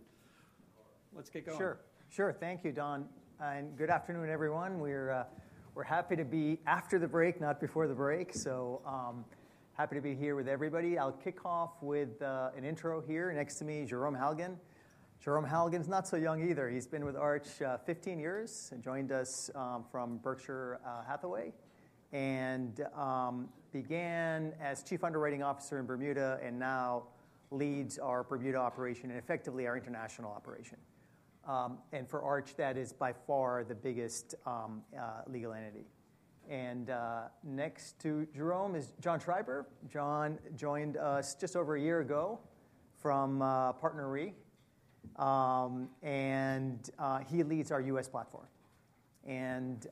let's get going. Sure. Sure. Thank you, Don. And good afternoon, everyone. We're happy to be after the break, not before the break. So happy to be here with everybody. I'll kick off with an intro here. Next to me is Jérôme Halgan. Jérôme Halgan's not so young either. He's been with Arch 15 years and joined us from Berkshire Hathaway and began as Chief Underwriting Officer in Bermuda and now leads our Bermuda operation and effectively our international operation. And for Arch, that is by far the biggest legal entity. And next to Jérôme is John Schreiber. John joined us just over a year ago from PartnerRe. And he leads our U.S. platform. And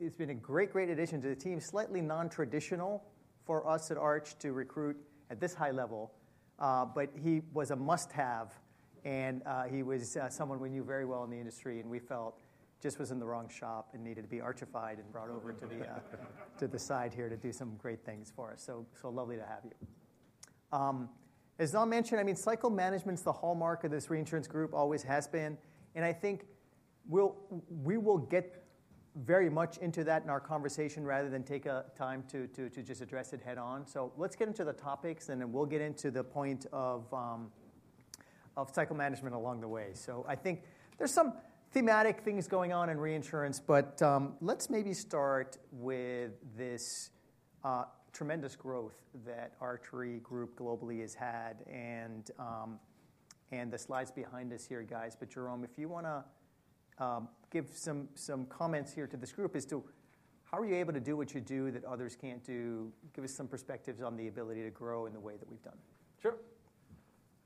it's been a great, great addition to the team, slightly nontraditional for us at Arch to recruit at this high level. But he was a must-have. And he was someone we knew very well in the industry. We felt just was in the wrong shop and needed to be Archified and brought over to the side here to do some great things for us. So lovely to have you. As Don mentioned, I mean, cycle management's the hallmark of this Reinsurance Group, always has been. And I think we will get very much into that in our conversation rather than take time to just address it head-on. So let's get into the topics. And then we'll get into the point of cycle management along the way. So I think there's some thematic things going on in reinsurance. But let's maybe start with this tremendous growth that Arch Re Group globally has had. And the slides behind us here, guys. But Jérôme, if you want to give some comments here to this group, as to how are you able to do what you do that others can't do, give us some perspectives on the ability to grow in the way that we've done. Sure.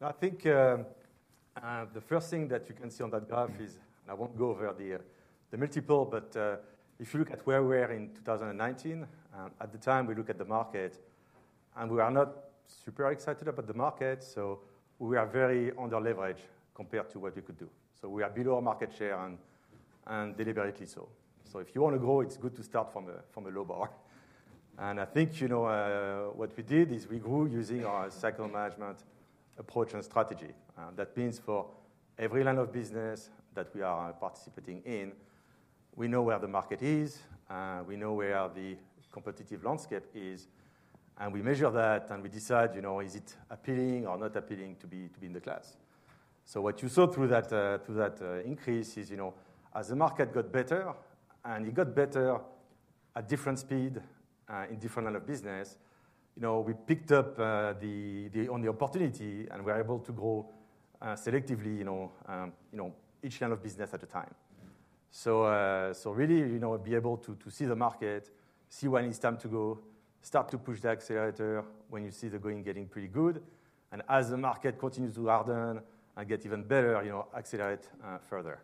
I think the first thing that you can see on that graph is, and I won't go over the multiple, but if you look at where we are in 2019, at the time we look at the market, and we are not super excited about the market. So we are very under leverage compared to what we could do. So we are below market share and deliberately so. So if you want to grow, it's good to start from a low bar. And I think what we did is we grew using our cycle management approach and strategy. That means for every line of business that we are participating in, we know where the market is. We know where the competitive landscape is. And we measure that. And we decide, is it appealing or not appealing to be in the class? So what you saw through that increase is, as the market got better, and it got better at different speed in different line of business, we picked up on the opportunity. And we're able to grow selectively each line of business at a time. So really be able to see the market, see when it's time to go, start to push the accelerator when you see the growing getting pretty good. And as the market continues to harden and get even better, accelerate further.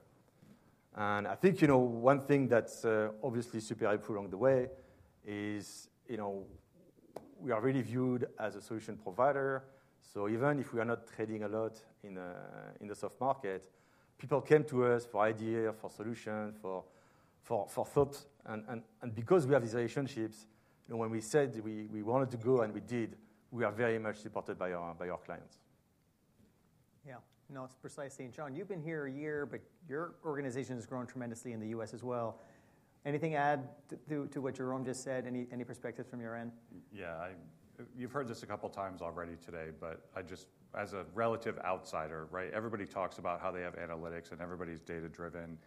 And I think one thing that's obviously super helpful along the way is we are really viewed as a solution provider. So even if we are not trading a lot in the soft market, people came to us for ideas, for solutions, for thought. Because we have these relationships, when we said we wanted to go and we did, we are very much supported by our clients. Yeah. No, it's precisely interesting. John, you've been here a year. But your organization has grown tremendously in the U.S. as well. Anything to add to what Jérôme just said? Any perspectives from your end? Yeah. You've heard this a couple of times already today. But as a relative outsider, everybody talks about how they have analytics and everybody's data-driven.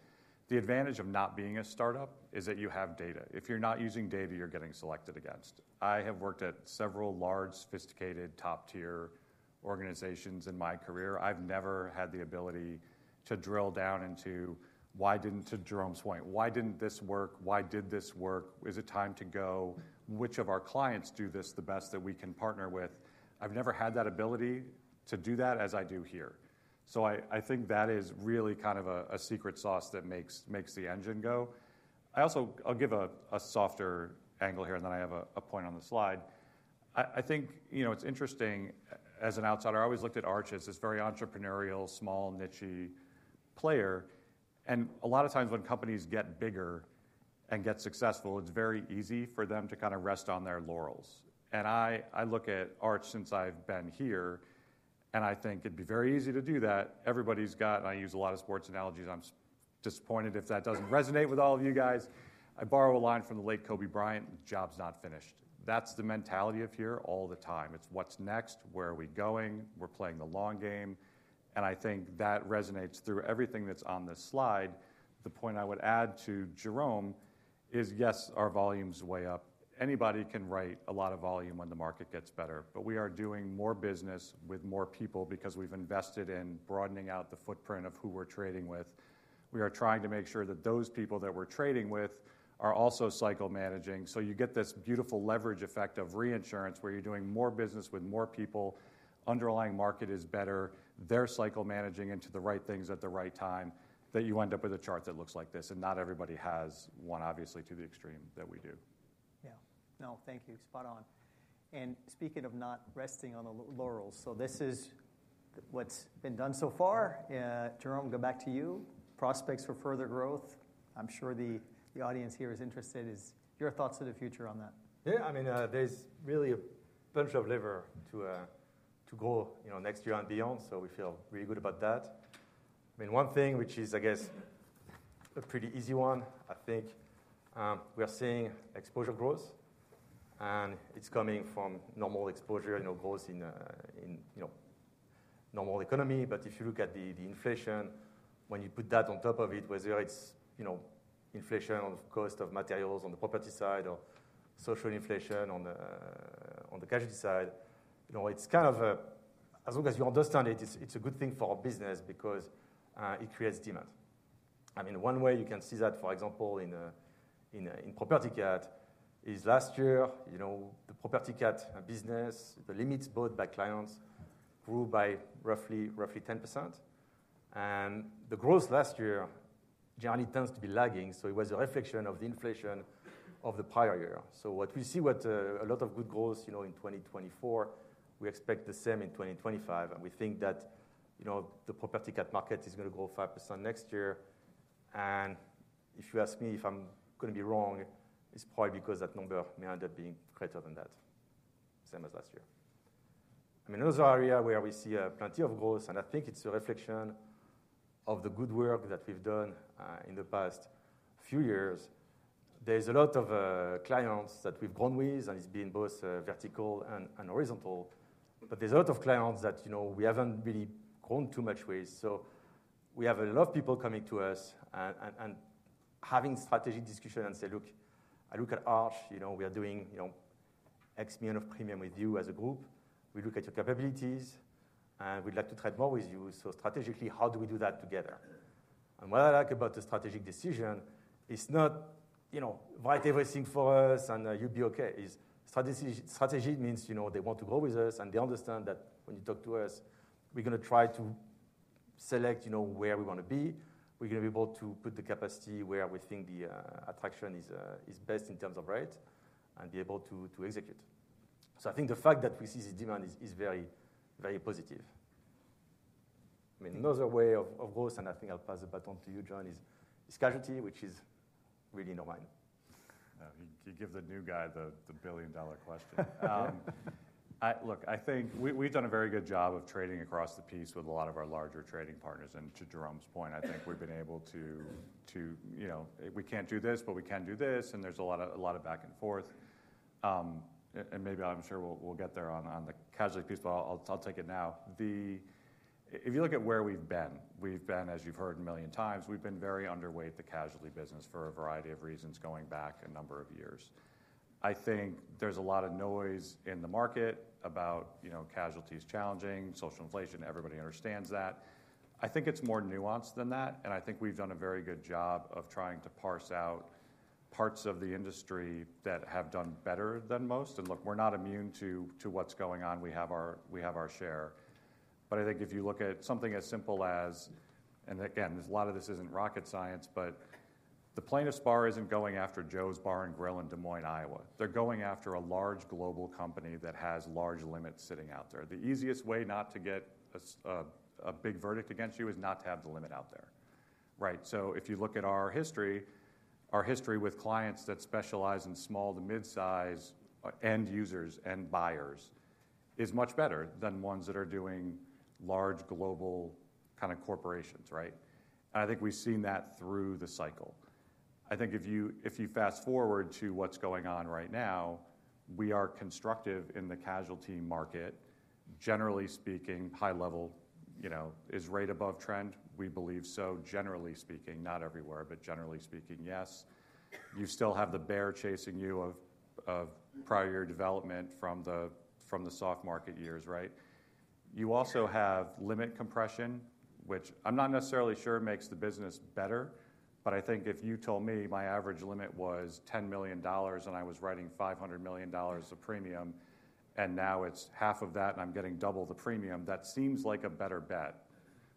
The advantage of not being a startup is that you have data. If you're not using data, you're getting selected against. I have worked at several large, sophisticated, top-tier organizations in my career. I've never had the ability to drill down into Jérôme's point. Why didn't this work? Why did this work? Is it time to go? Which of our clients do this the best that we can partner with? I've never had that ability to do that as I do here. So I think that is really kind of a secret sauce that makes the engine go. I'll give a softer angle here. And then I have a point on the slide. I think it's interesting as an outsider. I always looked at Arch as this very entrepreneurial, small, niche player. And a lot of times when companies get bigger and get successful, it's very easy for them to kind of rest on their laurels. And I look at Arch since I've been here. And I think it'd be very easy to do that. I use a lot of sports analogies. I'm disappointed if that doesn't resonate with all of you guys. I borrow a line from the late Kobe Bryant, "Job's not finished." That's the mentality of here all the time. It's what's next? Where are we going? We're playing the long game. And I think that resonates through everything that's on this slide. The point I would add to Jérôme is, yes, our volume's way up. Anybody can write a lot of volume when the market gets better. But we are doing more business with more people because we've invested in broadening out the footprint of who we're trading with. We are trying to make sure that those people that we're trading with are also cycle managing. So you get this beautiful leverage effect of reinsurance where you're doing more business with more people. Underlying market is better. They're cycle managing into the right things at the right time that you end up with a chart that looks like this. And not everybody has one, obviously, to the extreme that we do. Yeah. No, thank you. Spot on, and speaking of not resting on the laurels, so this is what's been done so far. Jérôme, go back to you. Prospects for further growth. I'm sure the Allianz here is interested. Your thoughts of the future on that? Yeah. I mean, there's really a bunch of leverage to go next year and beyond. So we feel really good about that. I mean, one thing, which is, I guess, a pretty easy one. I think we're seeing exposure growth. And it's coming from normal exposure growth in normal economy. But if you look at the inflation, when you put that on top of it, whether it's inflation on the cost of materials on the property side or social inflation on the casualty side, it's kind of, as long as you understand it, it's a good thing for our business because it creates demand. I mean, one way you can see that, for example, in property cat is last year, the property cat business, the limits bought by clients grew by roughly 10%. And the growth last year generally tends to be lagging. So it was a reflection of the inflation of the prior year. So what we see, a lot of good growth in 2024, we expect the same in 2025. And we think that the property cat market is going to grow 5% next year. And if you ask me if I'm going to be wrong, it's probably because that number may end up being greater than that, same as last year. I mean, those are areas where we see plenty of growth. And I think it's a reflection of the good work that we've done in the past few years. There's a lot of clients that we've grown with. And it's been both vertical and horizontal. But there's a lot of clients that we haven't really grown too much with. So we have a lot of people coming to us and having strategic discussion and say, "Look, I look at Arch. We are doing X million of premium with you as a group. We look at your capabilities. And we'd like to trade more with you. So strategically, how do we do that together?" And what I like about the strategic decision is not write everything for us and you'll be OK. Strategy means they want to grow with us. And they understand that when you talk to us, we're going to try to select where we want to be. We're going to be able to put the capacity where we think the attraction is best in terms of rate and be able to execute. So I think the fact that we see this demand is very, very positive. I mean, another way of growth, and I think I'll pass the baton to you, John, is casualty, which is really in our mind. You give the new guy the billion-dollar question. Look, I think we've done a very good job of trading across the piece with a lot of our larger trading partners. And to Jérôme's point, I think we've been able to. We can't do this, but we can do this. And there's a lot of back and forth. And maybe I'm sure we'll get there on the casualty piece. But I'll take it now. If you look at where we've been, we've been, as you've heard a million times, we've been very underweight the casualty business for a variety of reasons going back a number of years. I think there's a lot of noise in the market about casualties challenging, social inflation. Everybody understands that. I think it's more nuanced than that. I think we've done a very good job of trying to parse out parts of the industry that have done better than most. Look, we're not immune to what's going on. We have our share. But I think if you look at something as simple as, and again, a lot of this isn't rocket science. But the plaintiff's bar isn't going after Joe's Bar and Grill in Des Moines, Iowa. They're going after a large global company that has large limits sitting out there. The easiest way not to get a big verdict against you is not to have the limit out there. Right? So if you look at our history, our history with clients that specialize in small to mid-size end users and buyers is much better than ones that are doing large global kind of corporations. Right? I think we've seen that through the cycle. I think if you fast forward to what's going on right now, we are constructive in the casualty market. Generally speaking, high level is rate above trend. We believe so, generally speaking. Not everywhere, but generally speaking, yes. You still have the bear chasing you of prior year development from the soft market years. Right? You also have limit compression, which I'm not necessarily sure makes the business better. But I think if you told me my average limit was $10 million and I was writing $500 million of premium, and now it's half of that and I'm getting double the premium, that seems like a better bet.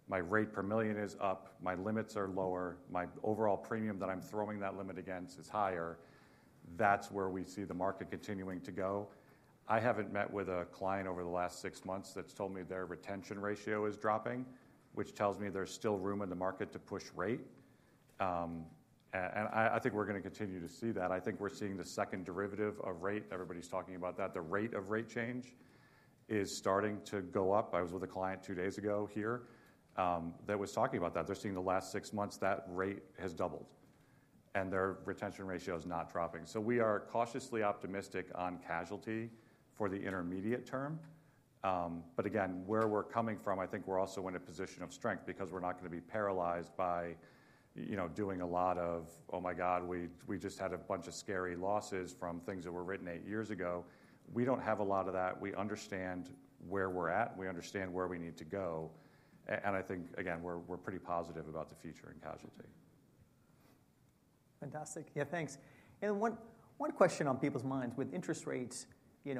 My rate per million is up. My limits are lower. My overall premium that I'm throwing that limit against is higher. That's where we see the market continuing to go. I haven't met with a client over the last six months that's told me their retention ratio is dropping, which tells me there's still room in the market to push rate. And I think we're going to continue to see that. I think we're seeing the second derivative of rate. Everybody's talking about that. The rate of rate change is starting to go up. I was with a client two days ago here that was talking about that. They're seeing the last six months that rate has doubled. And their retention ratio is not dropping. So we are cautiously optimistic on casualty for the intermediate term. But again, where we're coming from, I think we're also in a position of strength because we're not going to be paralyzed by doing a lot of, "Oh my God, we just had a bunch of scary losses from things that were written eight years ago." We don't have a lot of that. We understand where we're at. We understand where we need to go. And I think, again, we're pretty positive about the future in casualty. Fantastic. Yeah, thanks, and one question on people's minds with interest rates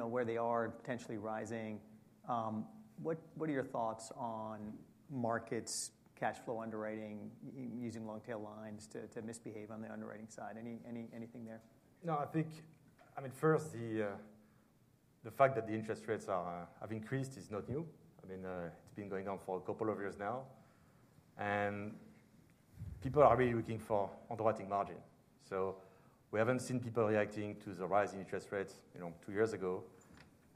where they are potentially rising. What are your thoughts on markets, cash flow underwriting, using long tail lines to misbehave on the underwriting side? Anything there? No, I think, I mean, first, the fact that the interest rates have increased is not new. I mean, it's been going on for a couple of years now. And people are really looking for underwriting margin. So we haven't seen people reacting to the rise in interest rates two years ago.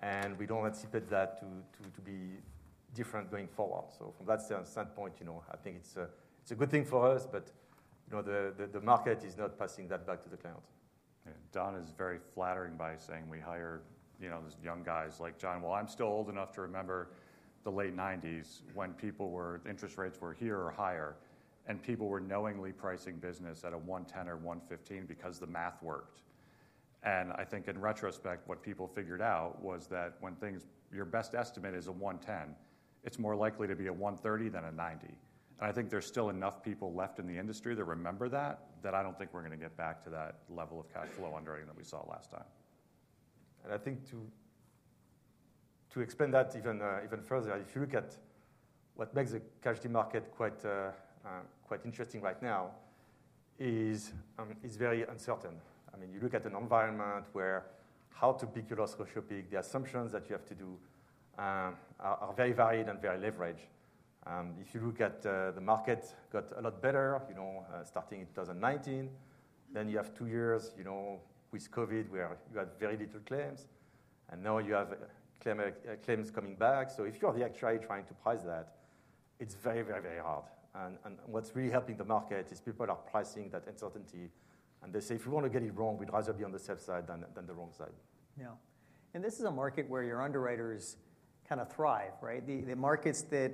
And we don't anticipate that to be different going forward. So from that standpoint, I think it's a good thing for us. But the market is not passing that back to the client. Yeah. Don is very flattering by saying we hire these young guys like John. Well, I'm still old enough to remember the late 1990s when interest rates were here or higher. And people were knowingly pricing business at a 110 or 115 because the math worked. And I think in retrospect, what people figured out was that when your best estimate is a 110, it's more likely to be a 130 than a 90. And I think there's still enough people left in the industry that remember that, that I don't think we're going to get back to that level of cash flow underwriting that we saw last time. I think to expand that even further, if you look at what makes the casualty market quite interesting right now, it's very uncertain. I mean, you look at an environment where how to pick your loss ratio pick, the assumptions that you have to do are very varied and very leveraged. If you look at the market, it got a lot better starting in 2019. Then you have two years with COVID where you had very little claims. And now you have claims coming back. So if you're the actuary trying to price that, it's very, very, very hard. And what's really helping the market is people are pricing that uncertainty. And they say, "If we want to get it wrong, we'd rather be on the safe side than the wrong side. Yeah. And this is a market where your underwriters kind of thrive. Right? The markets that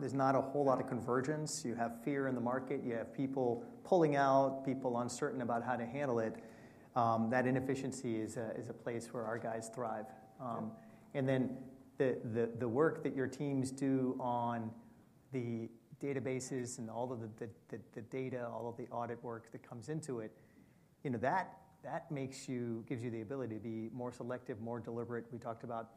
there's not a whole lot of convergence. You have fear in the market. You have people pulling out, people uncertain about how to handle it. That inefficiency is a place where our guys thrive. And then the work that your teams do on the databases and all of the data, all of the audit work that comes into it, that gives you the ability to be more selective, more deliberate. We talked about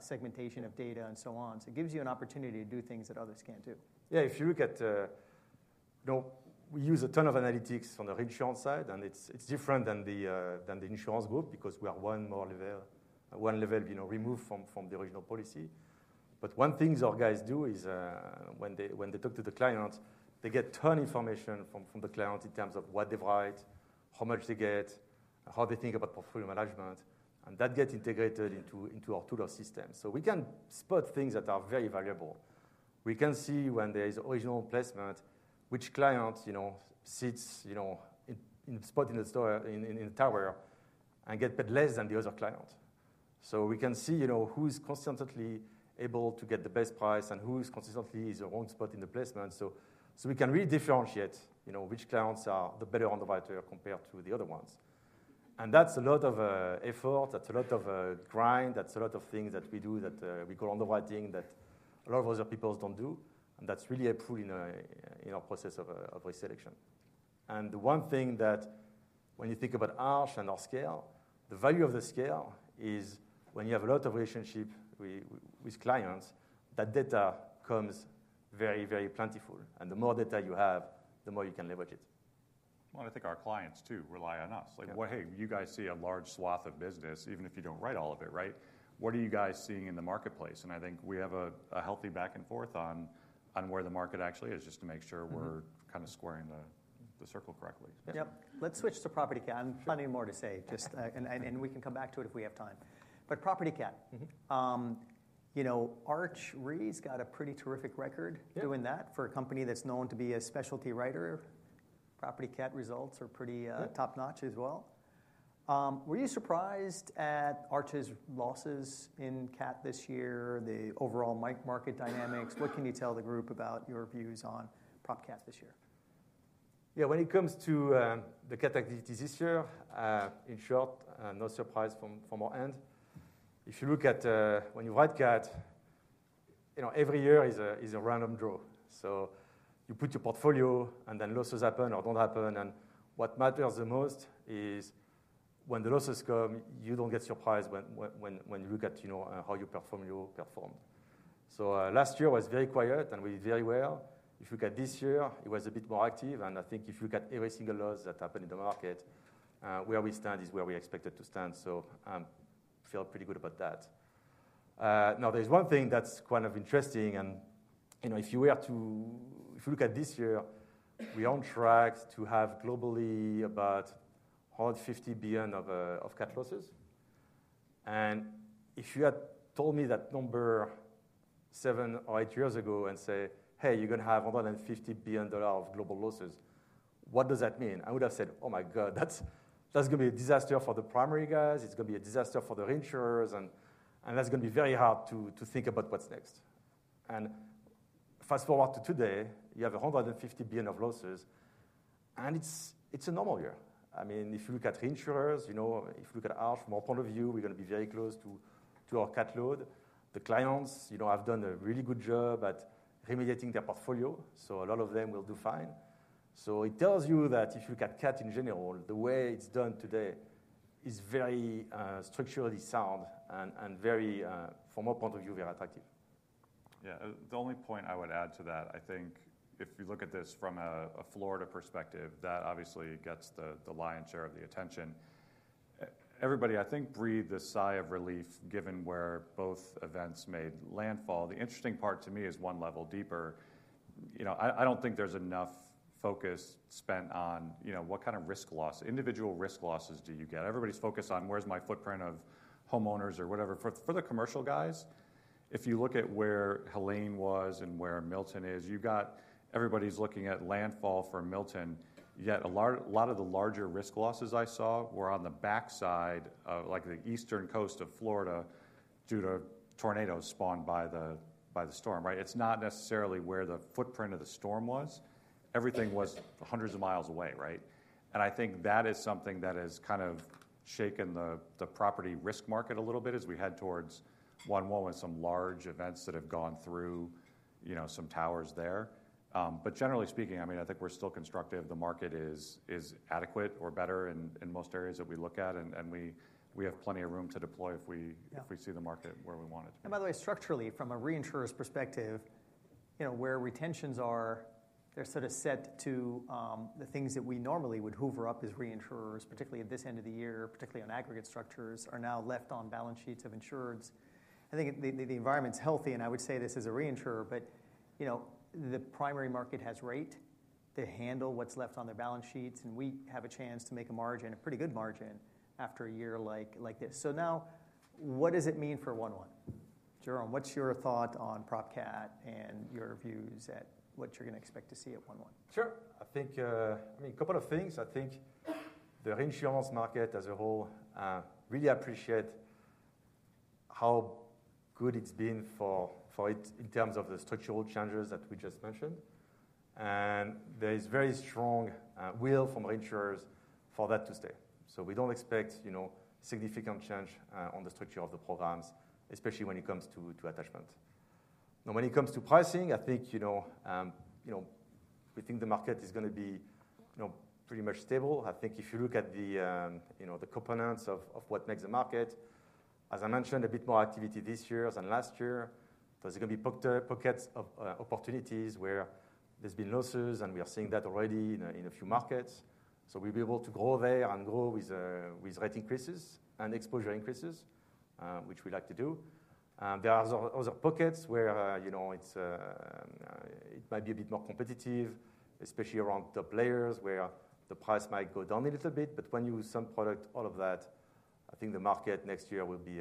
segmentation of data and so on. So it gives you an opportunity to do things that others can't do. Yeah. If you look at, we use a ton of analytics on the reinsurance side. It's different than the Insurance Group because we are one level removed from the original policy. One thing our guys do is when they talk to the client, they get a ton of information from the client in terms of what they write, how much they get, how they think about portfolio management. That gets integrated into our tool or system. We can spot things that are very valuable. We can see when there is original placement, which client sits in a spot in the tower and gets paid less than the other client. We can see who's consistently able to get the best price and who's consistently in the wrong spot in the placement. So we can really differentiate which clients are the better underwriter compared to the other ones. And that's a lot of effort. That's a lot of grind. That's a lot of things that we do that we call underwriting that a lot of other people don't do. And that's really helpful in our process of risk selection. And the one thing that when you think about Arch and our scale, the value of the scale is when you have a lot of relationships with clients, that data comes very, very plentiful. And the more data you have, the more you can leverage it. Well, and I think our clients too rely on us. Like, hey, you guys see a large swath of business, even if you don't write all of it. Right? What are you guys seeing in the marketplace? And I think we have a healthy back and forth on where the market actually is just to make sure we're kind of squaring the circle correctly. Yep. Let's switch to property cat. I have plenty more to say, and we can come back to it if we have time, but property cat, Arch Re's got a pretty terrific record doing that for a company that's known to be a specialty writer. Property cat results are pretty top notch as well. Were you surprised at Arch's losses in cat this year, the overall market dynamics? What can you tell the group about your views on prop cat this year? Yeah. When it comes to the cat activities this year, in short, no surprise from our end. If you look at when you write cat, every year is a random draw. So you put your portfolio, and then losses happen or don't happen. And what matters the most is when the losses come, you don't get surprised when you look at how you performed your performance. So last year was very quiet, and we did very well. If you look at this year, it was a bit more active. And I think if you look at every single loss that happened in the market, where we stand is where we expected to stand. So I feel pretty good about that. Now, there's one thing that's kind of interesting. If you look at this year, we are on track to have globally about $150 billion of cat losses. If you had told me that number seven or eight years ago and said, "Hey, you're going to have $150 billion of global losses," what does that mean? I would have said, "Oh my God, that's going to be a disaster for the primary guys. It's going to be a disaster for the reinsurers. And that's going to be very hard to think about what's next." Fast forward to today, you have $150 billion of losses. And it's a normal year. I mean, if you look at reinsurers, if you look at Arch from our point of view, we're going to be very close to our cat load. The clients have done a really good job at remediating their portfolio. A lot of them will do fine. It tells you that if you look at cat in general, the way it's done today is very structurally sound and, from our point of view, very attractive. Yeah. The only point I would add to that, I think if you look at this from a Florida perspective, that obviously gets the lion's share of the attention. Everybody, I think, breathed a sigh of relief given where both events made landfall. The interesting part to me is one level deeper. I don't think there's enough focus spent on what kind of risk loss, individual risk losses do you get? Everybody's focused on where's my footprint of homeowners or whatever. For the commercial guys, if you look at where Helene was and where Milton is, you've got everybody's looking at landfall for Milton. Yet a lot of the larger risk losses I saw were on the backside, like the eastern coast of Florida, due to tornadoes spawned by the storm. Right? It's not necessarily where the footprint of the storm was. Everything was hundreds of miles away. Right? I think that is something that has kind of shaken the property risk market a little bit as we head towards 1/1, some large events that have gone through some towers there. But generally speaking, I mean, I think we're still constructive. The market is adequate or better in most areas that we look at. And we have plenty of room to deploy if we see the market where we want it to be. And by the way, structurally, from a reinsurer's perspective, where retentions are, they're sort of set to the things that we normally would hoover up as reinsurers, particularly at this end of the year, particularly on aggregate structures, are now left on balance sheets of insureds. I think the environment's healthy. And I would say this as a reinsurer. But the primary market has rate to handle what's left on their balance sheets. And we have a chance to make a margin, a pretty good margin, after a year like this. So now, what does it mean for 1/1? Jérôme, what's your thought on prop cat and your views at what you're going to expect to see at 1/1? Sure. I think, I mean, a couple of things. I think the reinsurance market as a whole really appreciates how good it's been for it in terms of the structural changes that we just mentioned, and there is very strong will from reinsurers for that to stay, so we don't expect significant change on the structure of the programs, especially when it comes to attachment. Now, when it comes to pricing, I think we think the market is going to be pretty much stable. I think if you look at the components of what makes the market, as I mentioned, a bit more activity this year than last year. There's going to be pockets of opportunities where there's been losses, and we are seeing that already in a few markets, so we'll be able to grow there and grow with rate increases and exposure increases, which we like to do. There are other pockets where it might be a bit more competitive, especially around top layers, where the price might go down a little bit. But when you use some product, all of that, I think the market next year will be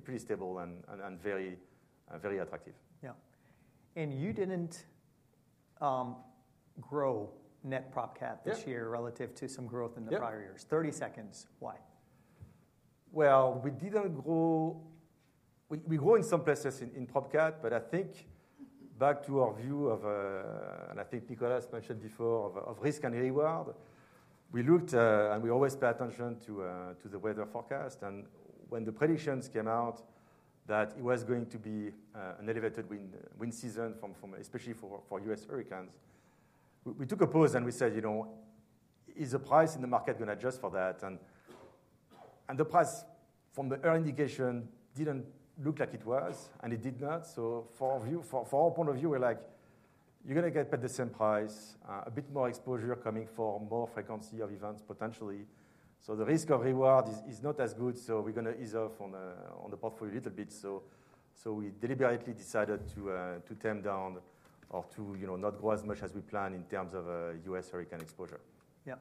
pretty stable and very attractive. Yeah. And you didn't grow net prop cat this year relative to some growth in the prior years. Yes. 30 seconds. Why? We didn't grow. We grew in some places in prop cat. But I think back to our view of, and I think Nicolas mentioned before, of risk and reward. We looked and we always pay attention to the weather forecast. And when the predictions came out that it was going to be an elevated wind season, especially for U.S. hurricanes, we took a pause and we said, is the price in the market going to adjust for that? And the price from the earlier indication didn't look like it was. And it did not. So from our point of view, we're like, you're going to get paid the same price, a bit more exposure coming for more frequency of events potentially. So the risk of reward is not as good. So we're going to ease off on the portfolio a little bit. We deliberately decided to tone down or to not grow as much as we planned in terms of U.S. hurricane exposure. Yeah.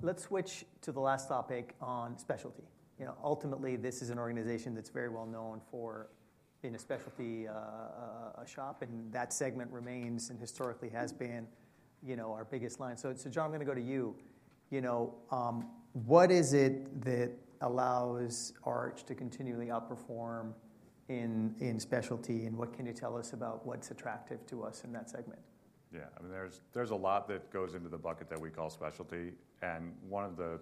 Let's switch to the last topic on specialty. Ultimately, this is an organization that's very well known for being a specialty shop. And that segment remains and historically has been our biggest line. So John, I'm going to go to you. What is it that allows Arch to continually outperform in specialty? And what can you tell us about what's attractive to us in that segment? Yeah. I mean, there's a lot that goes into the bucket that we call specialty. And one of the,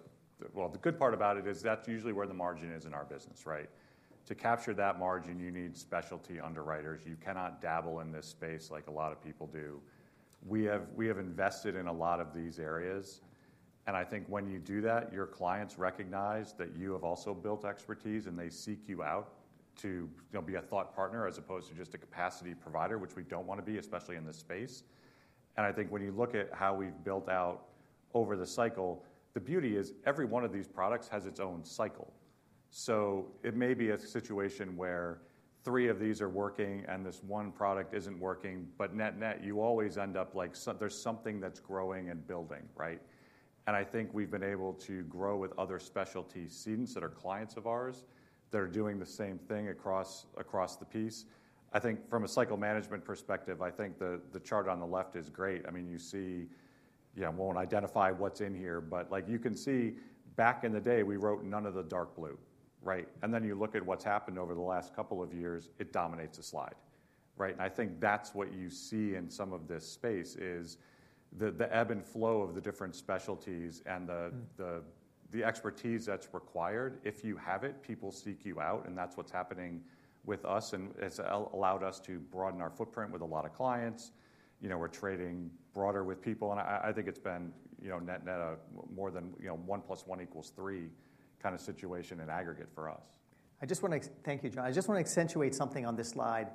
well, the good part about it is that's usually where the margin is in our business. Right? To capture that margin, you need specialty underwriters. You cannot dabble in this space like a lot of people do. We have invested in a lot of these areas. And I think when you do that, your clients recognize that you have also built expertise. And they seek you out to be a thought partner as opposed to just a capacity provider, which we don't want to be, especially in this space. And I think when you look at how we've built out over the cycle, the beauty is every one of these products has its own cycle. So it may be a situation where three of these are working and this one product isn't working. But net net, you always end up like there's something that's growing and building. Right? And I think we've been able to grow with other specialty lines that are clients of ours that are doing the same thing across the board. I think from a cycle management perspective, I think the chart on the left is great. I mean, you see, yeah, we won't identify what's in here. But you can see back in the day, we wrote none of the dark blue. Right? And I think that's what you see in some of this space, the ebb and flow of the different specialties and the expertise that's required. If you have it, people seek you out, and that's what's happening with us, and it's allowed us to broaden our footprint with a lot of clients. We're trading broader with people, and I think it's been net net a more than 1 plus 1 equals 3 kind of situation in aggregate for us. I just want to thank you, John. I just want to accentuate something on this slide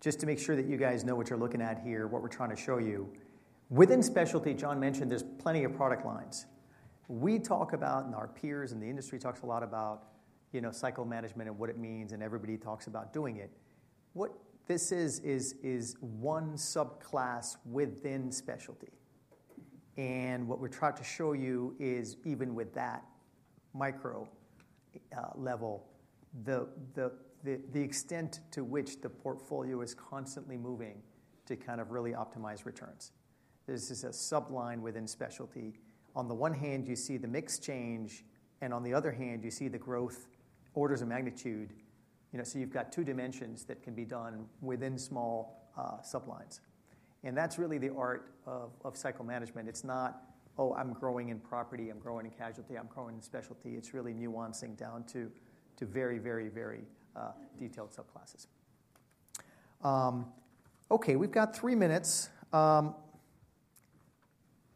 just to make sure that you guys know what you're looking at here, what we're trying to show you. Within specialty, John mentioned there's plenty of product lines. We talk about, and our peers in the industry talk a lot about cycle management and what it means, and everybody talks about doing it. What this is, is one subclass within specialty, and what we're trying to show you is even with that micro level, the extent to which the portfolio is constantly moving to kind of really optimize returns. This is a subline within specialty. On the one hand, you see the mix change, and on the other hand, you see the growth orders of magnitude. So you've got two dimensions that can be done within small sublines. And that's really the art of cycle management. It's not, oh, I'm growing in property. I'm growing in casualty. I'm growing in specialty. It's really nuancing down to very, very, very detailed subclasses. OK. We've got three minutes.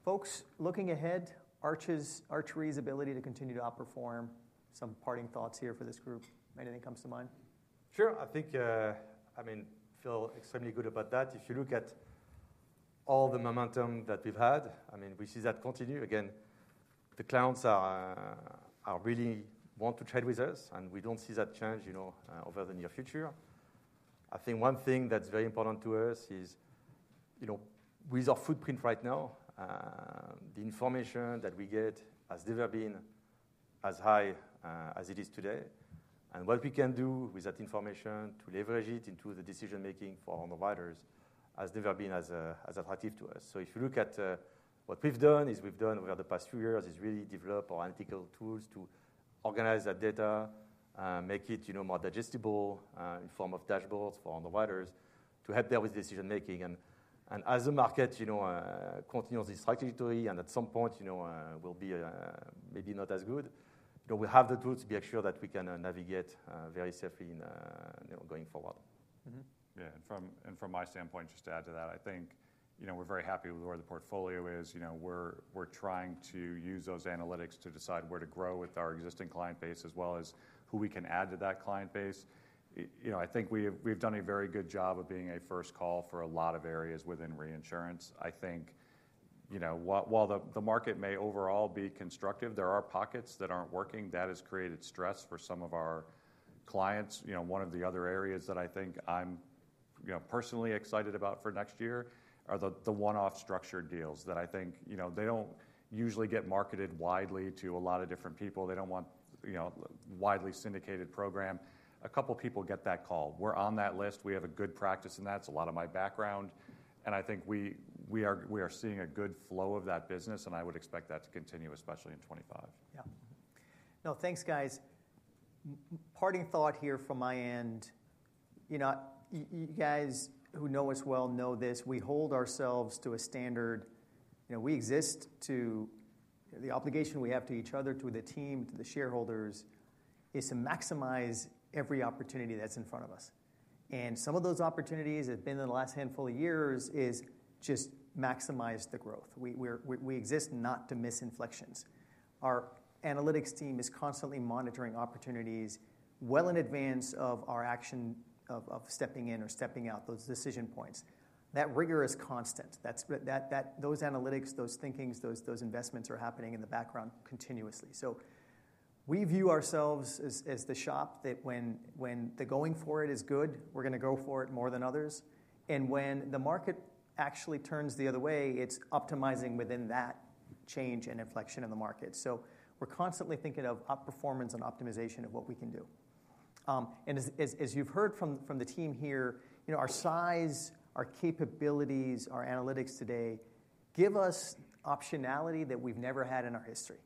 Folks, looking ahead, Arch Re's ability to continue to outperform, some parting thoughts here for this group. Anything comes to mind? Sure. I think, I mean, feel extremely good about that. If you look at all the momentum that we've had, I mean, we see that continue. Again, the clients really want to trade with us. And we don't see that change over the near future. I think one thing that's very important to us is with our footprint right now, the information that we get has never been as high as it is today. And what we can do with that information to leverage it into the decision making for underwriters has never been as attractive to us. So if you look at what we've done over the past few years is really develop analytical tools to organize that data, make it more digestible in form of dashboards for underwriters to help there with decision making. As the market continues its trajectory and at some point will be maybe not as good, we'll have the tools to be sure that we can navigate very safely going forward. Yeah. And from my standpoint, just to add to that, I think we're very happy with where the portfolio is. We're trying to use those analytics to decide where to grow with our existing client base as well as who we can add to that client base. I think we've done a very good job of being a first call for a lot of areas within reinsurance. I think while the market may overall be constructive, there are pockets that aren't working. That has created stress for some of our clients. One of the other areas that I think I'm personally excited about for next year are the one-off structured deals that I think they don't usually get marketed widely to a lot of different people. They don't want a widely syndicated program. A couple of people get that call. We're on that list. We have a good practice in that. It's a lot of my background. And I think we are seeing a good flow of that business. And I would expect that to continue, especially in 2025. Yeah. No, thanks, guys. Parting thought here from my end. You guys who know us well know this. We hold ourselves to a standard. We exist to the obligation we have to each other, to the team, to the shareholders, is to maximize every opportunity that's in front of us, and some of those opportunities that have been in the last handful of years is just maximize the growth. We exist not to miss inflections. Our analytics team is constantly monitoring opportunities well in advance of our action of stepping in or stepping out, those decision points. That rigor is constant. Those analytics, those thinkings, those investments are happening in the background continuously, so we view ourselves as the shop that when the going for it is good, we're going to go for it more than others. And when the market actually turns the other way, it's optimizing within that change and inflection in the market. So we're constantly thinking of outperformance and optimization of what we can do. And as you've heard from the team here, our size, our capabilities, our analytics today give us optionality that we've never had in our history.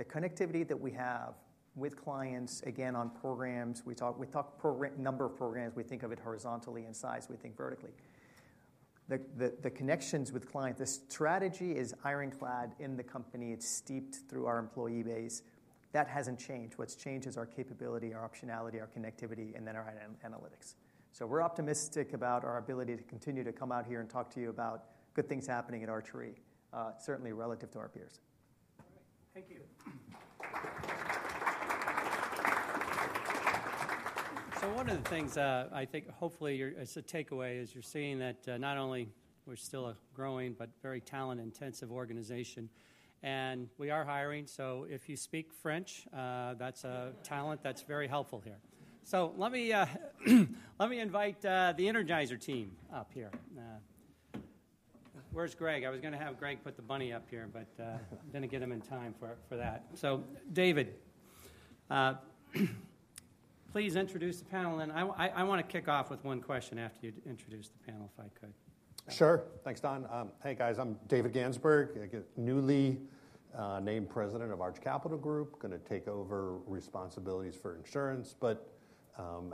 The connectivity that we have with clients, again, on programs, we talk number of programs. We think of it horizontally in size. We think vertically. The connections with clients, the strategy is ironclad in the company. It's steeped through our employee base. That hasn't changed. What's changed is our capability, our optionality, our connectivity, and then our analytics. So we're optimistic about our ability to continue to come out here and talk to you about good things happening at Arch Re's, certainly relative to our peers. Thank you. So, one of the things I think, hopefully it's a takeaway, is you're seeing that not only we're still a growing but very talent-intensive organization. And we are hiring. So if you speak French, that's a talent that's very helpful here. So let me invite the Energizer team up here. Where's Greg? I was going to have Greg put the bunny up here. But I didn't get him in time for that. So David, please introduce the panel. And I want to kick off with one question after you introduce the panel, if I could. Sure. Thanks, Don. Hey, guys. I'm David Gansberg, newly named President of Arch Capital Group. Going to take over responsibilities for insurance. But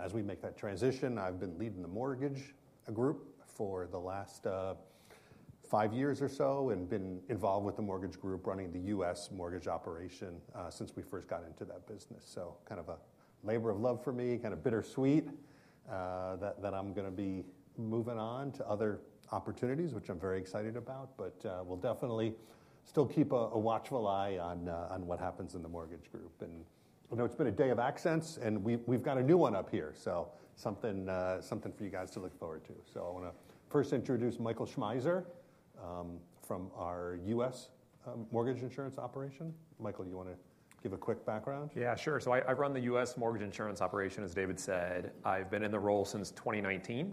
as we make that transition, I've been leading the mortgage group for the last five years or so and been involved with the mortgage group running the U.S. mortgage operation since we first got into that business. So kind of a labor of love for me, kind of bittersweet that I'm going to be moving on to other opportunities, which I'm very excited about. But we'll definitely still keep a watchful eye on what happens in the mortgage group. And I know it's been a day of accents. And we've got a new one up here, so something for you guys to look forward to. So I want to first introduce Michael Schmeiser from our U.S. mortgage insurance operation. Michael, you want to give a quick background? Yeah, sure. So I run the U.S. mortgage insurance operation, as David said. I've been in the role since 2019.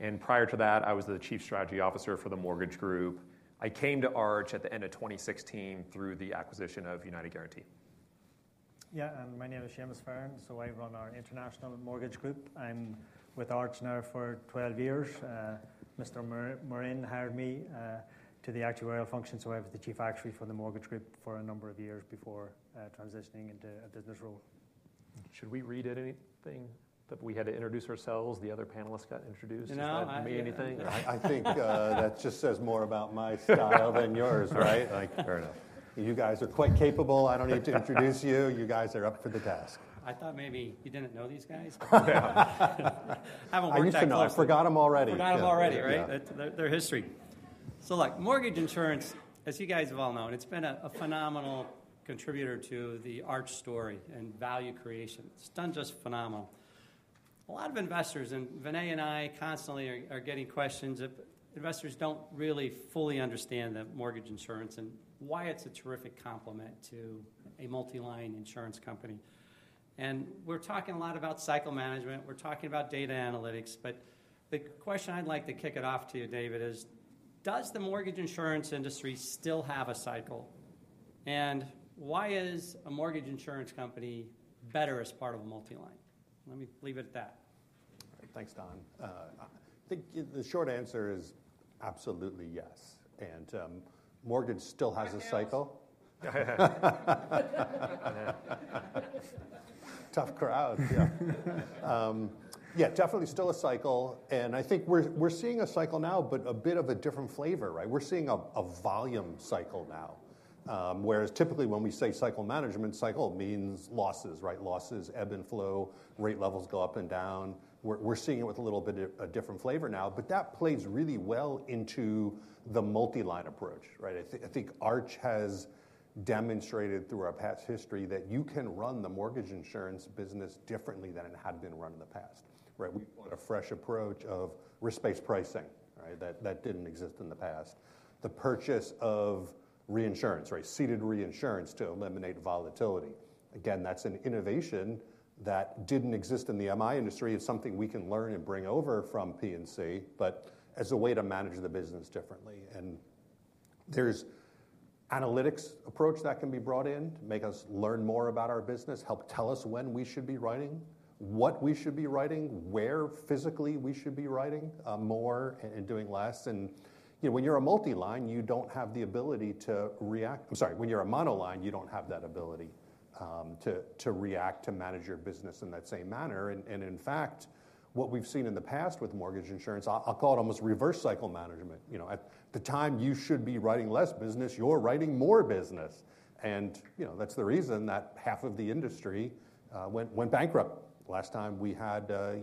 And prior to that, I was the chief strategy officer for the mortgage group. I came to Arch at the end of 2016 through the acquisition of United Guaranty. Yeah. My name is Seamus Fearon. I run our international mortgage group. I'm with Arch now for 12 years. Mr. Morin hired me to the actuarial function. I was the chief actuary for the mortgage group for a number of years before transitioning into a business role. Should we read anything that we had to introduce ourselves? The other panelists got introduced. Does that mean anything? No. I think that just says more about my style than yours, right? Fair enough. You guys are quite capable. I don't need to introduce you. You guys are up for the task. I thought maybe you didn't know these guys. I haven't worked that close— I used to know, I forgot them already. Forgot them already. Right? They're history. So look, mortgage insurance, as you guys have all known, it's been a phenomenal contributor to the Arch story and value creation. It's done just phenomenal. A lot of investors and Vinay and I constantly are getting questions that investors don't really fully understand that mortgage insurance and why it's a terrific complement to a multi-line insurance company. And we're talking a lot about cycle management. We're talking about data analytics. But the question I'd like to kick it off to you, David, is does the mortgage insurance industry still have a cycle? And why is a mortgage insurance company better as part of a multi-line? Let me leave it at that. Thanks, Don. I think the short answer is absolutely yes, and mortgage still has a cycle. Tough crowd. Yeah. Yeah, definitely still a cycle. And I think we're seeing a cycle now, but a bit of a different flavor. Right? We're seeing a volume cycle now. Whereas typically when we say cycle management, cycle means losses. Right? Losses, ebb and flow, rate levels go up and down. We're seeing it with a little bit of a different flavor now. But that plays really well into the multi-line approach. Right? I think Arch has demonstrated through our past history that you can run the mortgage insurance business differently than it had been run in the past. Right? We want a fresh approach of risk-based pricing. Right? That didn't exist in the past. The purchase of reinsurance, ceded reinsurance to eliminate volatility. Again, that's an innovation that didn't exist in the MI industry. It's something we can learn and bring over from P&C, but as a way to manage the business differently. And there's analytics approach that can be brought in to make us learn more about our business, help tell us when we should be writing, what we should be writing, where physically we should be writing more and doing less. And when you're a multi-line, you don't have the ability to react. I'm sorry. When you're a mono-line, you don't have that ability to react to manage your business in that same manner. And in fact, what we've seen in the past with mortgage insurance, I'll call it almost reverse cycle management. At the time you should be writing less business, you're writing more business. That's the reason that half of the industry went bankrupt last time we had a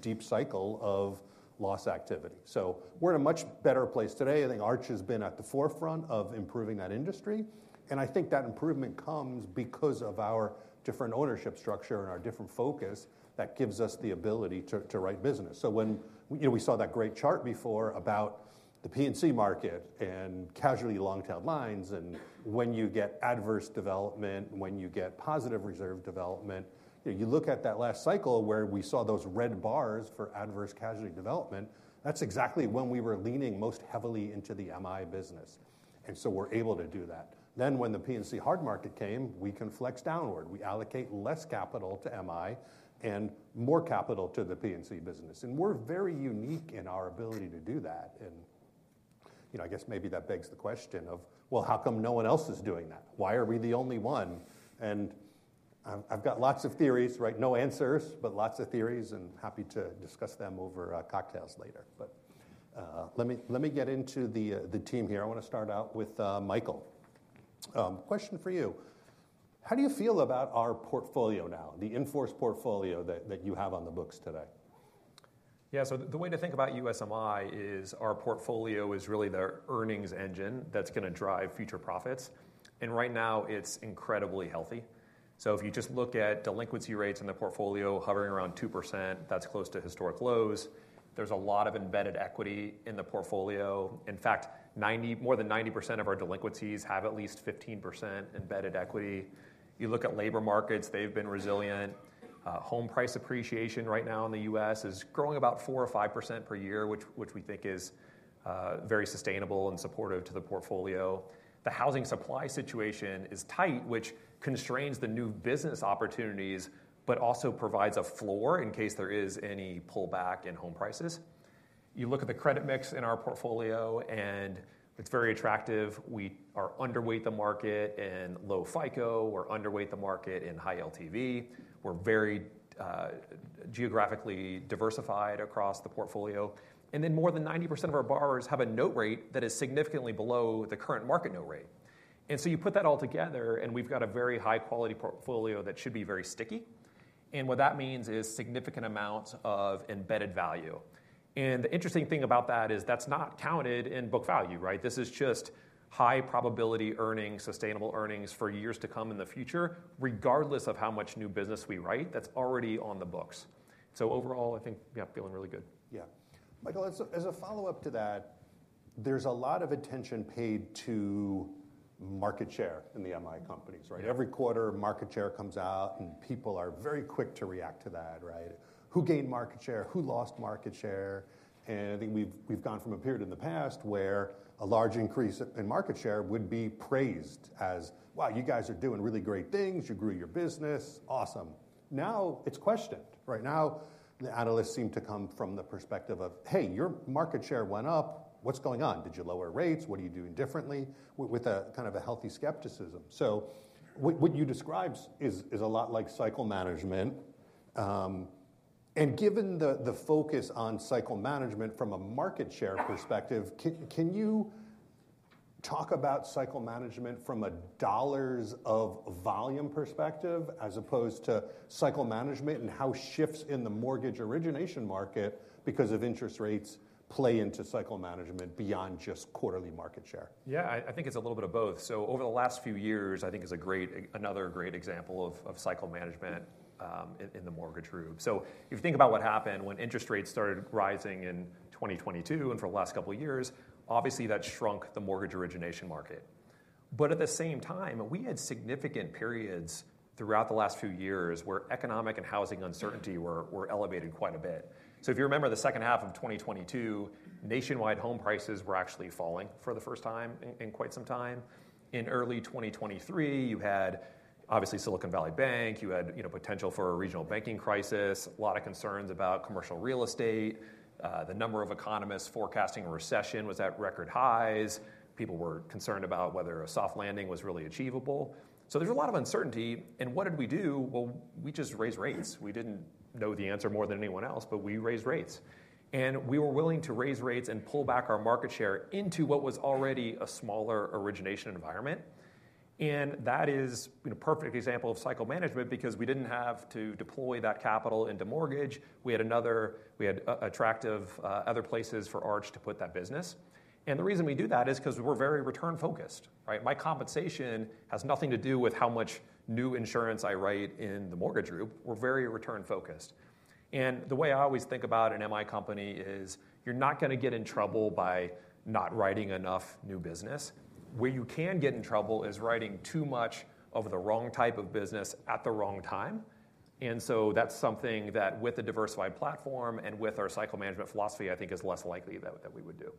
deep cycle of loss activity. So we're in a much better place today. I think Arch has been at the forefront of improving that industry. And I think that improvement comes because of our different ownership structure and our different focus that gives us the ability to write business. So we saw that great chart before about the P&C market and casualty long-tailed lines. And when you get adverse development, when you get positive reserve development, you look at that last cycle where we saw those red bars for adverse casualty development. That's exactly when we were leaning most heavily into the MI business. And so we're able to do that. Then when the P&C hard market came, we can flex downward. We allocate less capital to MI and more capital to the P&C business, and we're very unique in our ability to do that. I guess maybe that begs the question of, well, how come no one else is doing that? Why are we the only one, and I've got lots of theories. Right? No answers, but lots of theories, and happy to discuss them over cocktails later, but let me get into the team here. I want to start out with Michael. Question for you. How do you feel about our portfolio now, the in-force portfolio that you have on the books today? Yeah. So the way to think about USMI is our portfolio is really the earnings engine that's going to drive future profits. And right now, it's incredibly healthy. So if you just look at delinquency rates in the portfolio hovering around 2%, that's close to historic lows. There's a lot of embedded equity in the portfolio. In fact, more than 90% of our delinquencies have at least 15% embedded equity. You look at labor markets, they've been resilient. Home price appreciation right now in the U.S. is growing about 4%-5% per year, which we think is very sustainable and supportive to the portfolio. The housing supply situation is tight, which constrains the new business opportunities, but also provides a floor in case there is any pullback in home prices. You look at the credit mix in our portfolio, and it's very attractive. We are underweight the market in low FICO. We're underweight the market in high LTV. We're very geographically diversified across the portfolio. And then more than 90% of our borrowers have a note rate that is significantly below the current market note rate. And so you put that all together, and we've got a very high-quality portfolio that should be very sticky. And what that means is significant amounts of embedded value. And the interesting thing about that is that's not counted in book value. Right? This is just high probability earnings, sustainable earnings for years to come in the future, regardless of how much new business we write that's already on the books. So overall, I think we're feeling really good. Yeah. Michael, as a follow-up to that, there's a lot of attention paid to market share in the MI companies. Right? Every quarter, market share comes out, and people are very quick to react to that. Right? Who gained market share? Who lost market share? And I think we've gone from a period in the past where a large increase in market share would be praised as, wow, you guys are doing really great things. You grew your business. Awesome. Now, it's questioned. Right? Now, the analysts seem to come from the perspective of, hey, your market share went up. What's going on? Did you lower rates? What are you doing differently? With a kind of a healthy skepticism. So what you described is a lot like cycle management. Given the focus on cycle management from a market share perspective, can you talk about cycle management from a dollars of volume perspective as opposed to cycle management and how shifts in the mortgage origination market because of interest rates play into cycle management beyond just quarterly market share? Yeah. I think it's a little bit of both. So over the last few years, I think is another great example of cycle management in the mortgage group. So if you think about what happened when interest rates started rising in 2022 and for the last couple of years, obviously that shrunk the mortgage origination market. But at the same time, we had significant periods throughout the last few years where economic and housing uncertainty were elevated quite a bit. So if you remember the second half of 2022, nationwide home prices were actually falling for the first time in quite some time. In early 2023, you had obviously Silicon Valley Bank. You had potential for a regional banking crisis, a lot of concerns about commercial real estate. The number of economists forecasting a recession was at record highs. People were concerned about whether a soft landing was really achievable. There's a lot of uncertainty. What did we do? We just raised rates. We didn't know the answer more than anyone else, but we raised rates. We were willing to raise rates and pull back our market share into what was already a smaller origination environment. That is a perfect example of cycle management because we didn't have to deploy that capital into mortgage. We had attractive other places for Arch to put that business. The reason we do that is because we're very return-focused. Right? My compensation has nothing to do with how much new insurance I write in the mortgage group. We're very return-focused. The way I always think about an MI company is you're not going to get in trouble by not writing enough new business. Where you can get in trouble is writing too much of the wrong type of business at the wrong time, and so that's something that with a diversified platform and with our cycle management philosophy, I think is less likely that we would do.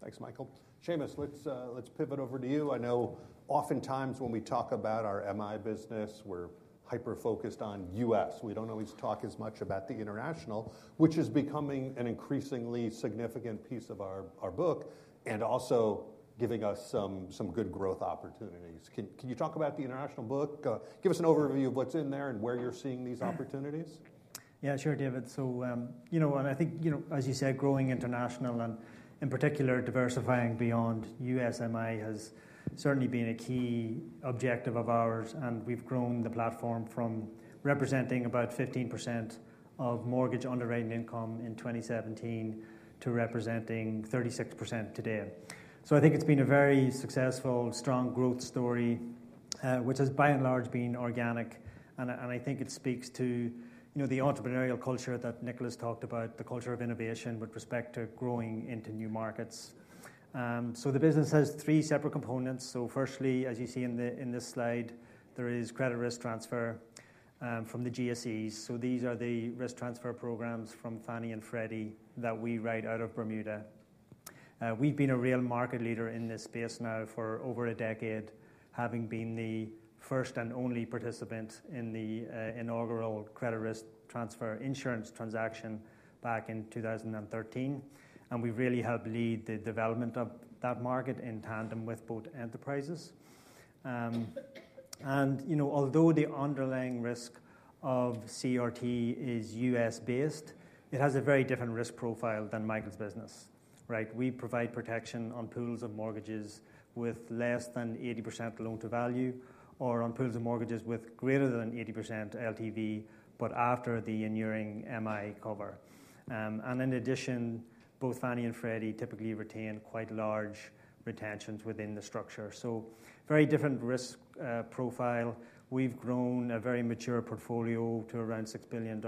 Thanks, Michael. Seamus, let's pivot over to you. I know oftentimes when we talk about our MI business, we're hyper-focused on U.S. We don't always talk as much about the international, which is becoming an increasingly significant piece of our book and also giving us some good growth opportunities. Can you talk about the international book? Give us an overview of what's in there and where you're seeing these opportunities. Yeah, sure, David. I think, as you said, growing international and in particular diversifying beyond USMI has certainly been a key objective of ours. We've grown the platform from representing about 15% of mortgage underwritten income in 2017 to representing 36% today. I think it's been a very successful, strong growth story, which has by and large been organic. It speaks to the entrepreneurial culture that Nicholas talked about, the culture of innovation with respect to growing into new markets. The business has three separate components. Firstly, as you see in this slide, there is credit risk transfer from the GSEs. These are the risk transfer programs from Fannie and Freddie that we write out of Bermuda. We've been a real market leader in this space now for over a decade, having been the first and only participant in the inaugural credit risk transfer insurance transaction back in 2013. And we really helped lead the development of that market in tandem with both enterprises. And although the underlying risk of CRT is U.S.-based, it has a very different risk profile than Michael's business. Right? We provide protection on pools of mortgages with less than 80% loan-to-value or on pools of mortgages with greater than 80% LTV, but after the enduring MI cover. And in addition, both Fannie and Freddie typically retain quite large retentions within the structure. So very different risk profile. We've grown a very mature portfolio to around $6 billion.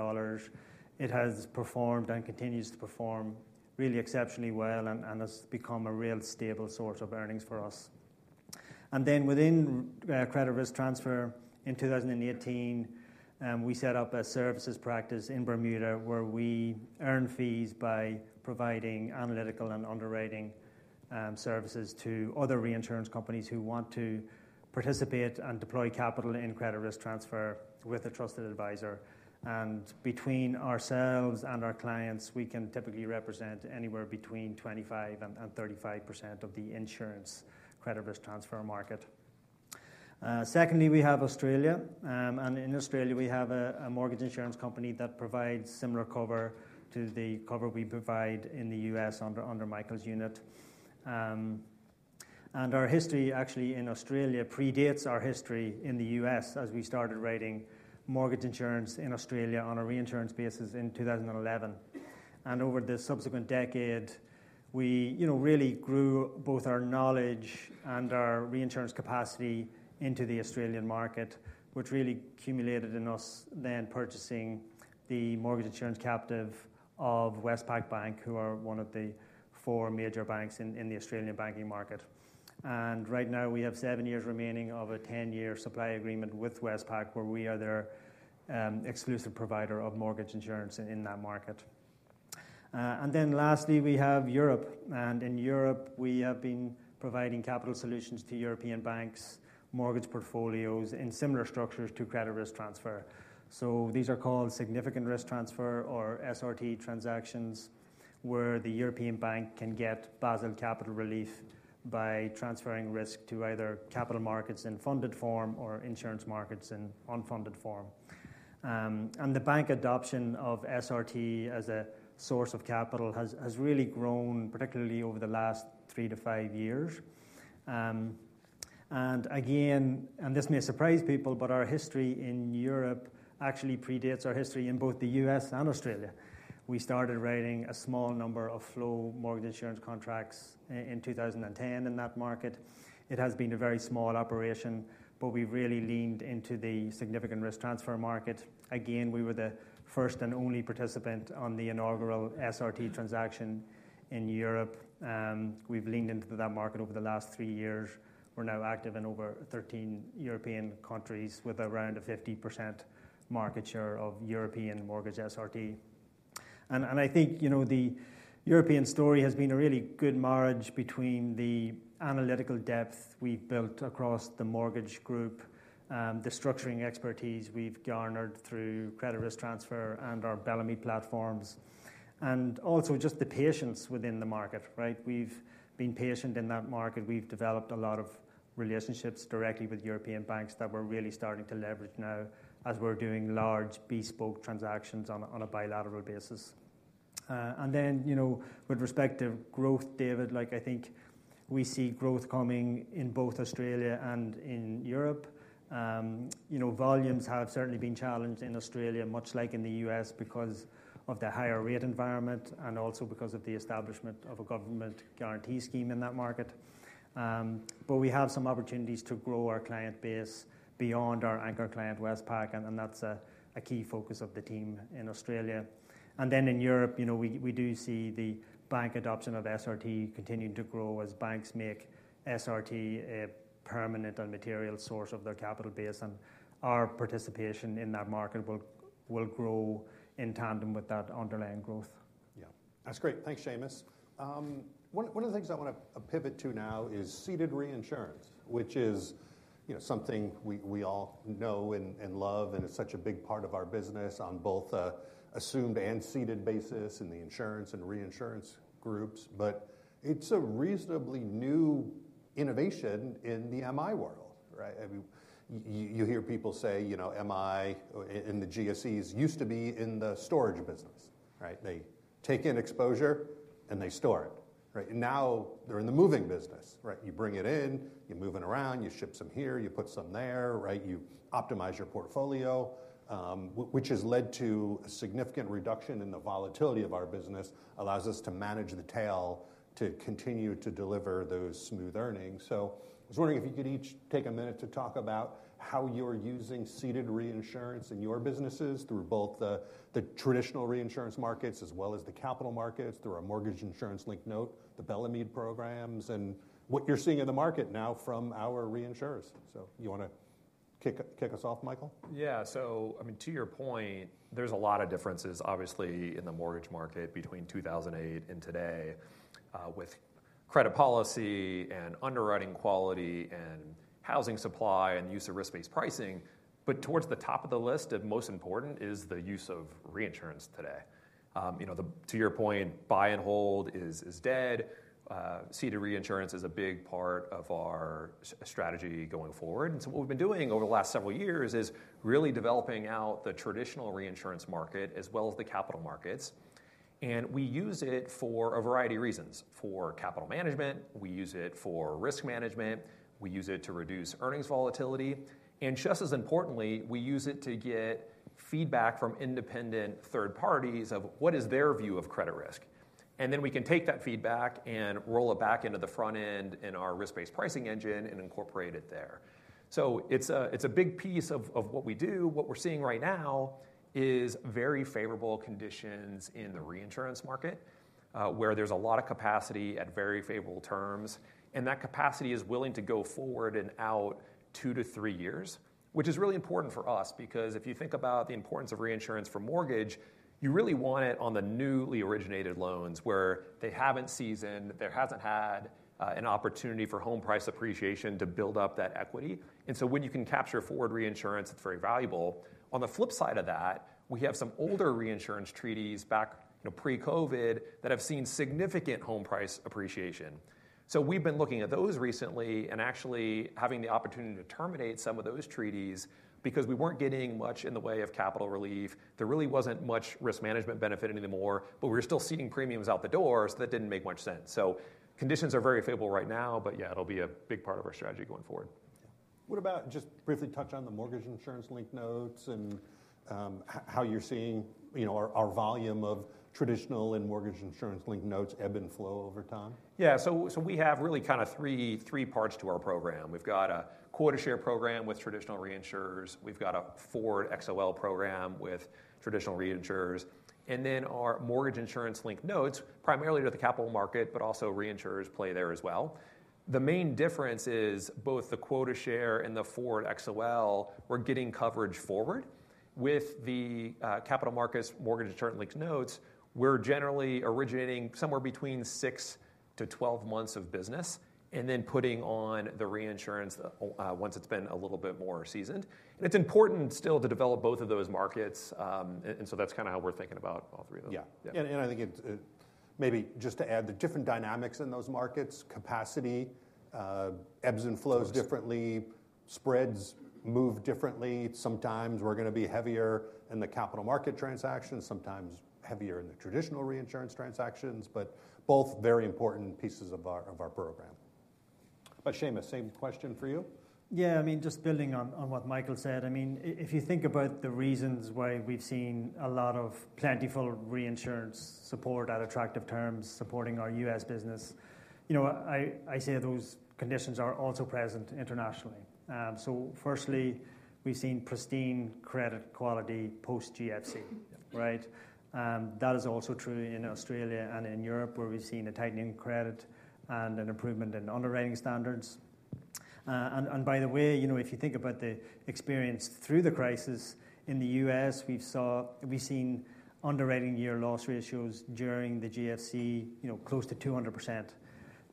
It has performed and continues to perform really exceptionally well and has become a real stable source of earnings for us. And then within credit risk transfer, in 2018, we set up a services practice in Bermuda where we earn fees by providing analytical and underwriting services to other reinsurance companies who want to participate and deploy capital in credit risk transfer with a trusted advisor. And between ourselves and our clients, we can typically represent anywhere between 25% and 35% of the insurance credit risk transfer market. Secondly, we have Australia. And in Australia, we have a mortgage insurance company that provides similar cover to the cover we provide in the U.S. under Michael's unit. And our history actually in Australia predates our history in the U.S. as we started writing mortgage insurance in Australia on a reinsurance basis in 2011. Over the subsequent decade, we really grew both our knowledge and our reinsurance capacity into the Australian market, which really culminated in us then purchasing the mortgage insurance captive of Westpac Bank, who are one of the four major banks in the Australian banking market. Right now, we have seven years remaining of a 10-year supply agreement with Westpac, where we are their exclusive provider of mortgage insurance in that market. Then lastly, we have Europe. In Europe, we have been providing capital solutions to European banks, mortgage portfolios in similar structures to credit risk transfer. These are called significant risk transfer or SRT transactions, where the European bank can get Basel capital relief by transferring risk to either capital markets in funded form or insurance markets in unfunded form. And the bank adoption of SRT as a source of capital has really grown, particularly over the last three to five years. And again, and this may surprise people, but our history in Europe actually predates our history in both the U.S. and Australia. We started writing a small number of flow mortgage insurance contracts in 2010 in that market. It has been a very small operation, but we've really leaned into the significant risk transfer market. Again, we were the first and only participant on the inaugural SRT transaction in Europe. We've leaned into that market over the last three years. We're now active in over 13 European countries with around a 50% market share of European mortgage SRT. I think the European story has been a really good marriage between the analytical depth we've built across the mortgage group, the structuring expertise we've garnered through credit risk transfer and our Bellemeade platforms, and also just the patience within the market. Right? We've been patient in that market. We've developed a lot of relationships directly with European banks that we're really starting to leverage now as we're doing large bespoke transactions on a bilateral basis. And then with respect to growth, David, I think we see growth coming in both Australia and in Europe. Volumes have certainly been challenged in Australia, much like in the U.S., because of the higher rate environment and also because of the establishment of a government guarantee scheme in that market. But we have some opportunities to grow our client base beyond our anchor client, Westpac, and that's a key focus of the team in Australia. And then in Europe, we do see the bank adoption of SRT continuing to grow as banks make SRT a permanent and material source of their capital base. And our participation in that market will grow in tandem with that underlying growth. Yeah. That's great. Thanks, Seamus. One of the things I want to pivot to now is ceded reinsurance, which is something we all know and love, and it's such a big part of our business on both the assumed and ceded basis in the Insurance and Reinsurance Groups. But it's a reasonably new innovation in the MI world. Right? You hear people say MI in the GSEs used to be in the storage business. Right? They take in exposure and they store it. Right? Now they're in the moving business. Right? You bring it in, you move it around, you ship some here, you put some there. Right? You optimize your portfolio, which has led to a significant reduction in the volatility of our business, allows us to manage the tail to continue to deliver those smooth earnings. So I was wondering if you could each take a minute to talk about how you're using ceded reinsurance in your businesses through both the traditional reinsurance markets as well as the capital markets through our mortgage insurance-linked notes, the Bellemeade programs, and what you're seeing in the market now from our reinsurers. So you want to kick us off, Michael? Yeah. So, I mean, to your point, there's a lot of differences, obviously, in the mortgage market between 2008 and today with credit policy and underwriting quality and housing supply and the use of risk-based pricing. But towards the top of the list of most important is the use of reinsurance today. To your point, buy and hold is dead. Ceded reinsurance is a big part of our strategy going forward. And so what we've been doing over the last several years is really developing out the traditional reinsurance market as well as the capital markets. And we use it for a variety of reasons: for capital management, we use it for risk management, we use it to reduce earnings volatility, and just as importantly, we use it to get feedback from independent third parties of what is their view of credit risk. And then we can take that feedback and roll it back into the front end in our risk-based pricing engine and incorporate it there. So it's a big piece of what we do. What we're seeing right now is very favorable conditions in the reinsurance market, where there's a lot of capacity at very favorable terms. And that capacity is willing to go forward and out two to three years, which is really important for us because if you think about the importance of reinsurance for mortgage, you really want it on the newly originated loans where they haven't seasoned, there hasn't had an opportunity for home price appreciation to build up that equity. And so when you can capture forward reinsurance, it's very valuable. On the flip side of that, we have some older reinsurance treaties back pre-COVID that have seen significant home price appreciation. So we've been looking at those recently and actually having the opportunity to terminate some of those treaties because we weren't getting much in the way of capital relief. There really wasn't much risk management benefit anymore, but we were still seeing premiums out the door, so that didn't make much sense. So conditions are very favorable right now, but yeah, it'll be a big part of our strategy going forward. What about—just briefly touch on the mortgage insurance-linked notes and how you're seeing our volume of traditional and mortgage insurance-linked notes ebb and flow over time? Yeah. So we have really kind of three parts to our program. We've got a quota share program with traditional reinsurers. We've got a forward XOL program with traditional reinsurers. And then our mortgage insurance-linked notes primarily are the capital markets, but also reinsurers play there as well. The main difference is both the quota share and the forward XOL, we're getting coverage forward. With the capital markets mortgage insurance-linked notes, we're generally originating somewhere between six to 12 months of business and then putting on the reinsurance once it's been a little bit more seasoned. And it's important still to develop both of those markets. And so that's kind of how we're thinking about all three of them. Yeah, and I think maybe just to add the different dynamics in those markets, capacity ebbs and flows differently, spreads move differently. Sometimes we're going to be heavier in the capital market transactions, sometimes heavier in the traditional reinsurance transactions, but both very important pieces of our program, but Seamus, same question for you. Yeah. I mean, just building on what Michael said, I mean, if you think about the reasons why we've seen a lot of plentiful reinsurance support at attractive terms supporting our U.S. business, I say those conditions are also present internationally, so firstly, we've seen pristine credit quality post-GFC. Right? That is also true in Australia and in Europe, where we've seen a tightening of credit and an improvement in underwriting standards, and by the way, if you think about the experience through the crisis in the U.S., we've seen underwriting year loss ratios during the GFC close to 200%.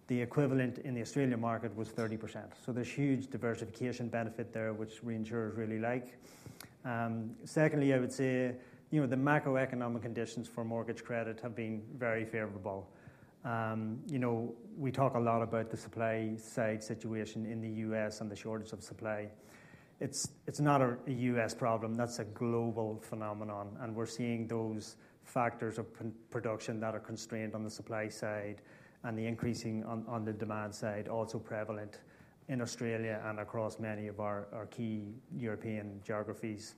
The equivalent in the Australian market was 30%, so there's huge diversification benefit there, which reinsurers really like. Secondly, I would say the macroeconomic conditions for mortgage credit have been very favorable. We talk a lot about the supply side situation in the U.S. and the shortage of supply. It's not a U.S. problem. That's a global phenomenon, and we're seeing those factors of production that are constrained on the supply side and the increasing on the demand side also prevalent in Australia and across many of our key European geographies,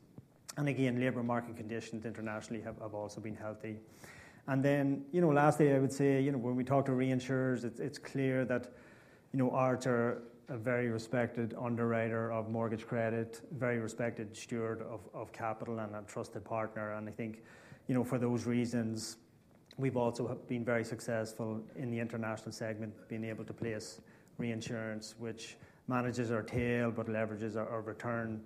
and again, labor market conditions internationally have also been healthy, and then lastly, I would say when we talk to reinsurers, it's clear that we are a very respected underwriter of mortgage credit, very respected steward of capital, and a trusted partner, and I think for those reasons, we've also been very successful in the international segment, being able to place reinsurance, which manages our tail but leverages our return,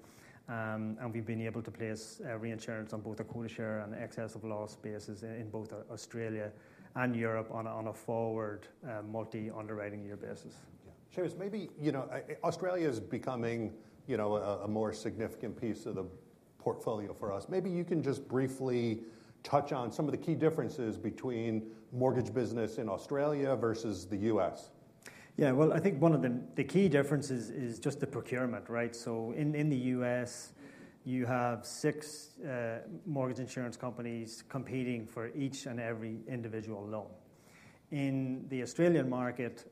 and we've been able to place reinsurance on both a quota share and excess of loss basis in both Australia and Europe on a forward multi-year underwriting basis. Yeah. Seamus, maybe Australia is becoming a more significant piece of the portfolio for us. Maybe you can just briefly touch on some of the key differences between mortgage business in Australia versus the U.S. Yeah. Well, I think one of the key differences is just the procurement. Right? So in the U.S., you have six mortgage insurance companies competing for each and every individual loan. In the Australian market,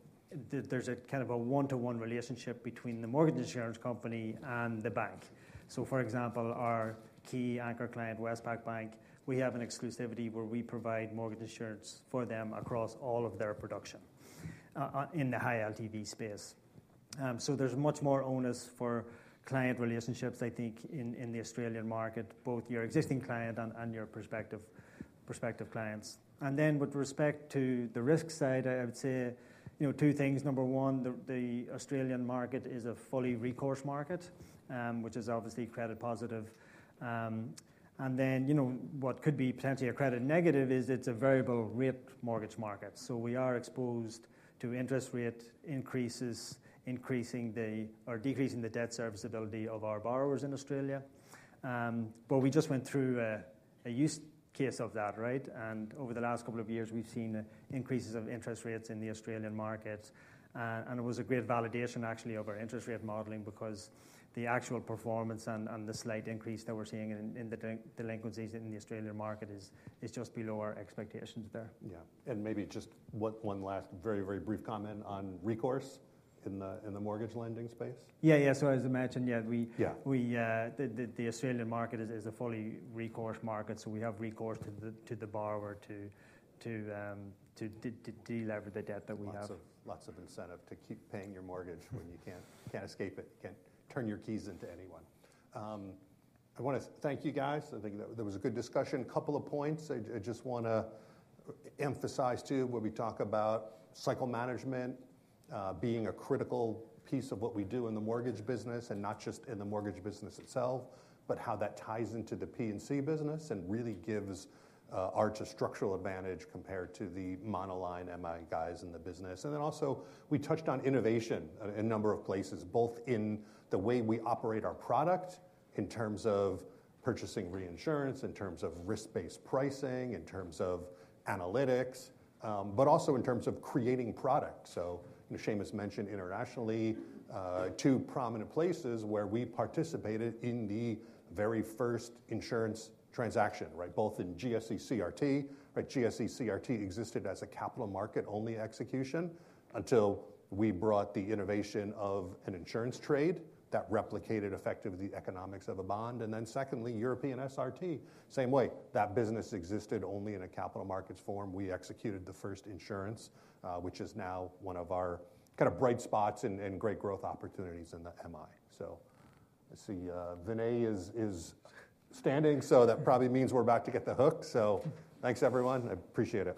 there's a kind of a one-to-one relationship between the mortgage insurance company and the bank. So for example, our key anchor client, Westpac Bank, we have an exclusivity where we provide mortgage insurance for them across all of their production in the high LTV space. So there's much more onus for client relationships, I think, in the Australian market, both your existing client and your prospective clients. And then with respect to the risk side, I would say two things. Number one, the Australian market is a fully recourse market, which is obviously credit positive. And then what could be potentially a credit negative is it's a variable rate mortgage market. So we are exposed to interest rate increases or decreasing the debt serviceability of our borrowers in Australia. But we just went through a use case of that. Right? And over the last couple of years, we've seen increases of interest rates in the Australian market. And it was a great validation, actually, of our interest rate modeling because the actual performance and the slight increase that we're seeing in the delinquencies in the Australian market is just below our expectations there. Yeah, and maybe just one last very, very brief comment on recourse in the mortgage lending space. So as I mentioned, the Australian market is a fully recourse market. So we have recourse to the borrower to deleverage the debt that we have. Lots of incentive to keep paying your mortgage when you can't escape it. You can't turn your keys into anyone. I want to thank you guys. I think there was a good discussion. A couple of points I just want to emphasize too where we talk about cycle management being a critical piece of what we do in the mortgage business and not just in the mortgage business itself, but how that ties into the P&C business and really gives ours a structural advantage compared to the monoline MI guys in the business. And then also we touched on innovation in a number of places, both in the way we operate our product in terms of purchasing reinsurance, in terms of risk-based pricing, in terms of analytics, but also in terms of creating product. So Seamus mentioned internationally two prominent places where we participated in the very first insurance transaction, right, both in GSE CRT. Right? GSE CRT existed as a capital market-only execution until we brought the innovation of an insurance trade that replicated effectively the economics of a bond. And then secondly, European SRT, same way. That business existed only in a capital markets form. We executed the first insurance, which is now one of our kind of bright spots and great growth opportunities in the MI. So I see Vinay is standing, so that probably means we're about to get the hook. So thanks, everyone. I appreciate it.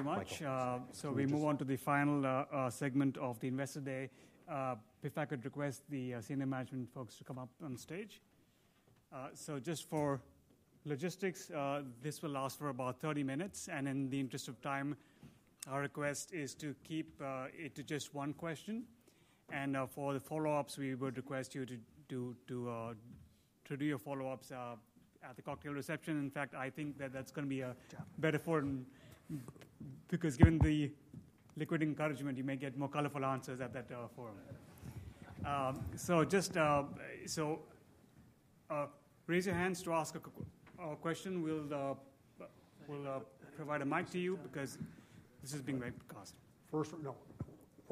Michael. Thank you very much. So we move on to the final segment of the Investor Day. If I could request the senior management folks to come up on stage. So just for logistics, this will last for about 30 minutes. And in the interest of time, our request is to keep it to just one question. And for the follow-ups, we would request you to do your follow-ups at the cocktail reception. In fact, I think that that's going to be better, because given the liquid encouragement, you may get more colorful answers at that forum. So raise your hands to ask a question. We'll provide a mic to you because this is being webcast. First, no.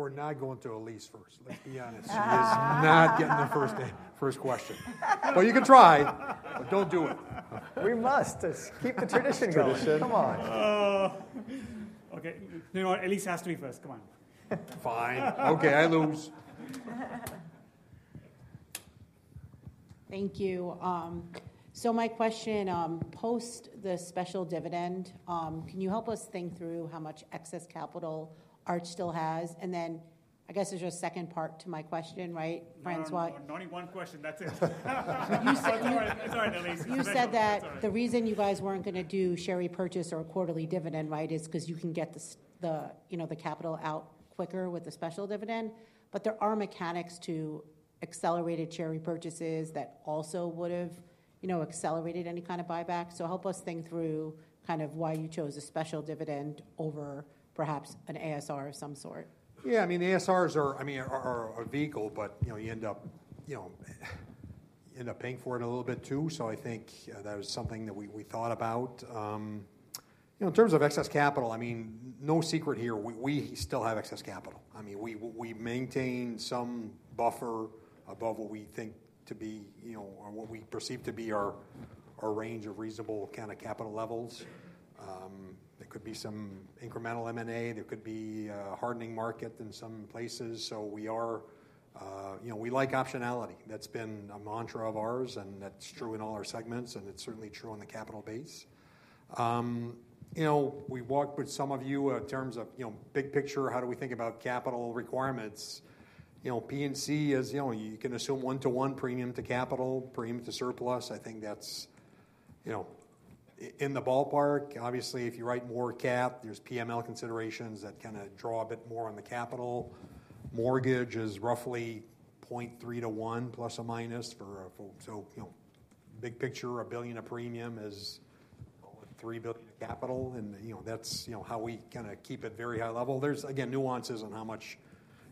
We're not going to Elyse first. Let's be honest. She's not getting the first question. Well, you can try, but don't do it. We must. Just keep the tradition going. Come on. Okay. Elyse has to be first, come on. Fine. Okay. I lose. Thank you. So my question, post the special dividend, can you help us think through how much excess capital Arch still has? And then I guess there's a second part to my question, right, François? No, no, no. Only one question. That's it. I'm sorry, I'm sorry, Elyse. You said that the reason you guys weren't going to do share repurchase or a quarterly dividend, right, is because you can get the capital out quicker with the special dividend. But there are mechanics to accelerated share repurchases that also would have accelerated any kind of buyback. So help us think through kind of why you chose a special dividend over perhaps an ASR of some sort? Yeah. I mean, ASRs are, I mean, are a vehicle, but you end up paying for it a little bit too. So I think that was something that we thought about. In terms of excess capital, I mean, no secret here, we still have excess capital. I mean, we maintain some buffer above what we think to be or what we perceive to be our range of reasonable kind of capital levels. There could be some incremental M&A. There could be a hardening market in some places. So we like optionality. That's been a mantra of ours, and that's true in all our segments, and it's certainly true on the capital base. We've walked with some of you in terms of big picture, how do we think about capital requirements? P&C is you can assume one-to-one premium to capital, premium to surplus. I think that's in the ballpark. Obviously, if you write more cat, there's PML considerations that kind of draw a bit more on the capital. Mortgage is roughly 0.3-1 plus or minus, so big picture, $1 billion of premium is $3 billion of capital. And that's how we kind of keep it very high level. There's, again, nuances on how much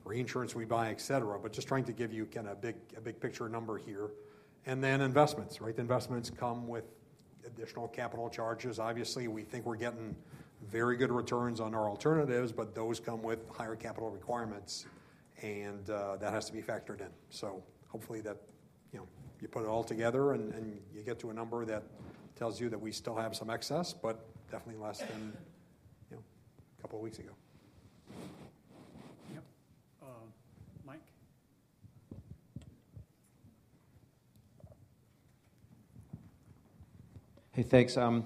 reinsurance we buy, et cetera, et cetera, but just trying to give you kind of a big picture number here. And then investments. Right? Investments come with additional capital charges. Obviously, we think we're getting very good returns on our alternatives, but those come with higher capital requirements, and that has to be factored in. So hopefully that you put it all together and you get to a number that tells you that we still have some excess, but definitely less than a couple of weeks ago. Yep. Mike. Hey, thanks.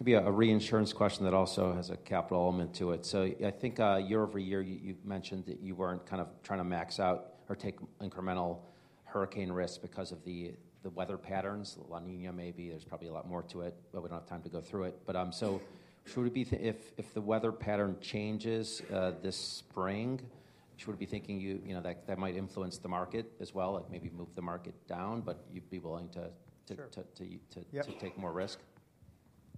Maybe a reinsurance question that also has a capital element to it. So I think year over year, you've mentioned that you weren't kind of trying to max out or take incremental hurricane risk because of the weather patterns. La Niña, maybe. There's probably a lot more to it, but we don't have time to go through it. But so should it be if the weather pattern changes this spring, should it be thinking that might influence the market as well, like maybe move the market down, but you'd be willing to take more risk?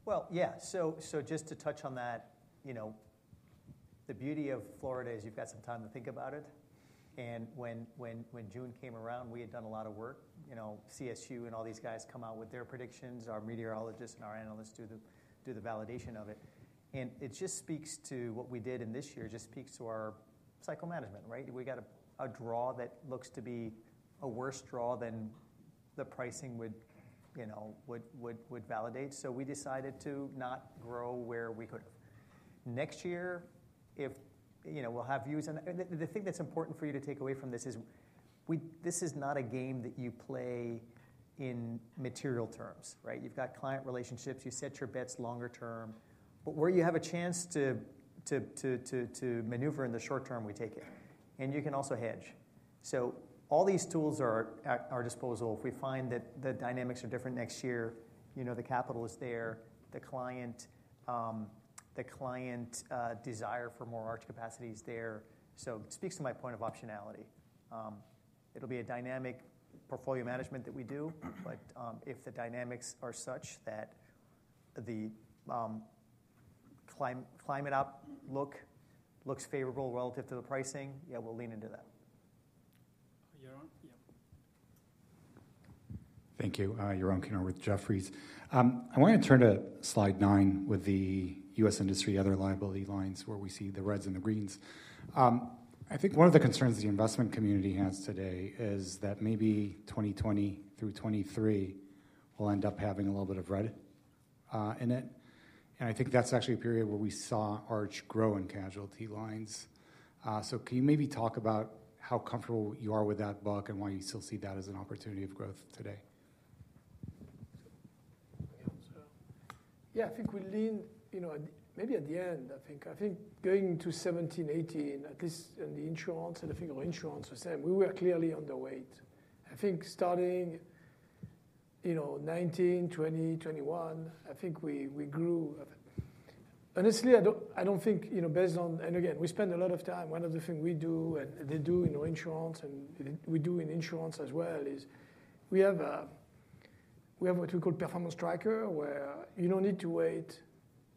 Well, yeah. So just to touch on that, the beauty of Florida is you've got some time to think about it. And when June came around, we had done a lot of work. CSU and all these guys come out with their predictions. Our meteorologists and our analysts do the validation of it. And it just speaks to what we did in this year, just speaks to our cycle management. Right? We got a draw that looks to be a worse draw than the pricing would validate. So we decided to not grow where we could have. Next year, we'll have views. And the thing that's important for you to take away from this is this is not a game that you play in material terms. Right? You've got client relationships. You set your bets longer term. But where you have a chance to maneuver in the short term, we take it. And you can also hedge. So all these tools are at our disposal. If we find that the dynamics are different next year, the capital is there. The client desire for more Arch capacity is there. So it speaks to my point of optionality. It'll be a dynamic portfolio management that we do. But if the dynamics are such that the climate outlook looks favorable relative to the pricing, yeah, we'll lean into that. Yaron? Yeah. Thank you. Yaron Kinar with Jefferies. I want to turn to slide 9 with the U.S. industry other liability lines where we see the reds and the greens. I think one of the concerns the investment community has today is that maybe 2020 through 2023 will end up having a little bit of red in it. And I think that's actually a period where we saw Arch grow in casualty lines. So can you maybe talk about how comfortable you are with that book and why you still see that as an opportunity of growth today? Yeah. I think we leaned maybe at the end, I think. I think going to 2017, 2018, at least in the insurance, and I think our insurance was saying we were clearly underweight. I think starting 2019, 2020, 2021, I think we grew. Honestly, I don't think based on and again, we spend a lot of time. One of the things we do and they do in our insurance and we do in insurance as well is we have what we call performance tracker where you don't need to wait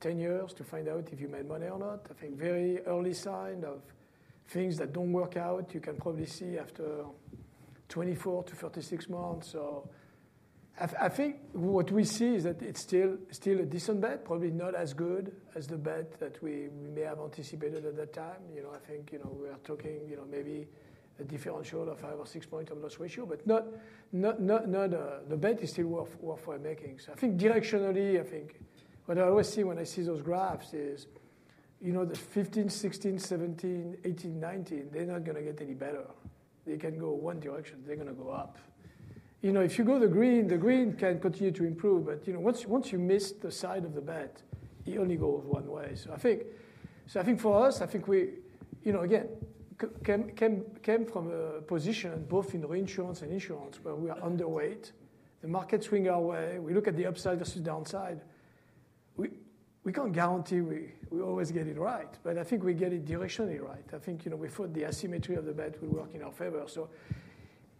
10 years to find out if you made money or not. I think very early sign of things that don't work out, you can probably see after 24 to 36 months. So I think what we see is that it's still a decent bet, probably not as good as the bet that we may have anticipated at that time. I think we are talking maybe a differential of 5 or 6 points on loss ratio, but the bet is still worthwhile making. So I think directionally, I think what I always see when I see those graphs is the 2015, 2016, 2017, 2018, 2019; they're not going to get any better. They can go one direction. They're going to go up. If you go the green, the green can continue to improve. But once you miss the side of the bet, it only goes one way. So I think for us, I think we, again, came from a position both in reinsurance and insurance where we are underweight. The markets swing our way. We look at the upside versus downside. We can't guarantee we always get it right, but I think we get it directionally right. I think we thought the asymmetry of the bet would work in our favor.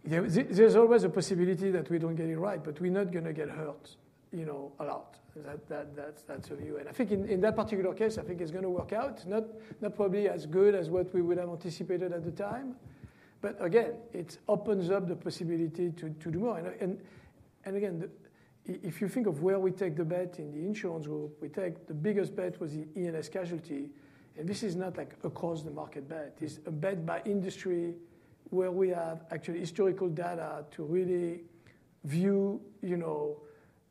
So there's always a possibility that we don't get it right, but we're not going to get hurt a lot. That's a view. And I think in that particular case, I think it's going to work out, not probably as good as what we would have anticipated at the time. But again, it opens up the possibility to do more. And again, if you think of where we take the bet in the Insurance Group, we take the biggest bet was the E&S casualty. And this is not like across the market bet. It's a bet by industry where we have actually historical data to really view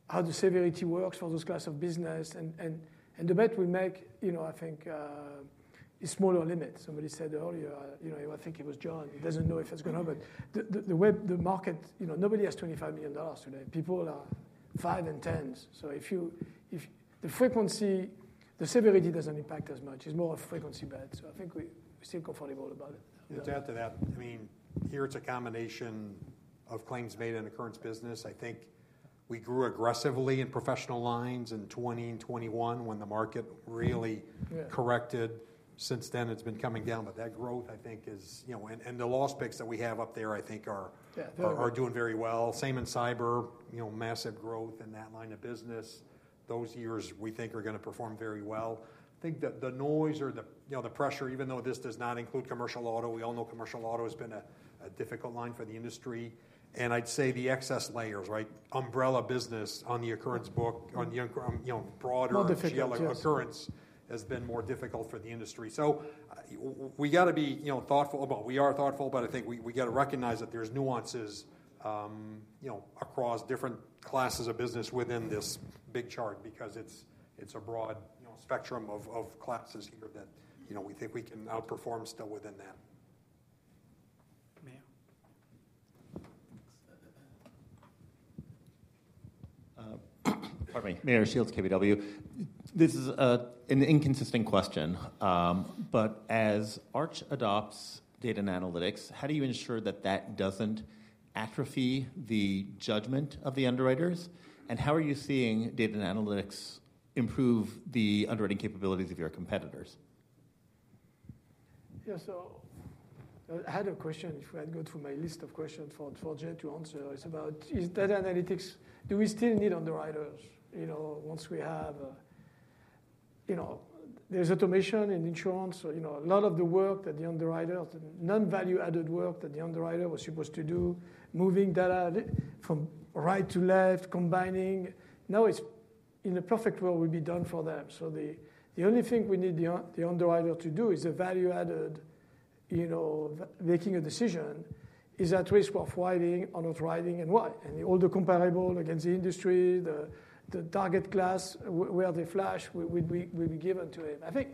how the severity works for those class of business. And the bet we make, I think, is smaller limit. Somebody said earlier, I think it was John, he doesn't know if it's going to happen. The market, nobody has $25 million today. People are 5s and 10s. So the frequency, the severity doesn't impact as much. It's more a frequency bet. So I think we're still comfortable about it. To add to that, I mean, here, it's a combination of claims made in the current business. I think we grew aggressively in professional lines in 2020 and 2021 when the market really corrected. Since then, it's been coming down. But that growth, I think, is and the loss picks that we have up there, I think, are doing very well. Same in cyber, massive growth in that line of business. Those years, we think, are going to perform very well. I think the noise or the pressure, even though this does not include commercial auto, we all know commercial auto has been a difficult line for the industry. And I'd say the excess layers, right, umbrella business on the occurrence book, on the broader scale occurrence has been more difficult for the industry. So we got to be thoughtful. We are thoughtful, but I think we got to recognize that there's nuances across different classes of business within this big chart because it's a broad spectrum of classes here that we think we can outperform still within that. Meyer. Pardon me. Meyer Shields, KBW. This is an inconsistent question. But as Arch adopts data and analytics, how do you ensure that that doesn't atrophy the judgment of the underwriters? And how are you seeing data and analytics improve the underwriting capabilities of your competitors? Yeah, so I had a question. If I go through my list of questions for Jay to answer, it's about, is data analytics, do we still need underwriters once we have, there's automation in insurance? A lot of the work that the underwriter, the non-value added work that the underwriter was supposed to do, moving data from right to left, combining, now it's in a perfect world will be done for them. So the only thing we need the underwriter to do is value added, making a decision, is that risk worthwhile or not writing and why? And all the comparables against the industry, the target class, where they fit, as well, be given to him. I think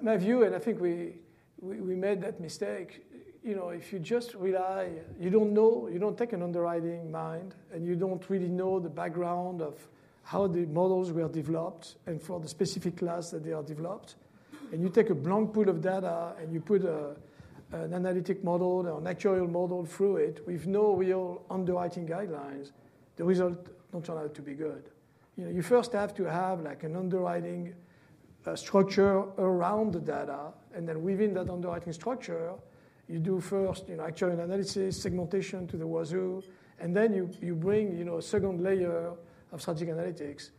my view, and I think we made that mistake, if you just rely, you don't know, you don't take an underwriting mind, and you don't really know the background of how the models were developed and for the specific class that they are developed. And you take a blank pool of data and you put an analytic model or an actuarial model through it with no real underwriting guidelines, the result doesn't turn out to be good. You first have to have an underwriting structure around the data. And then within that underwriting structure, you do first actuarial analysis, segmentation to the wazoo, and then you bring a second layer of strategic analytics.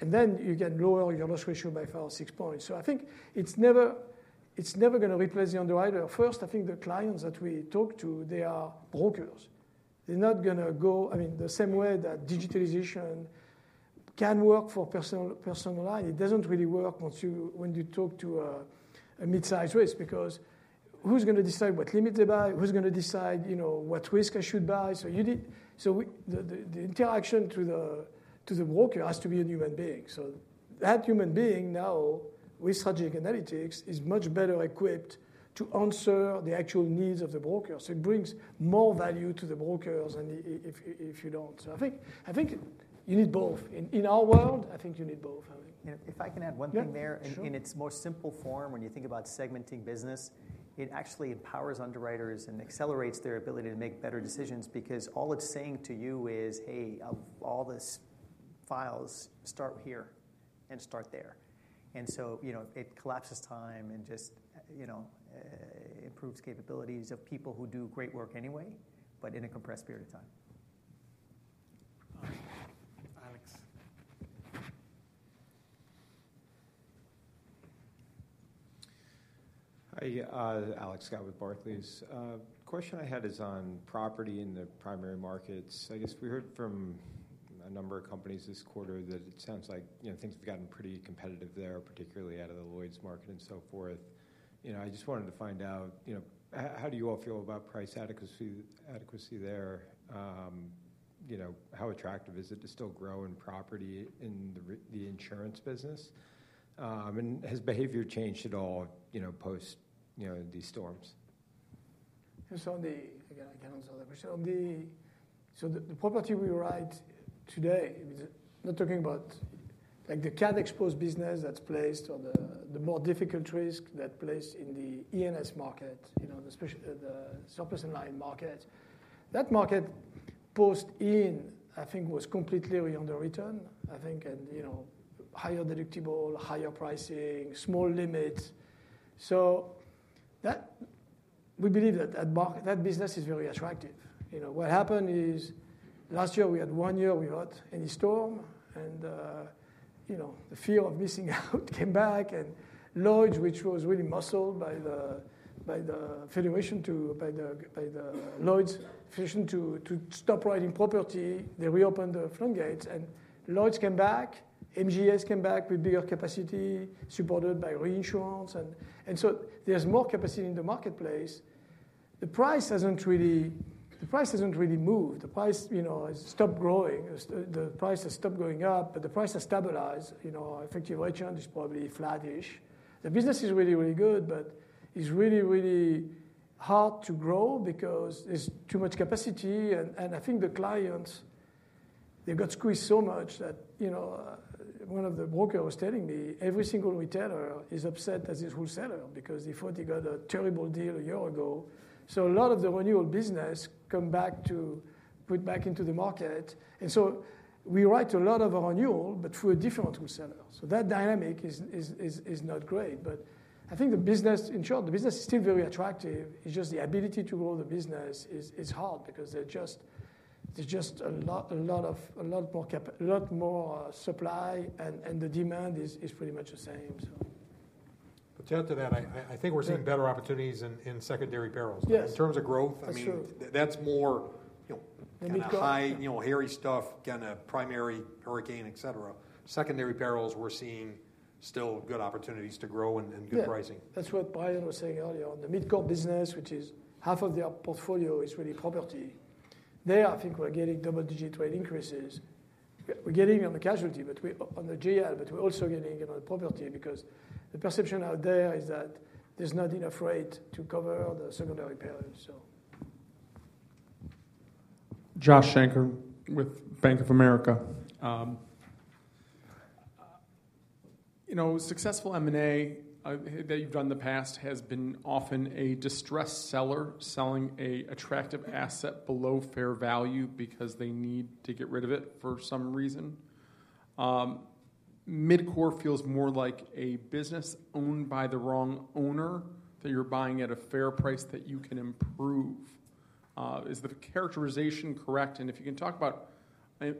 And then you can lower your loss ratio by five or six points. So I think it's never going to replace the underwriter. First, I think the clients that we talk to, they are brokers. They're not going to go, I mean, the same way that digitalization can work for personal line. It doesn't really work when you talk to a mid-size risk because who's going to decide what limits they buy, who's going to decide what risk I should buy. So the interaction to the broker has to be a human being. So that human being now with strategic analytics is much better equipped to answer the actual needs of the broker. So it brings more value to the brokers than if you don't. So I think you need both. In our world, I think you need both. If I can add one thing there, in its more simple form, when you think about segmenting business, it actually empowers underwriters and accelerates their ability to make better decisions because all it's saying to you is, hey, all these files start here and start there, and so it collapses time and just improves capabilities of people who do great work anyway, but in a compressed period of time. Alex. Hi. Alex Scott with Barclays. Question I had is on property in the primary markets. I guess we heard from a number of companies this quarter that it sounds like things have gotten pretty competitive there, particularly out of the Lloyd's market and so forth. I just wanted to find out, how do you all feel about price adequacy there? How attractive is it to still grow in property in the insurance business? And has behavior changed at all post these storms? Again, I can answer that question. The property we write today, I mean, not talking about the cat-exposed business that's placed or the more difficult risk that's placed in the E&S market, the surplus and excess lines market. That market post-Ian, I think, was completely underwritten, I think, and higher deductible, higher pricing, small limits. We believe that that business is very attractive. What happened is last year, we had one year without any storm. The fear of missing out came back. Lloyd's, which was really muscled by the regulator to abide by the Lloyd's position to stop writing property, reopened the floodgates. Lloyd's came back. MGAs came back with bigger capacity supported by reinsurance. There's more capacity in the marketplace. The price hasn't really moved. The price hasn't really moved. The price has stopped growing. The price has stopped going up, but the price has stabilized. Effective return is probably flattish. The business is really, really good, but it's really, really hard to grow because there's too much capacity, and I think the clients, they got squeezed so much that one of the brokers was telling me every single retailer is upset as his wholesaler because he thought he got a terrible deal a year ago, so a lot of the renewal business come back to put back into the market, and so we write a lot of renewal, but through a different wholesaler, so that dynamic is not great, but I think the business, in short, the business is still very attractive. It's just the ability to grow the business is hard because there's just a lot more supply and the demand is pretty much the same, so. To add to that, I think we're seeing better opportunities in secondary perils. In terms of growth, I mean, that's more high-hazard stuff, kind of primary hurricanes, et cetera. Secondary perils, we're seeing still good opportunities to grow and good pricing. Yeah. That's what Brian was saying earlier. The MidCorp business, which is half of their portfolio is really property. There, I think we're getting double-digit rate increases. We're getting on the casualty, but on the GL, but we're also getting on the property because the perception out there is that there's not enough rate to cover the secondary perils, so. Josh Shanker with Bank of America. Successful M&A that you've done in the past has been often a distressed seller selling an attractive asset below fair value because they need to get rid of it for some reason. MidCorp feels more like a business owned by the wrong owner that you're buying at a fair price that you can improve. Is the characterization correct? And if you can talk about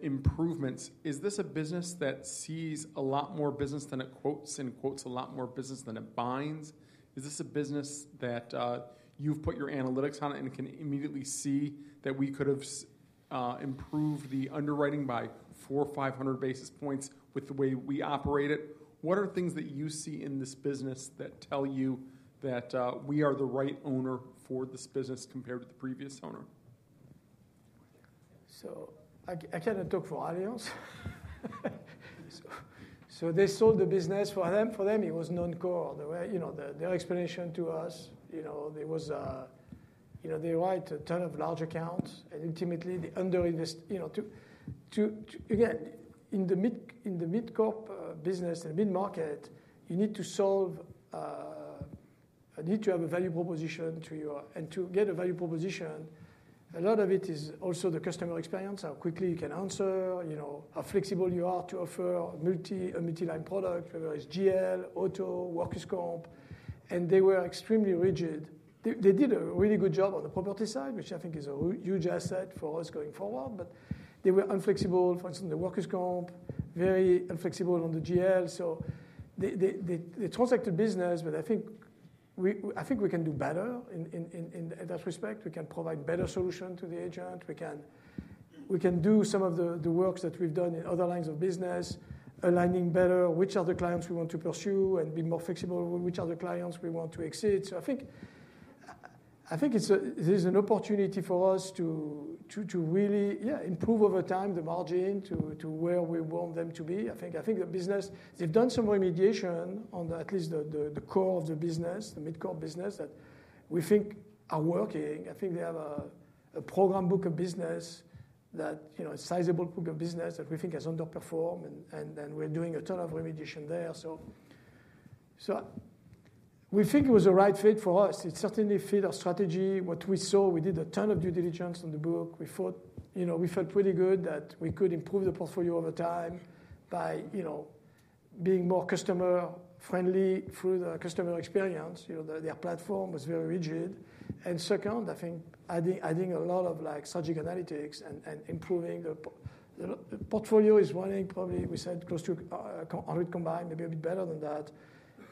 improvements, is this a business that sees a lot more business than it quotes and quotes a lot more business than it binds? Is this a business that you've put your analytics on it and can immediately see that we could have improved the underwriting by 4,500 basis points with the way we operate it? What are things that you see in this business that tell you that we are the right owner for this business compared to the previous owner? I cannot talk for the Allianz. They sold the business for them. For them, it was non-core. Their explanation to us, they write a ton of large accounts and ultimately they underinvest. Again, in the MidCorp business and mid-market, you need to sell, you need to have a value proposition to your and to get a value proposition, a lot of it is also the customer experience, how quickly you can answer, how flexible you are to offer a multi-line product, whether it's GL, auto, workers' comp. They were extremely rigid. They did a really good job on the property side, which I think is a huge asset for us going forward. But they were inflexible. For instance, the workers' comp, very inflexible on the GL. They transacted business, but I think we can do better in that respect. We can provide better solutions to the agent. We can do some of the work that we've done in other lines of business, aligning better which are the clients we want to pursue and be more flexible with which are the clients we want to cede. So I think there's an opportunity for us to really, yeah, improve over time the margin to where we want them to be. I think the business. They've done some remediation on at least the core of the business, the MidCorp business that we think are working. I think they have a program book of business that is a sizable book of business that we think has underperformed, and we're doing a ton of remediation there. So we think it was the right fit for us. It certainly fit our strategy. What we saw, we did a ton of due diligence on the book. We felt pretty good that we could improve the portfolio over time by being more customer-friendly through the customer experience. Their platform was very rigid, and second, I think adding a lot of strategic analytics and improving the portfolio is running probably, we said, close to 100 combined, maybe a bit better than that.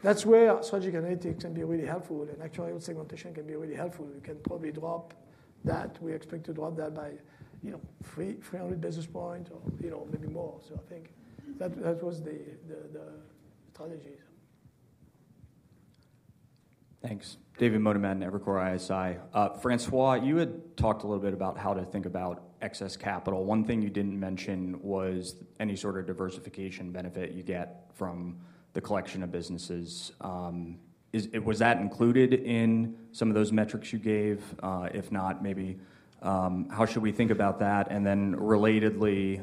That's where strategic analytics can be really helpful, and actuarial segmentation can be really helpful. We can probably drop that. We expect to drop that by 300 basis points or maybe more, so I think that was the strategy. Thanks. David Motemaden, Evercore ISI. François, you had talked a little bit about how to think about excess capital. One thing you didn't mention was any sort of diversification benefit you get from the collection of businesses. Was that included in some of those metrics you gave? If not, maybe how should we think about that? And then relatedly,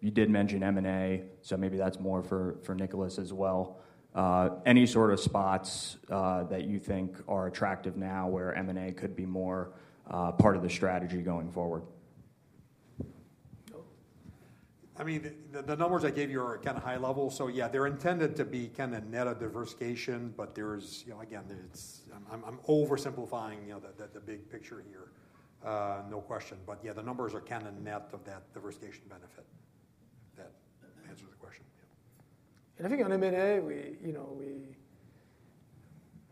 you did mention M&A, so maybe that's more for Nicolas as well. Any sort of spots that you think are attractive now where M&A could be more part of the strategy going forward? I mean, the numbers I gave you are kind of high level. So yeah, they're intended to be kind of net of diversification, but there's, again, I'm oversimplifying the big picture here, no question. But yeah, the numbers are kind of net of that diversification benefit. That answers the question. And I think on M&A, we're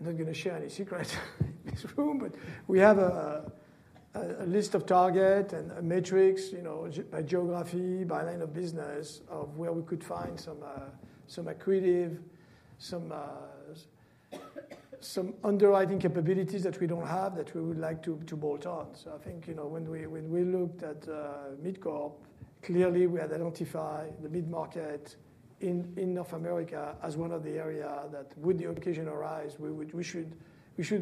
not going to share any secrets in this room, but we have a list of targets and metrics by geography, by line of business, of where we could find some accretive, some underwriting capabilities that we don't have that we would like to bolt on. So I think when we looked at MidCorp, clearly we had identified the middle market in North America as one of the areas that with the occasion arise, we should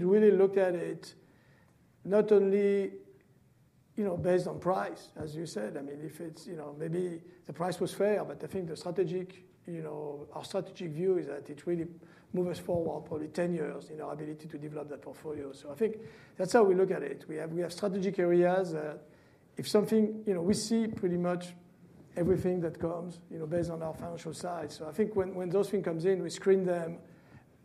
really look at it not only based on price, as you said. I mean, if it's maybe the price was fair, but I think our strategic view is that it really moves us forward probably 10 years in our ability to develop that portfolio. So I think that's how we look at it. We have strategic areas that if something we see pretty much everything that comes based on our financial side. So I think when those things come in, we screen them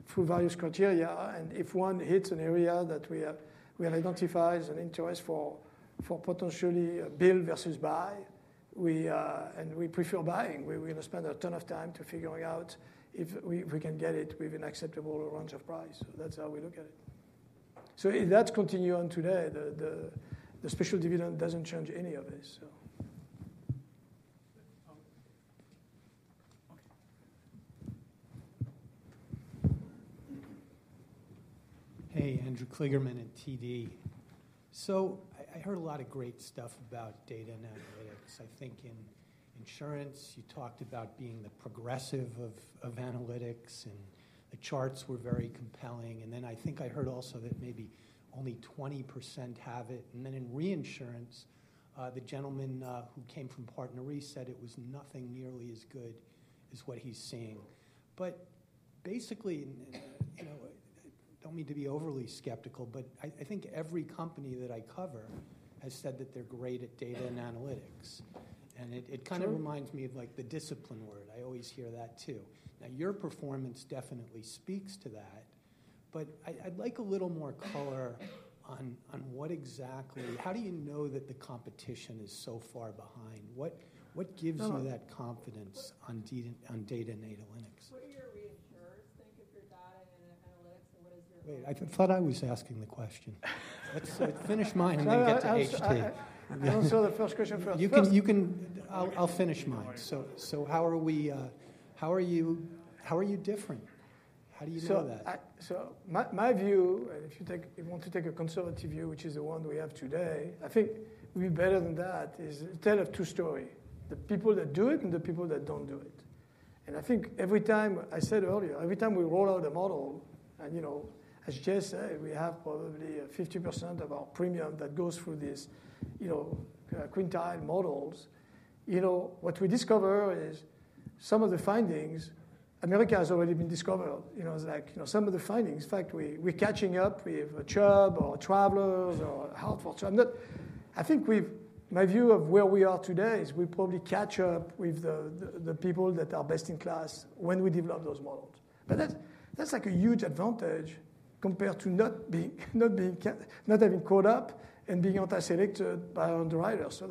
through various criteria. And if one hits an area that we have identified as an interest for potentially build versus buy, and we prefer buying, we're going to spend a ton of time figuring out if we can get it with an acceptable range of price. So that's how we look at it. So that's continuing today. The special dividend doesn't change any of this, so. Hey, Andrew Kligerman at TD. So I heard a lot of great stuff about data and analytics. I think in insurance, you talked about being the Progressive of analytics, and the charts were very compelling. And then I think I heard also that maybe only 20% have it. And then in reinsurance, the gentleman who came from PartnerRe said it was nothing nearly as good as what he's seeing. But basically, I don't mean to be overly skeptical, but I think every company that I cover has said that they're great at data and analytics. And it kind of reminds me of the discipline word. I always hear that too. Now, your performance definitely speaks to that, but I'd like a little more color on what exactly how do you know that the competition is so far behind? What gives you that confidence on data and analytics? What do your reinsurers think of your data and analytics, and what is your? Wait, I thought I was asking the question. Finish mine, and then get to HT. I'm sorry, the first question from you. You can, I'll finish mine. So how are you different? How do you know that? So, my view, and if you want to take a conservative view, which is the one we have today, I think we're better than that is to tell a true story. The people that do it and the people that don't do it. And I think, as I said earlier, every time we roll out a model, and as Jay said, we have probably 50% of our premium that goes through these Quintile models. What we discover is some of the findings in America have already been discovered. It's like some of the findings, in fact, we're catching up with Chubb or Travelers or Hartford. So, I think my view of where we are today is we probably catch up with the people that are best in class when we develop those models. But that's like a huge advantage compared to not having caught up and being anti-selected by underwriters. So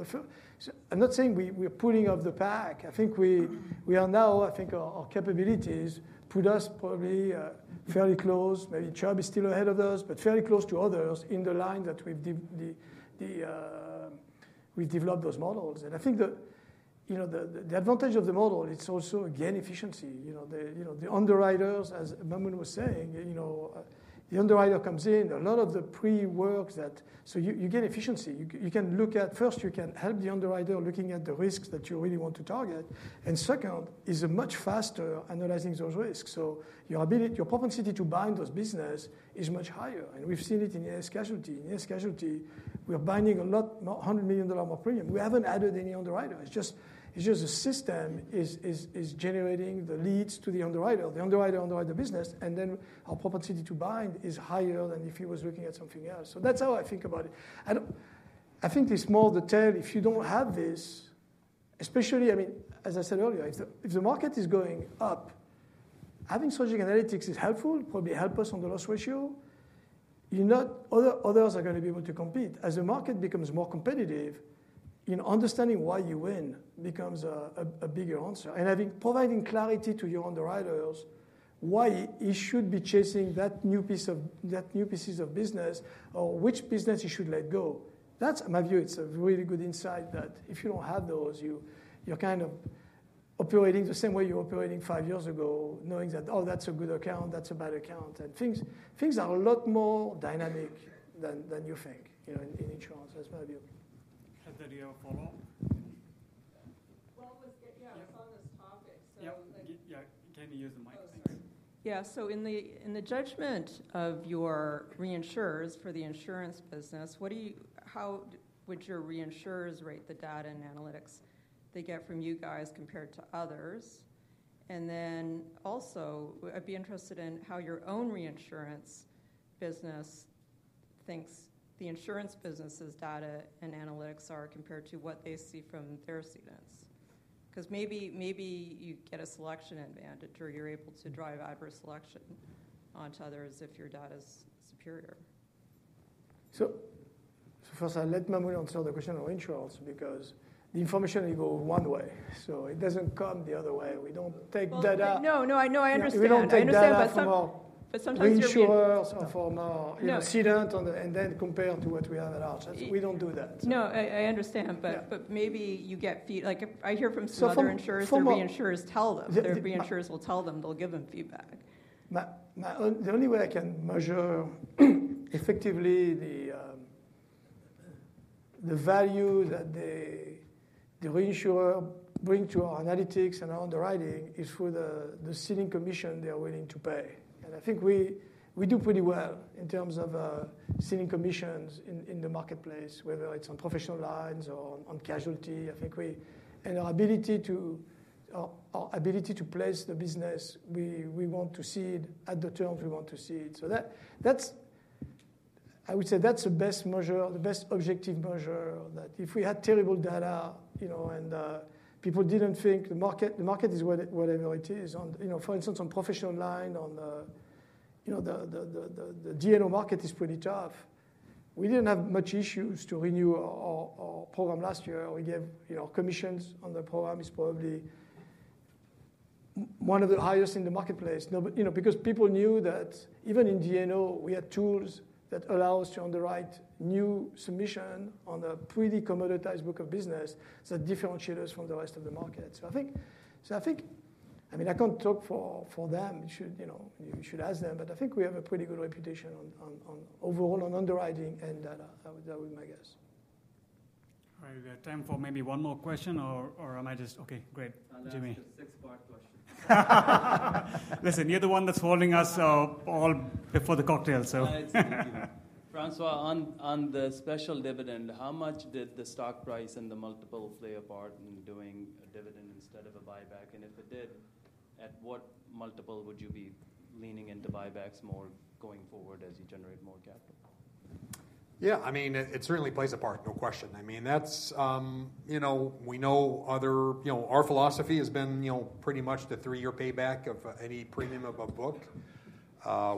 I'm not saying we're pulling off the pack. I think we are now. I think our capabilities put us probably fairly close. Maybe Chubb is still ahead of us, but fairly close to others in the line that we've developed those models. And I think the advantage of the model, it's also, again, efficiency. The underwriters, as Maamoun was saying, the underwriter comes in, a lot of the pre-work that so you get efficiency. You can look at first, you can help the underwriter looking at the risks that you really want to target. And second is a much faster analyzing those risks. So your propensity to bind those businesses is much higher. And we've seen it in U.S. casualty. In U.S. casualty, we're binding a lot more $100 million more premium. We haven't added any underwriter. It's just the system is generating the leads to the underwriter, the underwriter business. And then our propensity to bind is higher than if he was looking at something else. So that's how I think about it. I think it's more the tail. If you don't have this, especially, I mean, as I said earlier, if the market is going up, having strategic analytics is helpful, probably help us on the loss ratio. Others are going to be able to compete. As the market becomes more competitive, understanding why you win becomes a bigger answer. And I think providing clarity to your underwriters why you should be chasing that new pieces of business or which business you should let go. That's, in my view, it's a really good insight that if you don't have those, you're kind of operating the same way you're operating five years ago, knowing that, oh, that's a good account, that's a bad account, and things are a lot more dynamic than you think in insurance, that's my view. Heather, do you have a follow-up? Well, yeah, I was on this topic. Yeah, can you use the mic? Yeah. So in the judgment of your reinsurers for the insurance business, how would your reinsurers rate the data and analytics they get from you guys compared to others? And then also, I'd be interested in how your own reinsurance business thinks the insurance business's data and analytics are compared to what they see from their cedents. Because maybe you get a selection advantage or you're able to drive adverse selection onto others if your data's superior. So first, I'll let Maamoun answer the question on insurance because the information will go one way. So it doesn't come the other way. We don't take data. No, no, I know. I understand. I understand. But sometimes you're wrong. We don't take data from our reinsurers, or from our cendents and then compared to what we have at our side. We don't do that. No, I understand, but maybe you get feedback. I hear from some of your insurers, then the insurers tell them. The reinsurers will tell them. They'll give them feedback. The only way I can measure effectively the value that the reinsurer brings to our analytics and our underwriting is through the ceding commission they are willing to pay. And I think we do pretty well in terms of ceding commissions in the marketplace, whether it's on professional lines or on casualty. I think we, and our ability to place the business, we want to see it at the terms we want to see it. So I would say that's the best objective measure that if we had terrible data and people didn't think the market is whatever it is. For instance, on professional line, the D&O market is pretty tough. We didn't have much issues to renew our program last year. We gave commissions on the program is probably one of the highest in the marketplace. Because people knew that even in D&O, we had tools that allow us to underwrite new submission on a pretty commoditized book of business that differentiates us from the rest of the market. So I think, I mean, I can't talk for them. You should ask them. But I think we have a pretty good reputation overall on underwriting and data. That would be my guess. All right. We have time for maybe one more question, or am I just okay? Great. Jimmy. I'll ask a six-part question. Listen, you're the one that's holding us all before the cocktail, so. All right. Thank you. François, on the special dividend, how much did the stock price and the multiple play a part in doing a dividend instead of a buyback? And if it did, at what multiple would you be leaning into buybacks more going forward as you generate more capital? Yeah, I mean, it certainly plays a part, no question. I mean, we know our philosophy has been pretty much the three-year payback of any premium to book.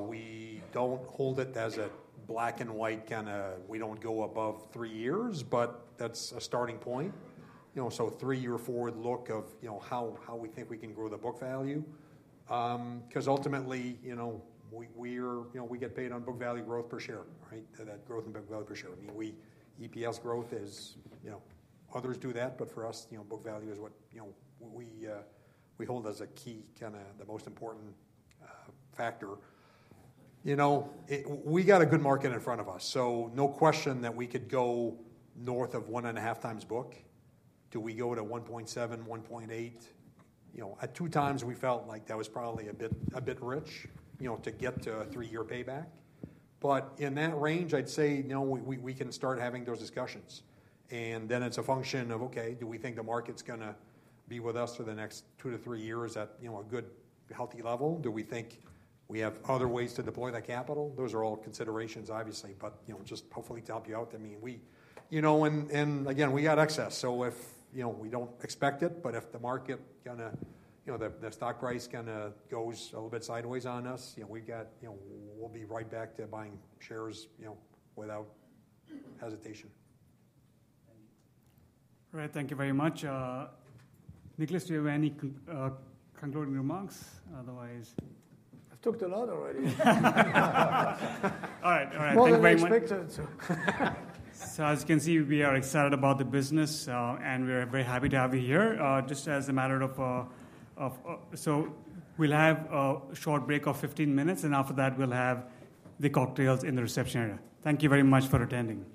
We don't hold it as a black and white kind of, we don't go above three years, but that's a starting point. So three-year forward look of how we think we can grow the book value. Because ultimately, we get paid on book value growth per share, right? That growth in book value per share. I mean, EPS growth is others do that, but for us, book value is what we hold as a key kind of the most important factor. We got a good market in front of us. So no question that we could go north of one and a half times book. Do we go to 1.7, 1.8? At two times, we felt like that was probably a bit rich to get to a three-year payback. But in that range, I'd say we can start having those discussions. And then it's a function of, okay, do we think the market's going to be with us for the next two to three years at a good, healthy level? Do we think we have other ways to deploy that capital? Those are all considerations, obviously, but just hopefully to help you out. I mean, and again, we got excess. So if we don't expect it, but if the market, the stock price kind of goes a little bit sideways on us, we'll be right back to buying shares without hesitation. All right. Thank you very much. Nicolas, do you have any concluding remarks? Otherwise. I've talked a lot already. All right. All right. Thank you very much. More than I expected. As you can see, we are excited about the business, and we're very happy to have you here. We'll have a short break of 15 minutes, and after that, we'll have the cocktails in the reception area. Thank you very much for attending.